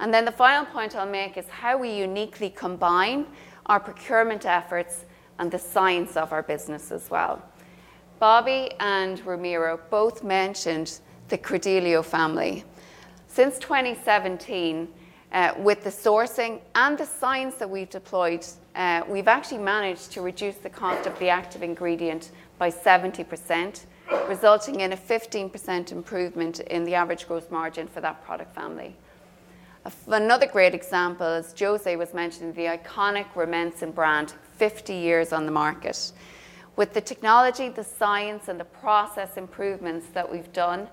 And then the final point I'll make is how we uniquely combine our procurement efforts and the science of our business as well. Bobby and Romero both mentioned the Credelio family. Since 2017, with the sourcing and the science that we've deployed, we've actually managed to reduce the cost of the active ingredient by 70%, resulting in a 15% improvement in the average gross margin for that product family. Another great example is Jose was mentioning the iconic Rumensin brand, 50 years on the market. With the technology, the science, and the process improvements that we've done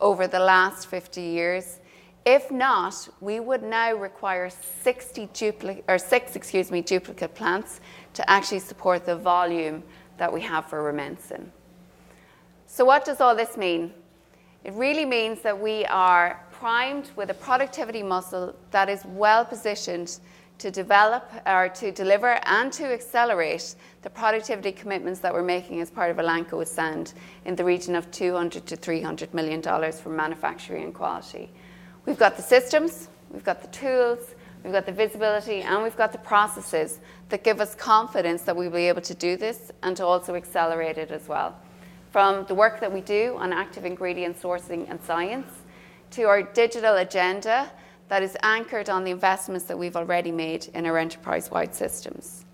over the last 50 years, if not, we would now require six duplicate plants to actually support the volume that we have for Rumensin. So what does all this mean? It really means that we are primed with a productivity muscle that is well positioned to develop, to deliver, and to accelerate the productivity commitments that we're making as part of Elanco Ascend in the region of $200-$300 million for manufacturing and quality. We've got the systems. We've got the tools. We've got the visibility and we've got the processes that give us confidence that we will be able to do this and to also accelerate it as well, from the work that we do on active ingredient sourcing and science to our digital agenda that is anchored on the investments that we've already made in our enterprise-wide systems.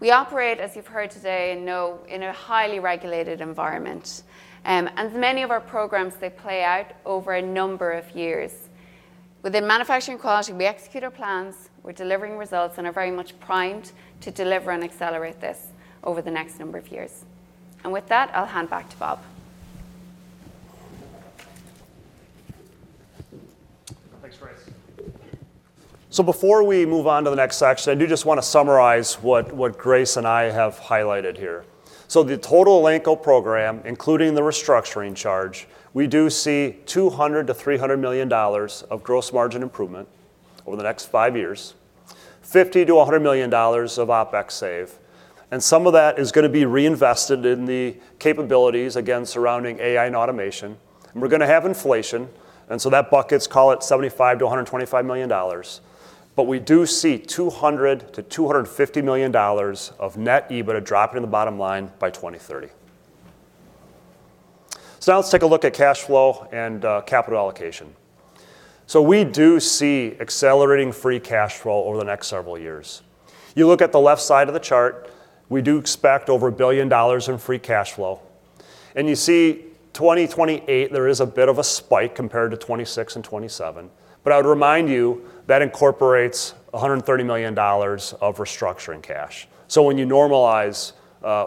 We operate, as you've heard today, in a highly regulated environment, and many of our programs, they play out over a number of years. Within manufacturing and quality, we execute our plans. We're delivering results and are very much primed to deliver and accelerate this over the next number of years, and with that, I'll hand back to Bob. Thanks, Grace. So before we move on to the next section, I do just want to summarize what Grace and I have highlighted here. So the total Elanco program, including the restructuring charge, we do see $200-$300 million of gross margin improvement over the next five years, $50-$100 million of OPEX save. And some of that is going to be reinvested in the capabilities, again, surrounding AI and automation. And we're going to have inflation. And so that bucket's call it $75-$125 million. But we do see $200-$250 million of net EBITDA dropping in the bottom line by 2030. So now let's take a look at cash flow and capital allocation. So we do see accelerating free cash flow over the next several years. You look at the left side of the chart, we do expect over $1 billion in free cash flow. You see 2028, there is a bit of a spike compared to 2026 and 2027. I would remind you that incorporates $130 million of restructuring cash. When you normalize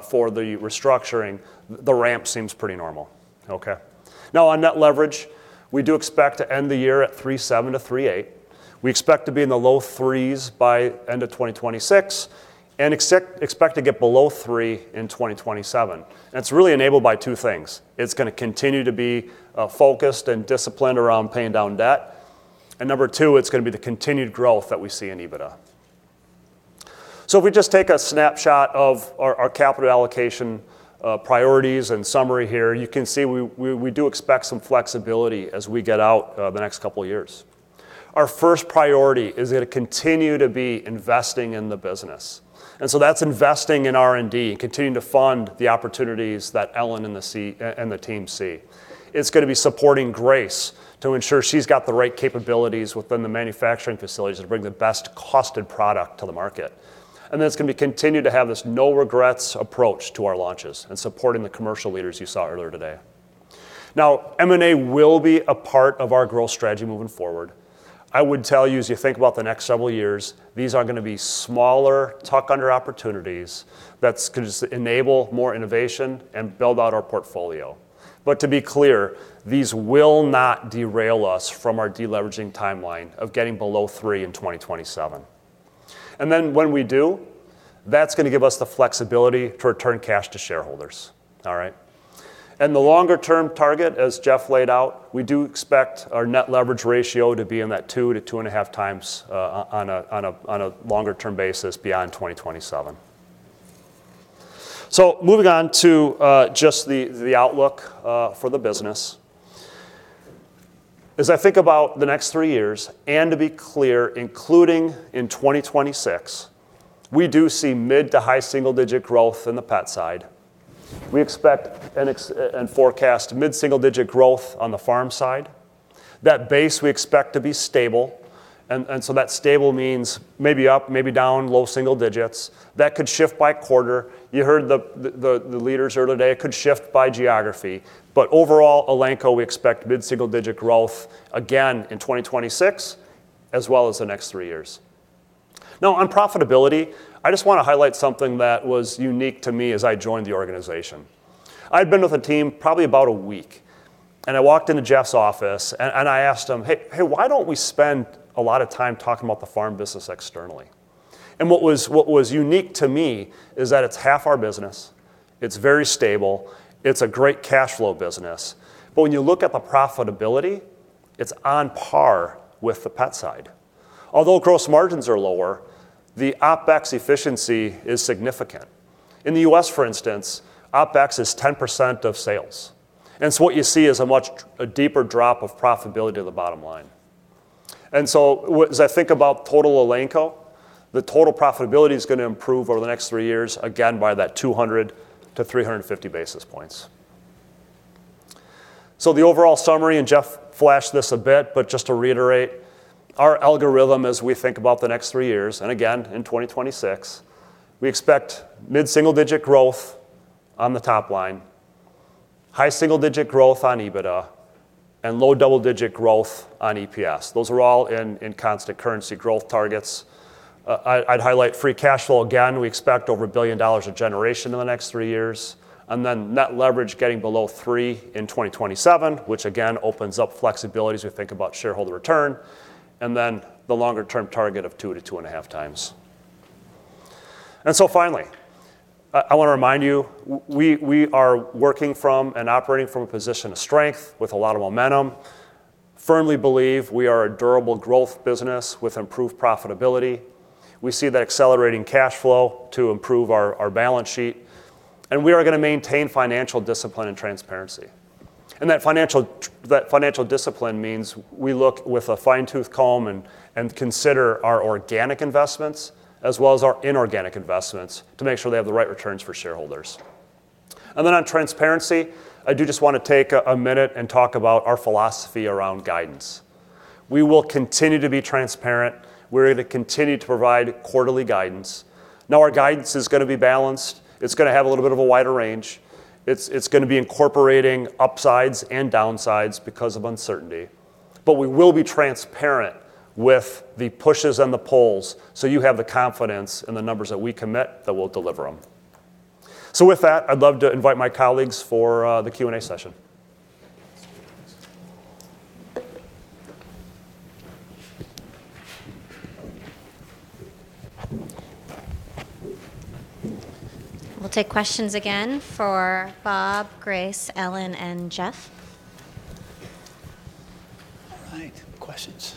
for the restructuring, the ramp seems pretty normal. Okay. Now on net leverage, we do expect to end the year at $37-$38. We expect to be in the low threes by end of 2026 and expect to get below three in 2027. It's really enabled by two things. It's going to continue to be focused and disciplined around paying down debt. Number two, it's going to be the continued growth that we see in EBITDA. If we just take a snapshot of our capital allocation priorities and summary here, you can see we do expect some flexibility as we get out the next couple of years. Our first priority is going to continue to be investing in the business, and so that's investing in R&D and continuing to fund the opportunities that Ellen and the team see. It's going to be supporting Grace to ensure she's got the right capabilities within the manufacturing facilities to bring the best costed product to the market, and then it's going to be continue to have this no regrets approach to our launches and supporting the commercial leaders you saw earlier today. Now, M&A will be a part of our growth strategy moving forward. I would tell you, as you think about the next several years, these are going to be smaller tuck-under opportunities that could enable more innovation and build out our portfolio. But to be clear, these will not derail us from our deleveraging timeline of getting below three in 2027. Then when we do, that's going to give us the flexibility to return cash to shareholders. All right. The longer-term target, as Jeff laid out, we do expect our net leverage ratio to be in that two to two and a half times on a longer-term basis beyond 2027. Moving on to just the outlook for the business. As I think about the next three years, and to be clear, including in 2026, we do see mid- to high single-digit growth in the pet side. We expect and forecast mid-single-digit growth on the farm side. That base, we expect to be stable. And so that stable means maybe up, maybe down, low single digits. That could shift by quarter. You heard the leaders earlier today. It could shift by geography. But overall, Elanco, we expect mid-single-digit growth again in 2026 as well as the next three years. Now, on profitability, I just want to highlight something that was unique to me as I joined the organization. I'd been with the team probably about a week, and I walked into Jeff's office and I asked him, "Hey, why don't we spend a lot of time talking about the farm business externally?" What was unique to me is that it's half our business. It's very stable. It's a great cash flow business. But when you look at the profitability, it's on par with the pet side. Although gross margins are lower, the OPEX efficiency is significant. In the U.S., for instance, OPEX is 10% of sales, and so what you see is a much deeper drop of profitability to the bottom line. And so as I think about total Elanco, the total profitability is going to improve over the next three years again by that 200-350 basis points. So the overall summary, and Jeff flashed this a bit, but just to reiterate, our outlook as we think about the next three years, and again, in 2026, we expect mid-single-digit growth on the top line, high single-digit growth on EBITDA, and low double-digit growth on EPS. Those are all in constant currency growth targets. I'd highlight free cash flow again. We expect over $1 billion of generation in the next three years. And then net leverage getting below three in 2027, which again opens up flexibility as we think about shareholder return. And then the longer-term target of two to two and a half times. And so finally, I want to remind you, we are working from and operating from a position of strength with a lot of momentum. Firmly believe we are a durable growth business with improved profitability. We see that accelerating cash flow to improve our balance sheet. And we are going to maintain financial discipline and transparency. And that financial discipline means we look with a fine-toothed comb and consider our organic investments as well as our inorganic investments to make sure they have the right returns for shareholders. And then on transparency, I do just want to take a minute and talk about our philosophy around guidance. We will continue to be transparent. We're going to continue to provide quarterly guidance. Now, our guidance is going to be balanced. It's going to have a little bit of a wider range. It's going to be incorporating upsides and downsides because of uncertainty. But we will be transparent with the pushes and the pulls so you have the confidence in the numbers that we commit that we'll deliver them. So with that, I'd love to invite my colleagues for the Q&A session. We'll take questions again for Bob, Grace, Ellen, and Jeff. All right. Questions.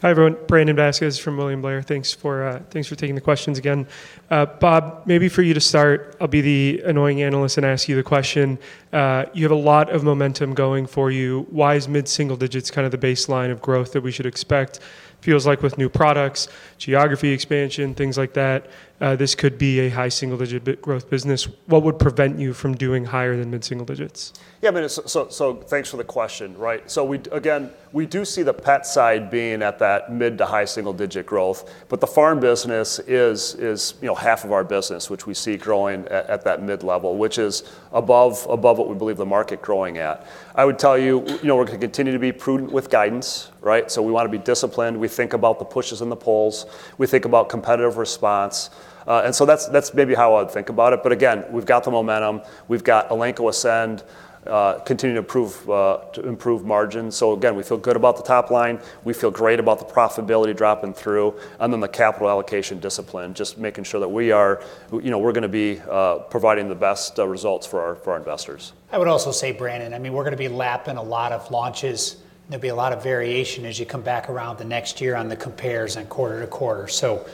Hi, everyone. Brandon Vazquez from William Blair. Thanks for taking the questions again. Bob, maybe for you to start, I'll be the annoying analyst and ask you the question. You have a lot of momentum going for you. Why is mid-single digits kind of the baseline of growth that we should expect? Feels like with new products, geography expansion, things like that, this could be a high single-digit growth business. What would prevent you from doing higher than mid-single digits? Yeah, I mean, so thanks for the question. Right. So again, we do see the pet side being at that mid to high single-digit growth. But the farm business is half of our business, which we see growing at that mid level, which is above what we believe the market growing at. I would tell you, we're going to continue to be prudent with guidance. Right. So we want to be disciplined. We think about the pushes and the pulls. We think about competitive response. And so that's maybe how I would think about it. But again, we've got the momentum. We've got Elanco Ascend continuing to improve margins. So again, we feel good about the top line. We feel great about the profitability dropping through. And then the capital allocation discipline, just making sure that we are going to be providing the best results for our investors. I would also say, Brandon, I mean, we're going to be lapping a lot of launches. There'll be a lot of variation as you come back around the next year on the compares and quarter to quarter. So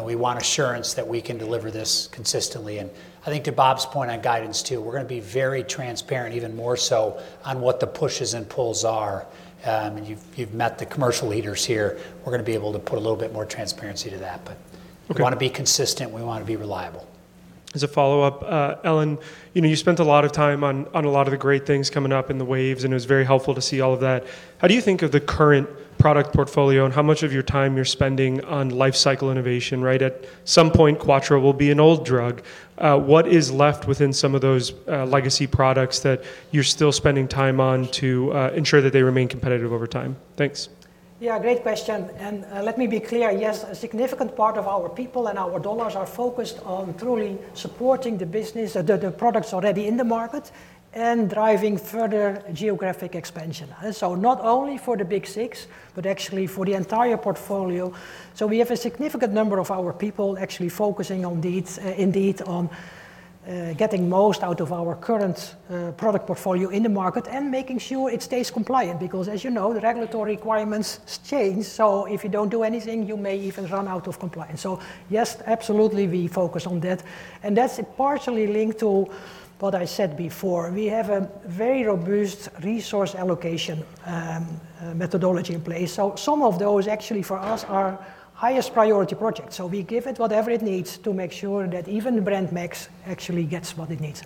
we want assurance that we can deliver this consistently. And I think to Bob's point on guidance too, we're going to be very transparent, even more so on what the pushes and pulls are. And you've met the commercial leaders here. We're going to be able to put a little bit more transparency to that. But we want to be consistent. We want to be reliable. As a follow-up, Ellen, you spent a lot of time on a lot of the great things coming up in the waves, and it was very helpful to see all of that. How do you think of the current product portfolio and how much of your time you're spending on lifecycle innovation? Right. At some point, Quattro will be an old drug. What is left within some of those legacy products that you're still spending time on to ensure that they remain competitive over time? Thanks. Yeah, great question, and let me be clear. Yes, a significant part of our people and our dollars are focused on truly supporting the business, the products already in the market, and driving further geographic expansion, so not only for the big six, but actually for the entire portfolio, so we have a significant number of our people actually focusing indeed on getting most out of our current product portfolio in the market and making sure it stays compliant. Because as you know, the regulatory requirements change, so if you don't do anything, you may even run out of compliance, so yes, absolutely, we focus on that, and that's partially linked to what I said before. We have a very robust resource allocation methodology in place, so some of those actually for us are highest priority projects. So we give it whatever it needs to make sure that even the brand max actually gets what it needs.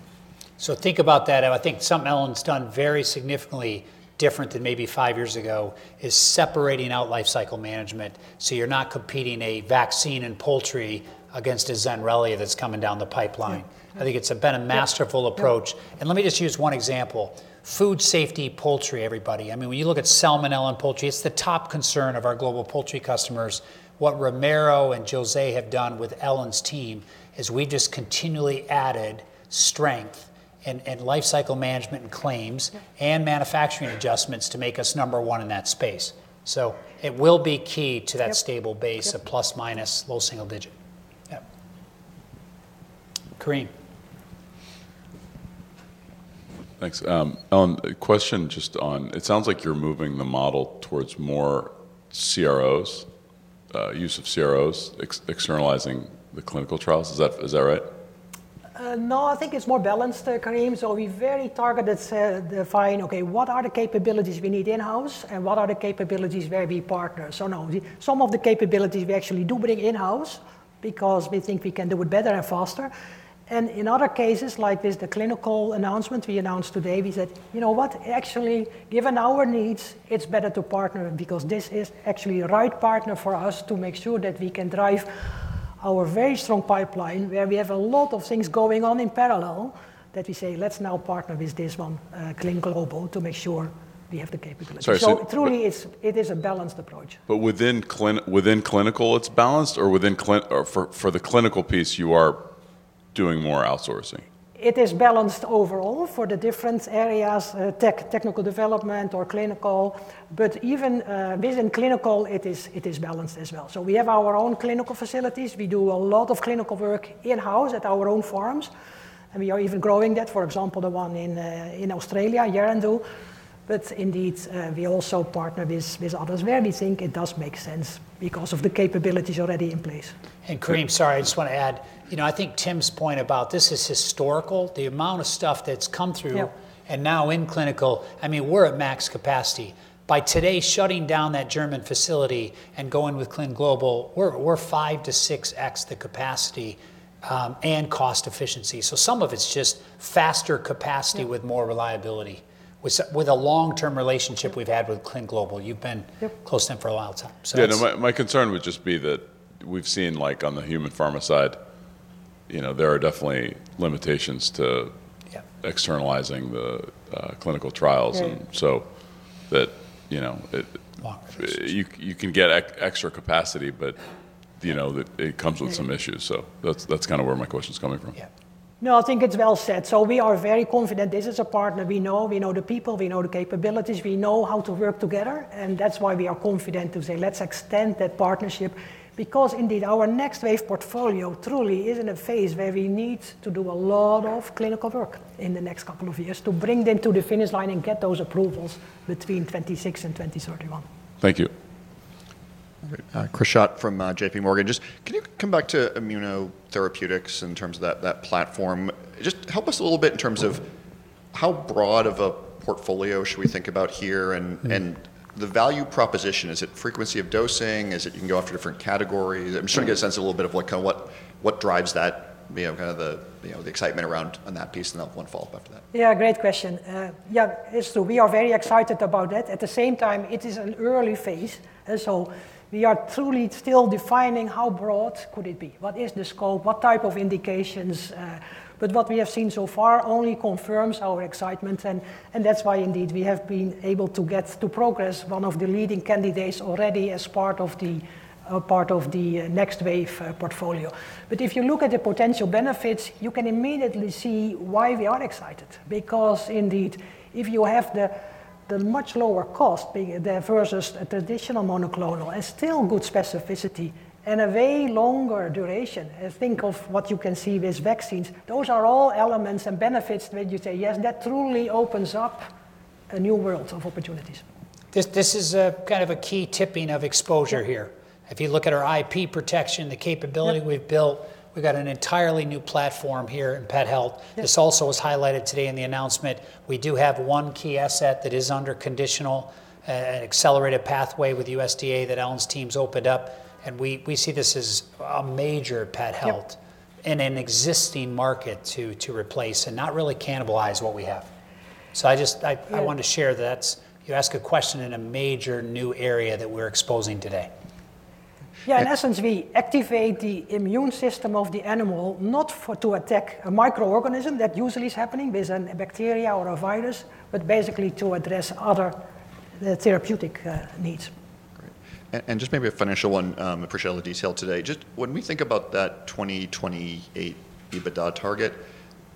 So think about that. And I think something Ellen's done very significantly different than maybe five years ago is separating out lifecycle management. So you're not competing a vaccine in poultry against a Zenrelia that's coming down the pipeline. I think it's been a masterful approach. And let me just use one example. Food safety poultry, everybody. I mean, when you look at Salmonella poultry, Ellen, it's the top concern of our global poultry customers. What Romero and José have done with Ellen's team is we just continually added strength and lifecycle management and claims and manufacturing adjustments to make us number one in that space. So it will be key to that stable base of plus minus low single digit. Yeah. Karim. Thanks. Ellen, question just on, it sounds like you're moving the model towards more CROs, use of CROs, externalizing the clinical trials. Is that right? No, I think it's more balanced, Karim. So we're very targeted to find, okay, what are the capabilities we need in-house and what are the capabilities where we partner. So no, some of the capabilities we actually do bring in-house because we think we can do it better and faster. And in other cases like this, the clinical announcement we announced today, we said, you know what, actually, given our needs, it's better to partner because this is actually the right partner for us to make sure that we can drive our very strong pipeline where we have a lot of things going on in parallel that we say, let's now partner with this one, ClinGlobal, to make sure we have the capability. So truly, it is a balanced approach. But within clinical, it's balanced? Or for the clinical piece, you are doing more outsourcing? It is balanced overall for the different areas, technical development or clinical. But even within clinical, it is balanced as well. So we have our own clinical facilities. We do a lot of clinical work in-house at our own farms. And we are even growing that, for example, the one in Australia, Yarrandoo. But indeed, we also partner with others where we think it does make sense because of the capabilities already in place. And Karim, sorry, I just want to add. I think Tim's point about this is historical. The amount of stuff that's come through and now in clinical, I mean, we're at max capacity. By today, shutting down that German facility and going with ClinGlobal, we're five to six X the capacity and cost efficiency. So some of it's just faster capacity with more reliability with a long-term relationship we've had with ClinGlobal. You've been close to them for a long time. Yeah. My concern would just be that we've seen on the human pharma side, there are definitely limitations to externalizing the clinical trials. And so that you can get extra capacity, but it comes with some issues. So that's kind of where my question's coming from. Yeah. No, I think it's well said, so we are very confident this is a partner we know. We know the people. We know the capabilities. We know how to work together, and that's why we are confident to say, let's extend that partnership. Because indeed, our next wave portfolio truly is in a phase where we need to do a lot of clinical work in the next couple of years to bring them to the finish line and get those approvals between 2026 and 2031. Thank you. Chris Schott from J.P. Morgan. Just can you come back to immunotherapeutics in terms of that platform? Just help us a little bit in terms of how broad of a portfolio should we think about here and the value proposition. Is it frequency of dosing? Is it you can go after different categories? I'm just trying to get a sense a little bit of what drives that, kind of the excitement around that piece and then one follow-up after that. Yeah, great question. Yeah, it's true. We are very excited about that. At the same time, it is an early phase, and so we are truly still defining how broad could it be. What is the scope? What type of indications? But what we have seen so far only confirms our excitement, and that's why indeed we have been able to get to progress one of the leading candidates already as part of the next wave portfolio. But if you look at the potential benefits, you can immediately see why we are excited. Because indeed, if you have the much lower cost versus a traditional monoclonal and still good specificity and a way longer duration, and think of what you can see with vaccines, those are all elements and benefits when you say, yes, that truly opens up a new world of opportunities. This is kind of a key tipping of exposure here. If you look at our IP protection, the capability we've built, we've got an entirely new platform here in Pet Health. This also was highlighted today in the announcement. We do have one key asset that is under conditional and accelerated pathway with USDA that Ellen's team's opened up, and we see this as a major Pet Health in an existing market to replace and not really cannibalize what we have, so I just want to share that you ask a question in a major new area that we're exposing today. Yeah, in essence, we activate the immune system of the animal not to attack a microorganism that usually is happening with a bacteria or a virus, but basically to address other therapeutic needs. And just maybe a financial one. Appreciate all the detail today. Just when we think about that 2028 EBITDA target, can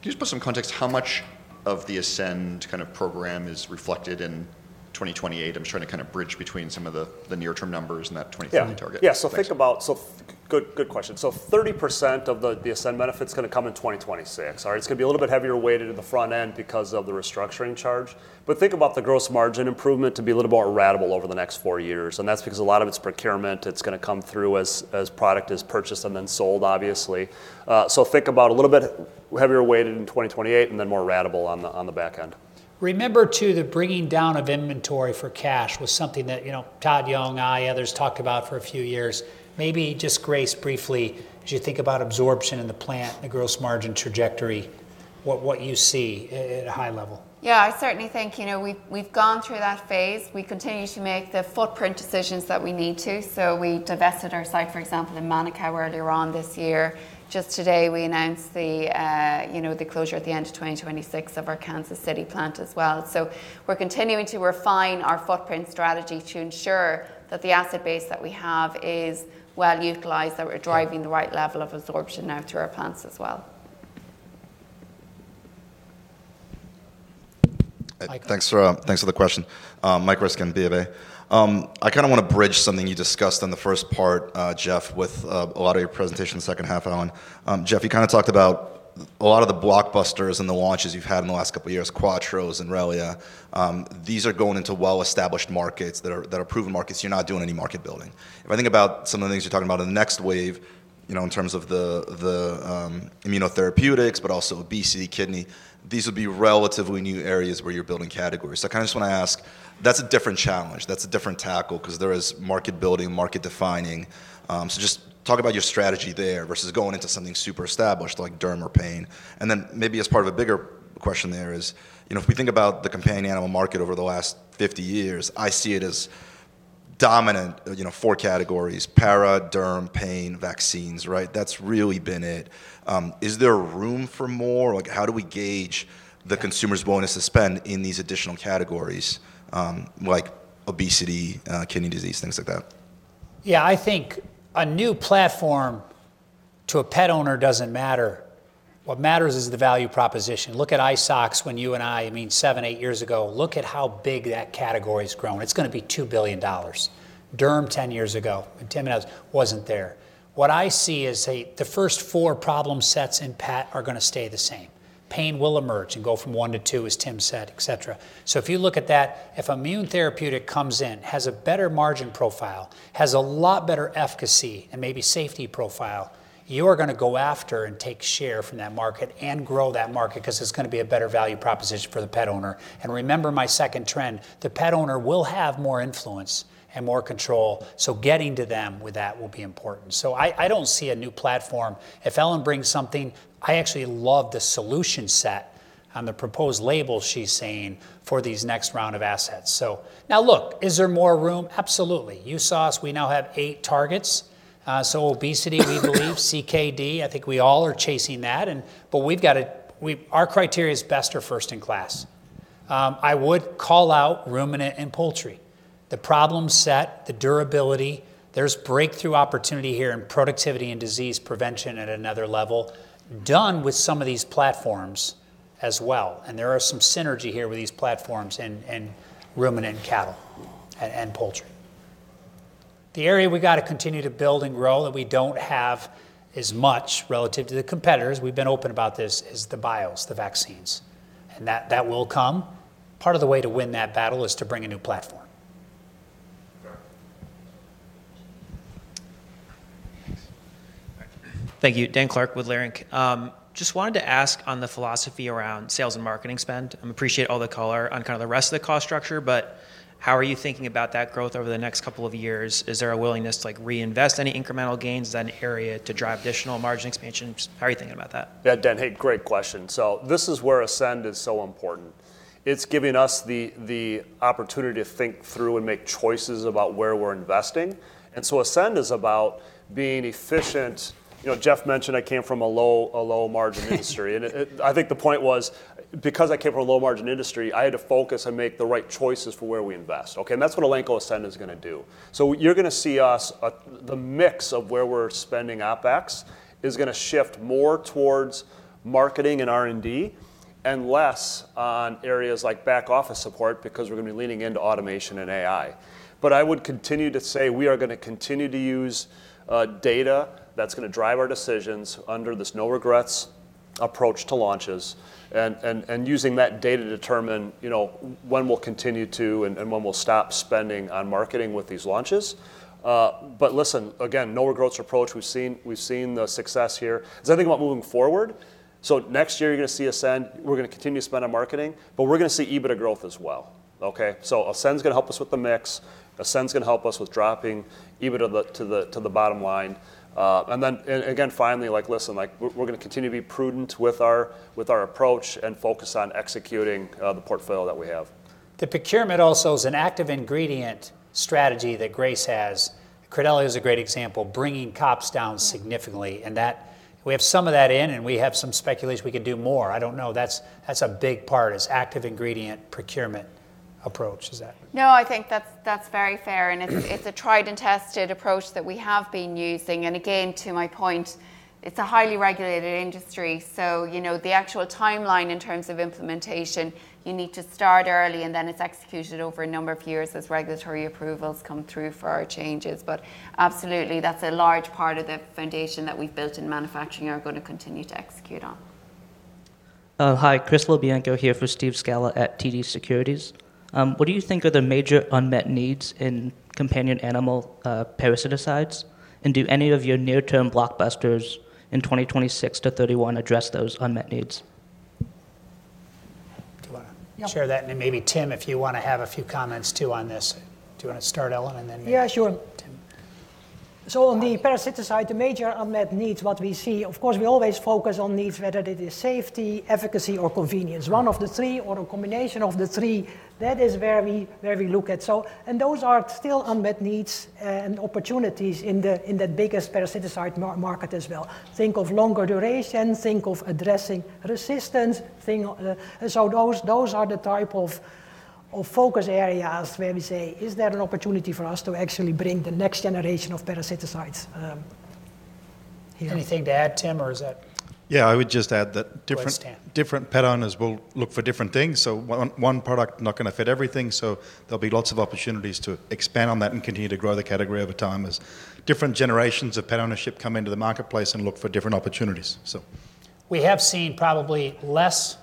you just put some context how much of the Ascend kind of program is reflected in 2028? I'm just trying to kind of bridge between some of the near-term numbers and that 2020 target. Yeah. Yeah. So, good question. So, 30% of the Ascend benefit's going to come in 2026. All right. It's going to be a little bit heavier weighted in the front end because of the restructuring charge. But think about the gross margin improvement to be a little more ratable over the next four years. And that's because a lot of it's procurement. It's going to come through as product is purchased and then sold, obviously. So think about a little bit heavier weighted in 2028 and then more ratable on the back end. Remember too, the bringing down of inventory for cash was something that Todd Young, I, others talked about for a few years. Maybe just Grace briefly, as you think about absorption in the plant and the gross margin trajectory, what you see at a high level? Yeah, I certainly think we've gone through that phase. We continue to make the footprint decisions that we need to. So we divested our site, for example, in Manitowoc earlier on this year. Just today, we announced the closure at the end of 2026 of our Kansas City plant as well. So we're continuing to refine our footprint strategy to ensure that the asset base that we have is well utilized, that we're driving the right level of absorption now to our plants as well. Thanks for the question. Mike Ryskin, B of A. I kind of want to bridge something you discussed in the first part, Jeff, with a lot of your presentation in the second half, Ellen. Jeff, you kind of talked about a lot of the blockbusters and the launches you've had in the last couple of years, Quattro's and Zenrelia. These are going into well-established markets that are proven markets. You're not doing any market building. If I think about some of the things you're talking about in the next wave in terms of the immunotherapeutics, but also obesity, kidney, these would be relatively new areas where you're building categories. So I kind of just want to ask, that's a different challenge. That's a different tackle because there is market building, market defining. So just talk about your strategy there versus going into something super established like derm or pain. And then maybe as part of a bigger question there is, if we think about the companion animal market over the last 50 years, I see it as dominant four categories: para, derm, pain, vaccines. Right? That's really been it. Is there room for more? How do we gauge the consumer's willingness to spend in these additional categories like obesity, kidney disease, things like that? Yeah, I think a new platform to a pet owner doesn't matter. What matters is the value proposition. Look at ISOX when you and I, I mean, seven, eight years ago, look at how big that category has grown. It's going to be $2 billion. Derm 10 years ago, Tim and I wasn't there. What I see is, hey, the first four problem sets in pet are going to stay the same. Pain will emerge and go from one to two, as Tim said, et cetera. So if you look at that, if immunotherapeutic comes in, has a better margin profile, has a lot better efficacy and maybe safety profile, you are going to go after and take share from that market and grow that market because it's going to be a better value proposition for the pet owner. And remember my second trend, the pet owner will have more influence and more control. So getting to them with that will be important. So I don't see a new platform. If Ellen brings something, I actually love the solution set on the proposed label she's saying for these next round of assets. So now look, is there more room? Absolutely. USOS, we now have eight targets. So obesity, we believe, CKD, I think we all are chasing that. But our criteria is best or first in class. I would call out ruminant and poultry. The problem set, the durability, there's breakthrough opportunity here in productivity and disease prevention at another level done with some of these platforms as well. And there are some synergy here with these platforms and ruminant and cattle and poultry. The area we got to continue to build and grow that we don't have as much relative to the competitors, we've been open about this, is the bios, the vaccines. And that will come. Part of the way to win that battle is to bring a new platform. Thank you. Dan Clark with Leerink. Just wanted to ask on the philosophy around sales and marketing spend. I appreciate all the color on kind of the rest of the cost structure, but how are you thinking about that growth over the next couple of years? Is there a willingness to reinvest any incremental gains? Is that an area to drive additional margin expansion? How are you thinking about that? Yeah, Dan, hey, great question. So this is where Ascend is so important. It's giving us the opportunity to think through and make choices about where we're investing. And so Ascend is about being efficient. Jeff mentioned I came from a low-margin industry. And I think the point was because I came from a low-margin industry, I had to focus and make the right choices for where we invest. Okay? And that's what Elanco Ascend is going to do. So you're going to see us, the mix of where we're spending OpEx is going to shift more towards marketing and R&D and less on areas like back office support because we're going to be leaning into automation and AI. But I would continue to say we are going to continue to use data that's going to drive our decisions under this no-regrets approach to launches and using that data to determine when we'll continue to and when we'll stop spending on marketing with these launches. But listen, again, no-regrets approach, we've seen the success here. As I think about moving forward, so next year you're going to see Ascend, we're going to continue to spend on marketing, but we're going to see EBITDA growth as well. Okay? So Ascend's going to help us with the mix. Ascend's going to help us with dropping EBITDA to the bottom line. And then again, finally, listen, we're going to continue to be prudent with our approach and focus on executing the portfolio that we have. The procurement also is an active ingredient strategy that Grace has. Credelio is a great example, bringing COGS down significantly. And we have some of that in, and we have some speculation we can do more. I don't know. That's a big part is active ingredient procurement approach. Is that? No, I think that's very fair, and it's a tried and tested approach that we have been using, and again, to my point, it's a highly regulated industry, so the actual timeline in terms of implementation, you need to start early, and then it's executed over a number of years as regulatory approvals come through for our changes, but absolutely, that's a large part of the foundation that we've built in manufacturing and are going to continue to execute on. Hi, Chris LoBianco here for Steve Scala at TD Securities. What do you think are the major unmet needs in companion animal parasiticides? And do any of your near-term blockbusters in 2026-2031 address those unmet needs? Do you want to share that? And maybe Tim, if you want to have a few comments too on this. Do you want to start, Ellen, and then? Yeah, sure. So on the parasiticide, the major unmet needs what we see, of course, we always focus on needs, whether it is safety, efficacy, or convenience. One of the three or a combination of the three, that is where we look at. And those are still unmet needs and opportunities in the biggest parasiticide market as well. Think of longer duration, think of addressing resistance. So those are the type of focus areas where we say, is there an opportunity for us to actually bring the next generation of parasiticides here? Anything to add, Tim, or is that? Yeah, I would just add that different pet owners will look for different things. So one product is not going to fit everything. So there'll be lots of opportunities to expand on that and continue to grow the category over time as different generations of pet ownership come into the marketplace and look for different opportunities. We have seen probably less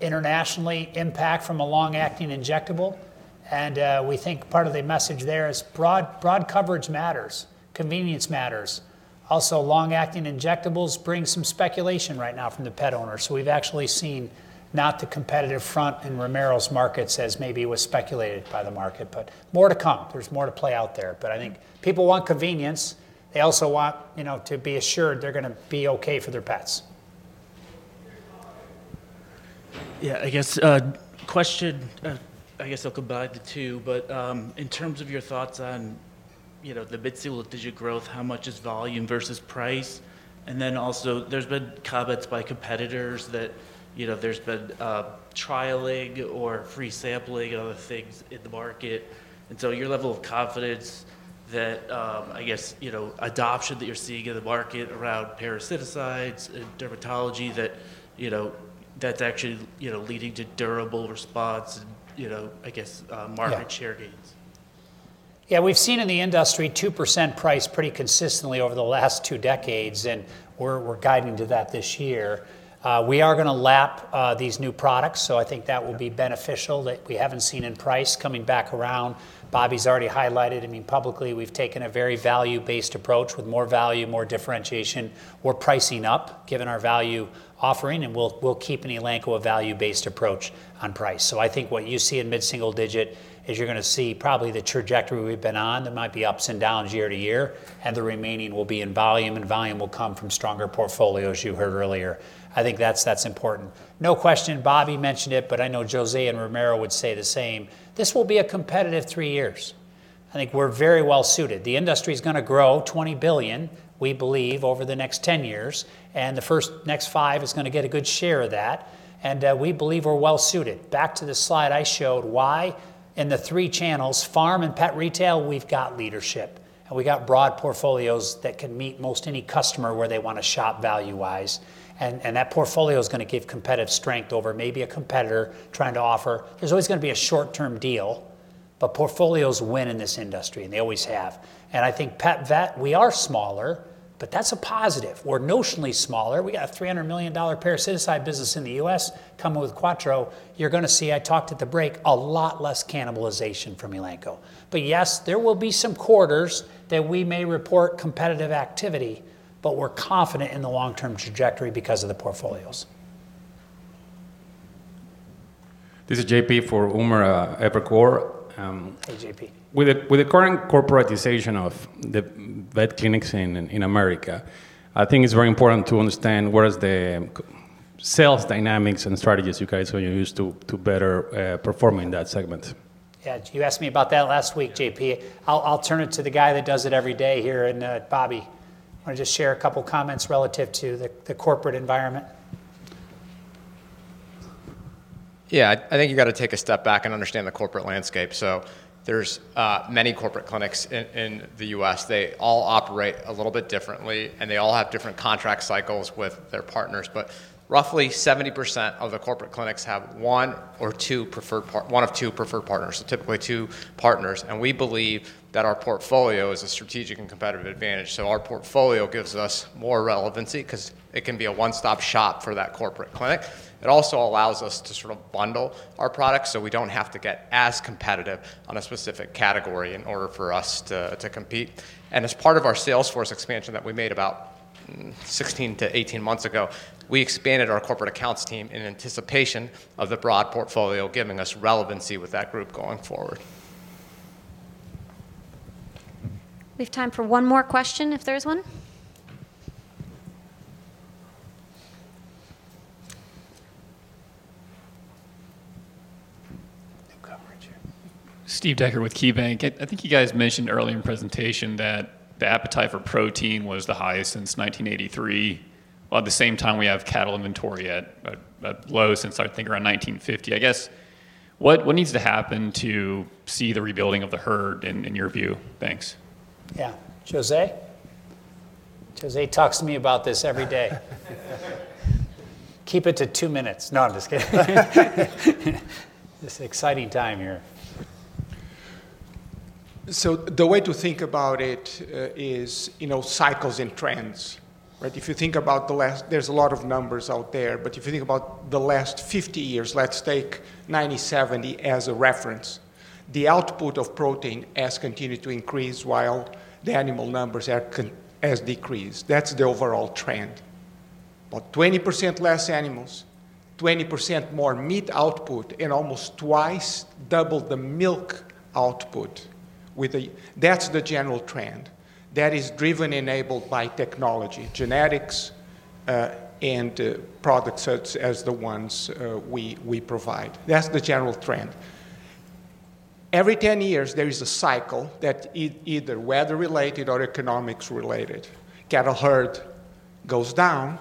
international impact from a long-acting injectable. And we think part of the message there is broad coverage matters, convenience matters. Also, long-acting injectables bring some speculation right now from the pet owners. So we've actually seen not the competitive front in ruminant markets as maybe was speculated by the market, but more to come. There's more to play out there. But I think people want convenience. They also want to be assured they're going to be okay for their pets. Yeah, I guess, question. I guess I'll combine the two. But in terms of your thoughts on the mid-single digit growth, how much is volume versus price? And then also there's been comments by competitors that there's been trialing or free sampling and other things in the market. And so your level of confidence that, I guess, adoption that you're seeing in the market around parasiticides and dermatology, that's actually leading to durable response and, I guess, market share gains. Yeah, we've seen in the industry 2% price pretty consistently over the last two decades, and we're guiding to that this year. We are going to lap these new products. So I think that will be beneficial that we haven't seen in price coming back around. Bobby's already highlighted. I mean, publicly, we've taken a very value-based approach with more value, more differentiation. We're pricing up given our value offering, and we'll keep an Elanco value-based approach on price. So I think what you see in mid-single digit is you're going to see probably the trajectory we've been on. There might be ups and downs year to year, and the remaining will be in volume, and volume will come from stronger portfolios you heard earlier. I think that's important. No question, Bobby mentioned it, but I know José and Romero would say the same. This will be a competitive three years. I think we're very well suited. The industry is going to grow $20 billion, we believe, over the next 10 years. And the first next five is going to get a good share of that. And we believe we're well suited. Back to the slide I showed, why in the three channels, farm and pet retail, we've got leadership, and we got broad portfolios that can meet most any customer where they want to shop value-wise. And that portfolio is going to give competitive strength over maybe a competitor trying to offer. There's always going to be a short-term deal, but portfolios win in this industry, and they always have. And I think pet vet, we are smaller, but that's a positive. We're notionally smaller. We got a $300 million parasiticide business in the U.S. coming with Quattro. You're going to see, I talked at the break, a lot less cannibalization from Elanco. But yes, there will be some quarters that we may report competitive activity, but we're confident in the long-term trajectory because of the portfolios. This is JP for Umer, Evercore ISI. Hey, JP. With the current corporatization of the vet clinics in America, I think it's very important to understand where are the sales dynamics and strategies you guys are used to better perform in that segment. Yeah, you asked me about that last week, JP. I'll turn it to the guy that does it every day here and Bobby. I want to just share a couple of comments relative to the corporate environment. Yeah, I think you got to take a step back and understand the corporate landscape. So there's many corporate clinics in the U.S. They all operate a little bit differently, and they all have different contract cycles with their partners. But roughly 70% of the corporate clinics have one or two preferred partners, one of two preferred partners, so typically two partners. And we believe that our portfolio is a strategic and competitive advantage. So our portfolio gives us more relevancy because it can be a one-stop shop for that corporate clinic. It also allows us to sort of bundle our products so we don't have to get as competitive on a specific category in order for us to compete. As part of our Salesforce expansion that we made about 16-18 months ago, we expanded our corporate accounts team in anticipation of the broad portfolio giving us relevancy with that group going forward. We have time for one more question if there's one. Steve Decker with KeyBank. I think you guys mentioned earlier in the presentation that the appetite for protein was the highest since 1983. Well, at the same time, we have cattle inventory at low since I think around 1950. I guess what needs to happen to see the rebuilding of the herd in your view? Thanks. Yeah, José? José talks to me about this every day. Keep it to two minutes. No, I'm just kidding. This is an exciting time here. The way to think about it is cycles and trends. If you think about the last, there's a lot of numbers out there. But if you think about the last 50 years, let's take 1990, 1970 as a reference, the output of protein has continued to increase while the animal numbers have decreased. That's the overall trend. About 20% less animals, 20% more meat output, and almost twice double the milk output. That's the general trend. That is driven and enabled by technology, genetics, and products as the ones we provide. That's the general trend. Every 10 years, there is a cycle that is either weather-related or economics-related. Cattle herd goes down,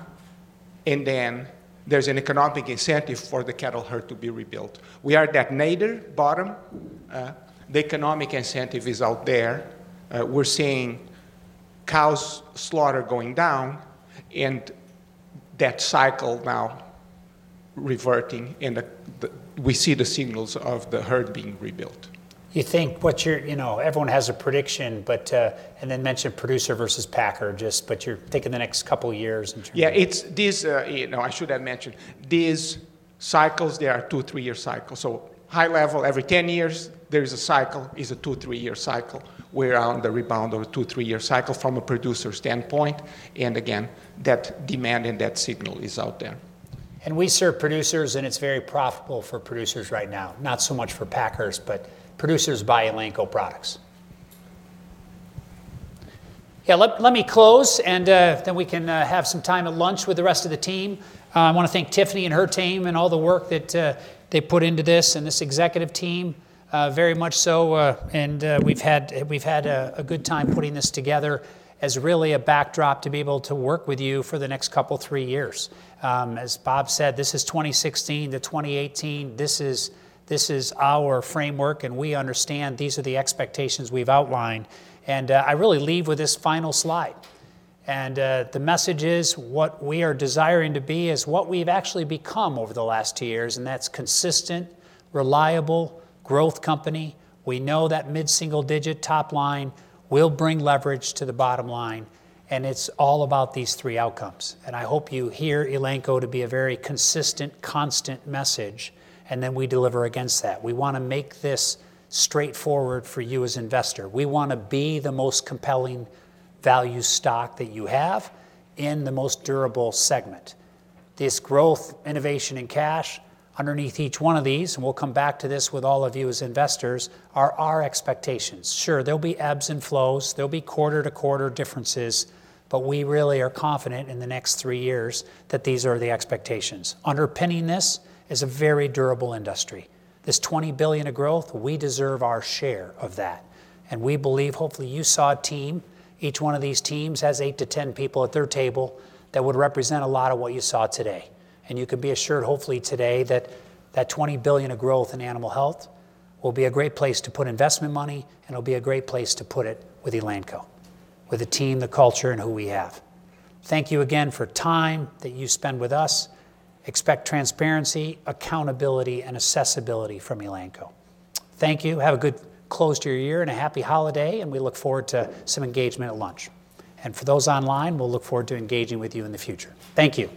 and then there's an economic incentive for the cattle herd to be rebuilt. We are at that nadir bottom. The economic incentive is out there. We're seeing cows slaughter going down and that cycle now reverting, and we see the signals of the herd being rebuilt. You think everyone has a prediction, but then mentioned producer versus packer. But you're thinking the next couple of years in terms of. Yeah, I should have mentioned these cycles. They are two- or three-year cycles. So, high level, every 10 years, there is a cycle, a two- or three-year cycle where, on the rebound of a two- or three-year cycle from a producer standpoint, and again, that demand and that signal is out there. And we serve producers, and it's very profitable for producers right now, not so much for packers, but producers buy Elanco products. Yeah, let me close, and then we can have some time at lunch with the rest of the team. I want to thank Tiffany and her team and all the work that they put into this and this executive team, very much so. And we've had a good time putting this together as really a backdrop to be able to work with you for the next couple of three years. As Bob said, this is 2016-2018. This is our framework, and we understand these are the expectations we've outlined. And I really leave with this final slide. And the message is what we are desiring to be is what we've actually become over the last two years, and that's consistent, reliable growth company. We know that mid-single digit top line will bring leverage to the bottom line, and it's all about these three outcomes. I hope you hear Elanco to be a very consistent, constant message, and then we deliver against that. We want to make this straightforward for you as an investor. We want to be the most compelling value stock that you have in the most durable segment. This growth, innovation, and cash underneath each one of these, and we'll come back to this with all of you as investors, are our expectations. Sure, there'll be ebbs and flows. There'll be quarter-to-quarter differences, but we really are confident in the next three years that these are the expectations. Underpinning this is a very durable industry. This $20 billion of growth, we deserve our share of that, and we believe, hopefully, you saw a team. Each one of these teams has eight to 10 people at their table that would represent a lot of what you saw today, and you can be assured, hopefully, today that that $20 billion of growth in animal health will be a great place to put investment money, and it'll be a great place to put it with Elanco, with the team, the culture, and who we have. Thank you again for time that you spend with us. Expect transparency, accountability, and accessibility from Elanco. Thank you. Have a good close to your year and a happy holiday, and we look forward to some engagement at lunch, and for those online, we'll look forward to engaging with you in the future. Thank you.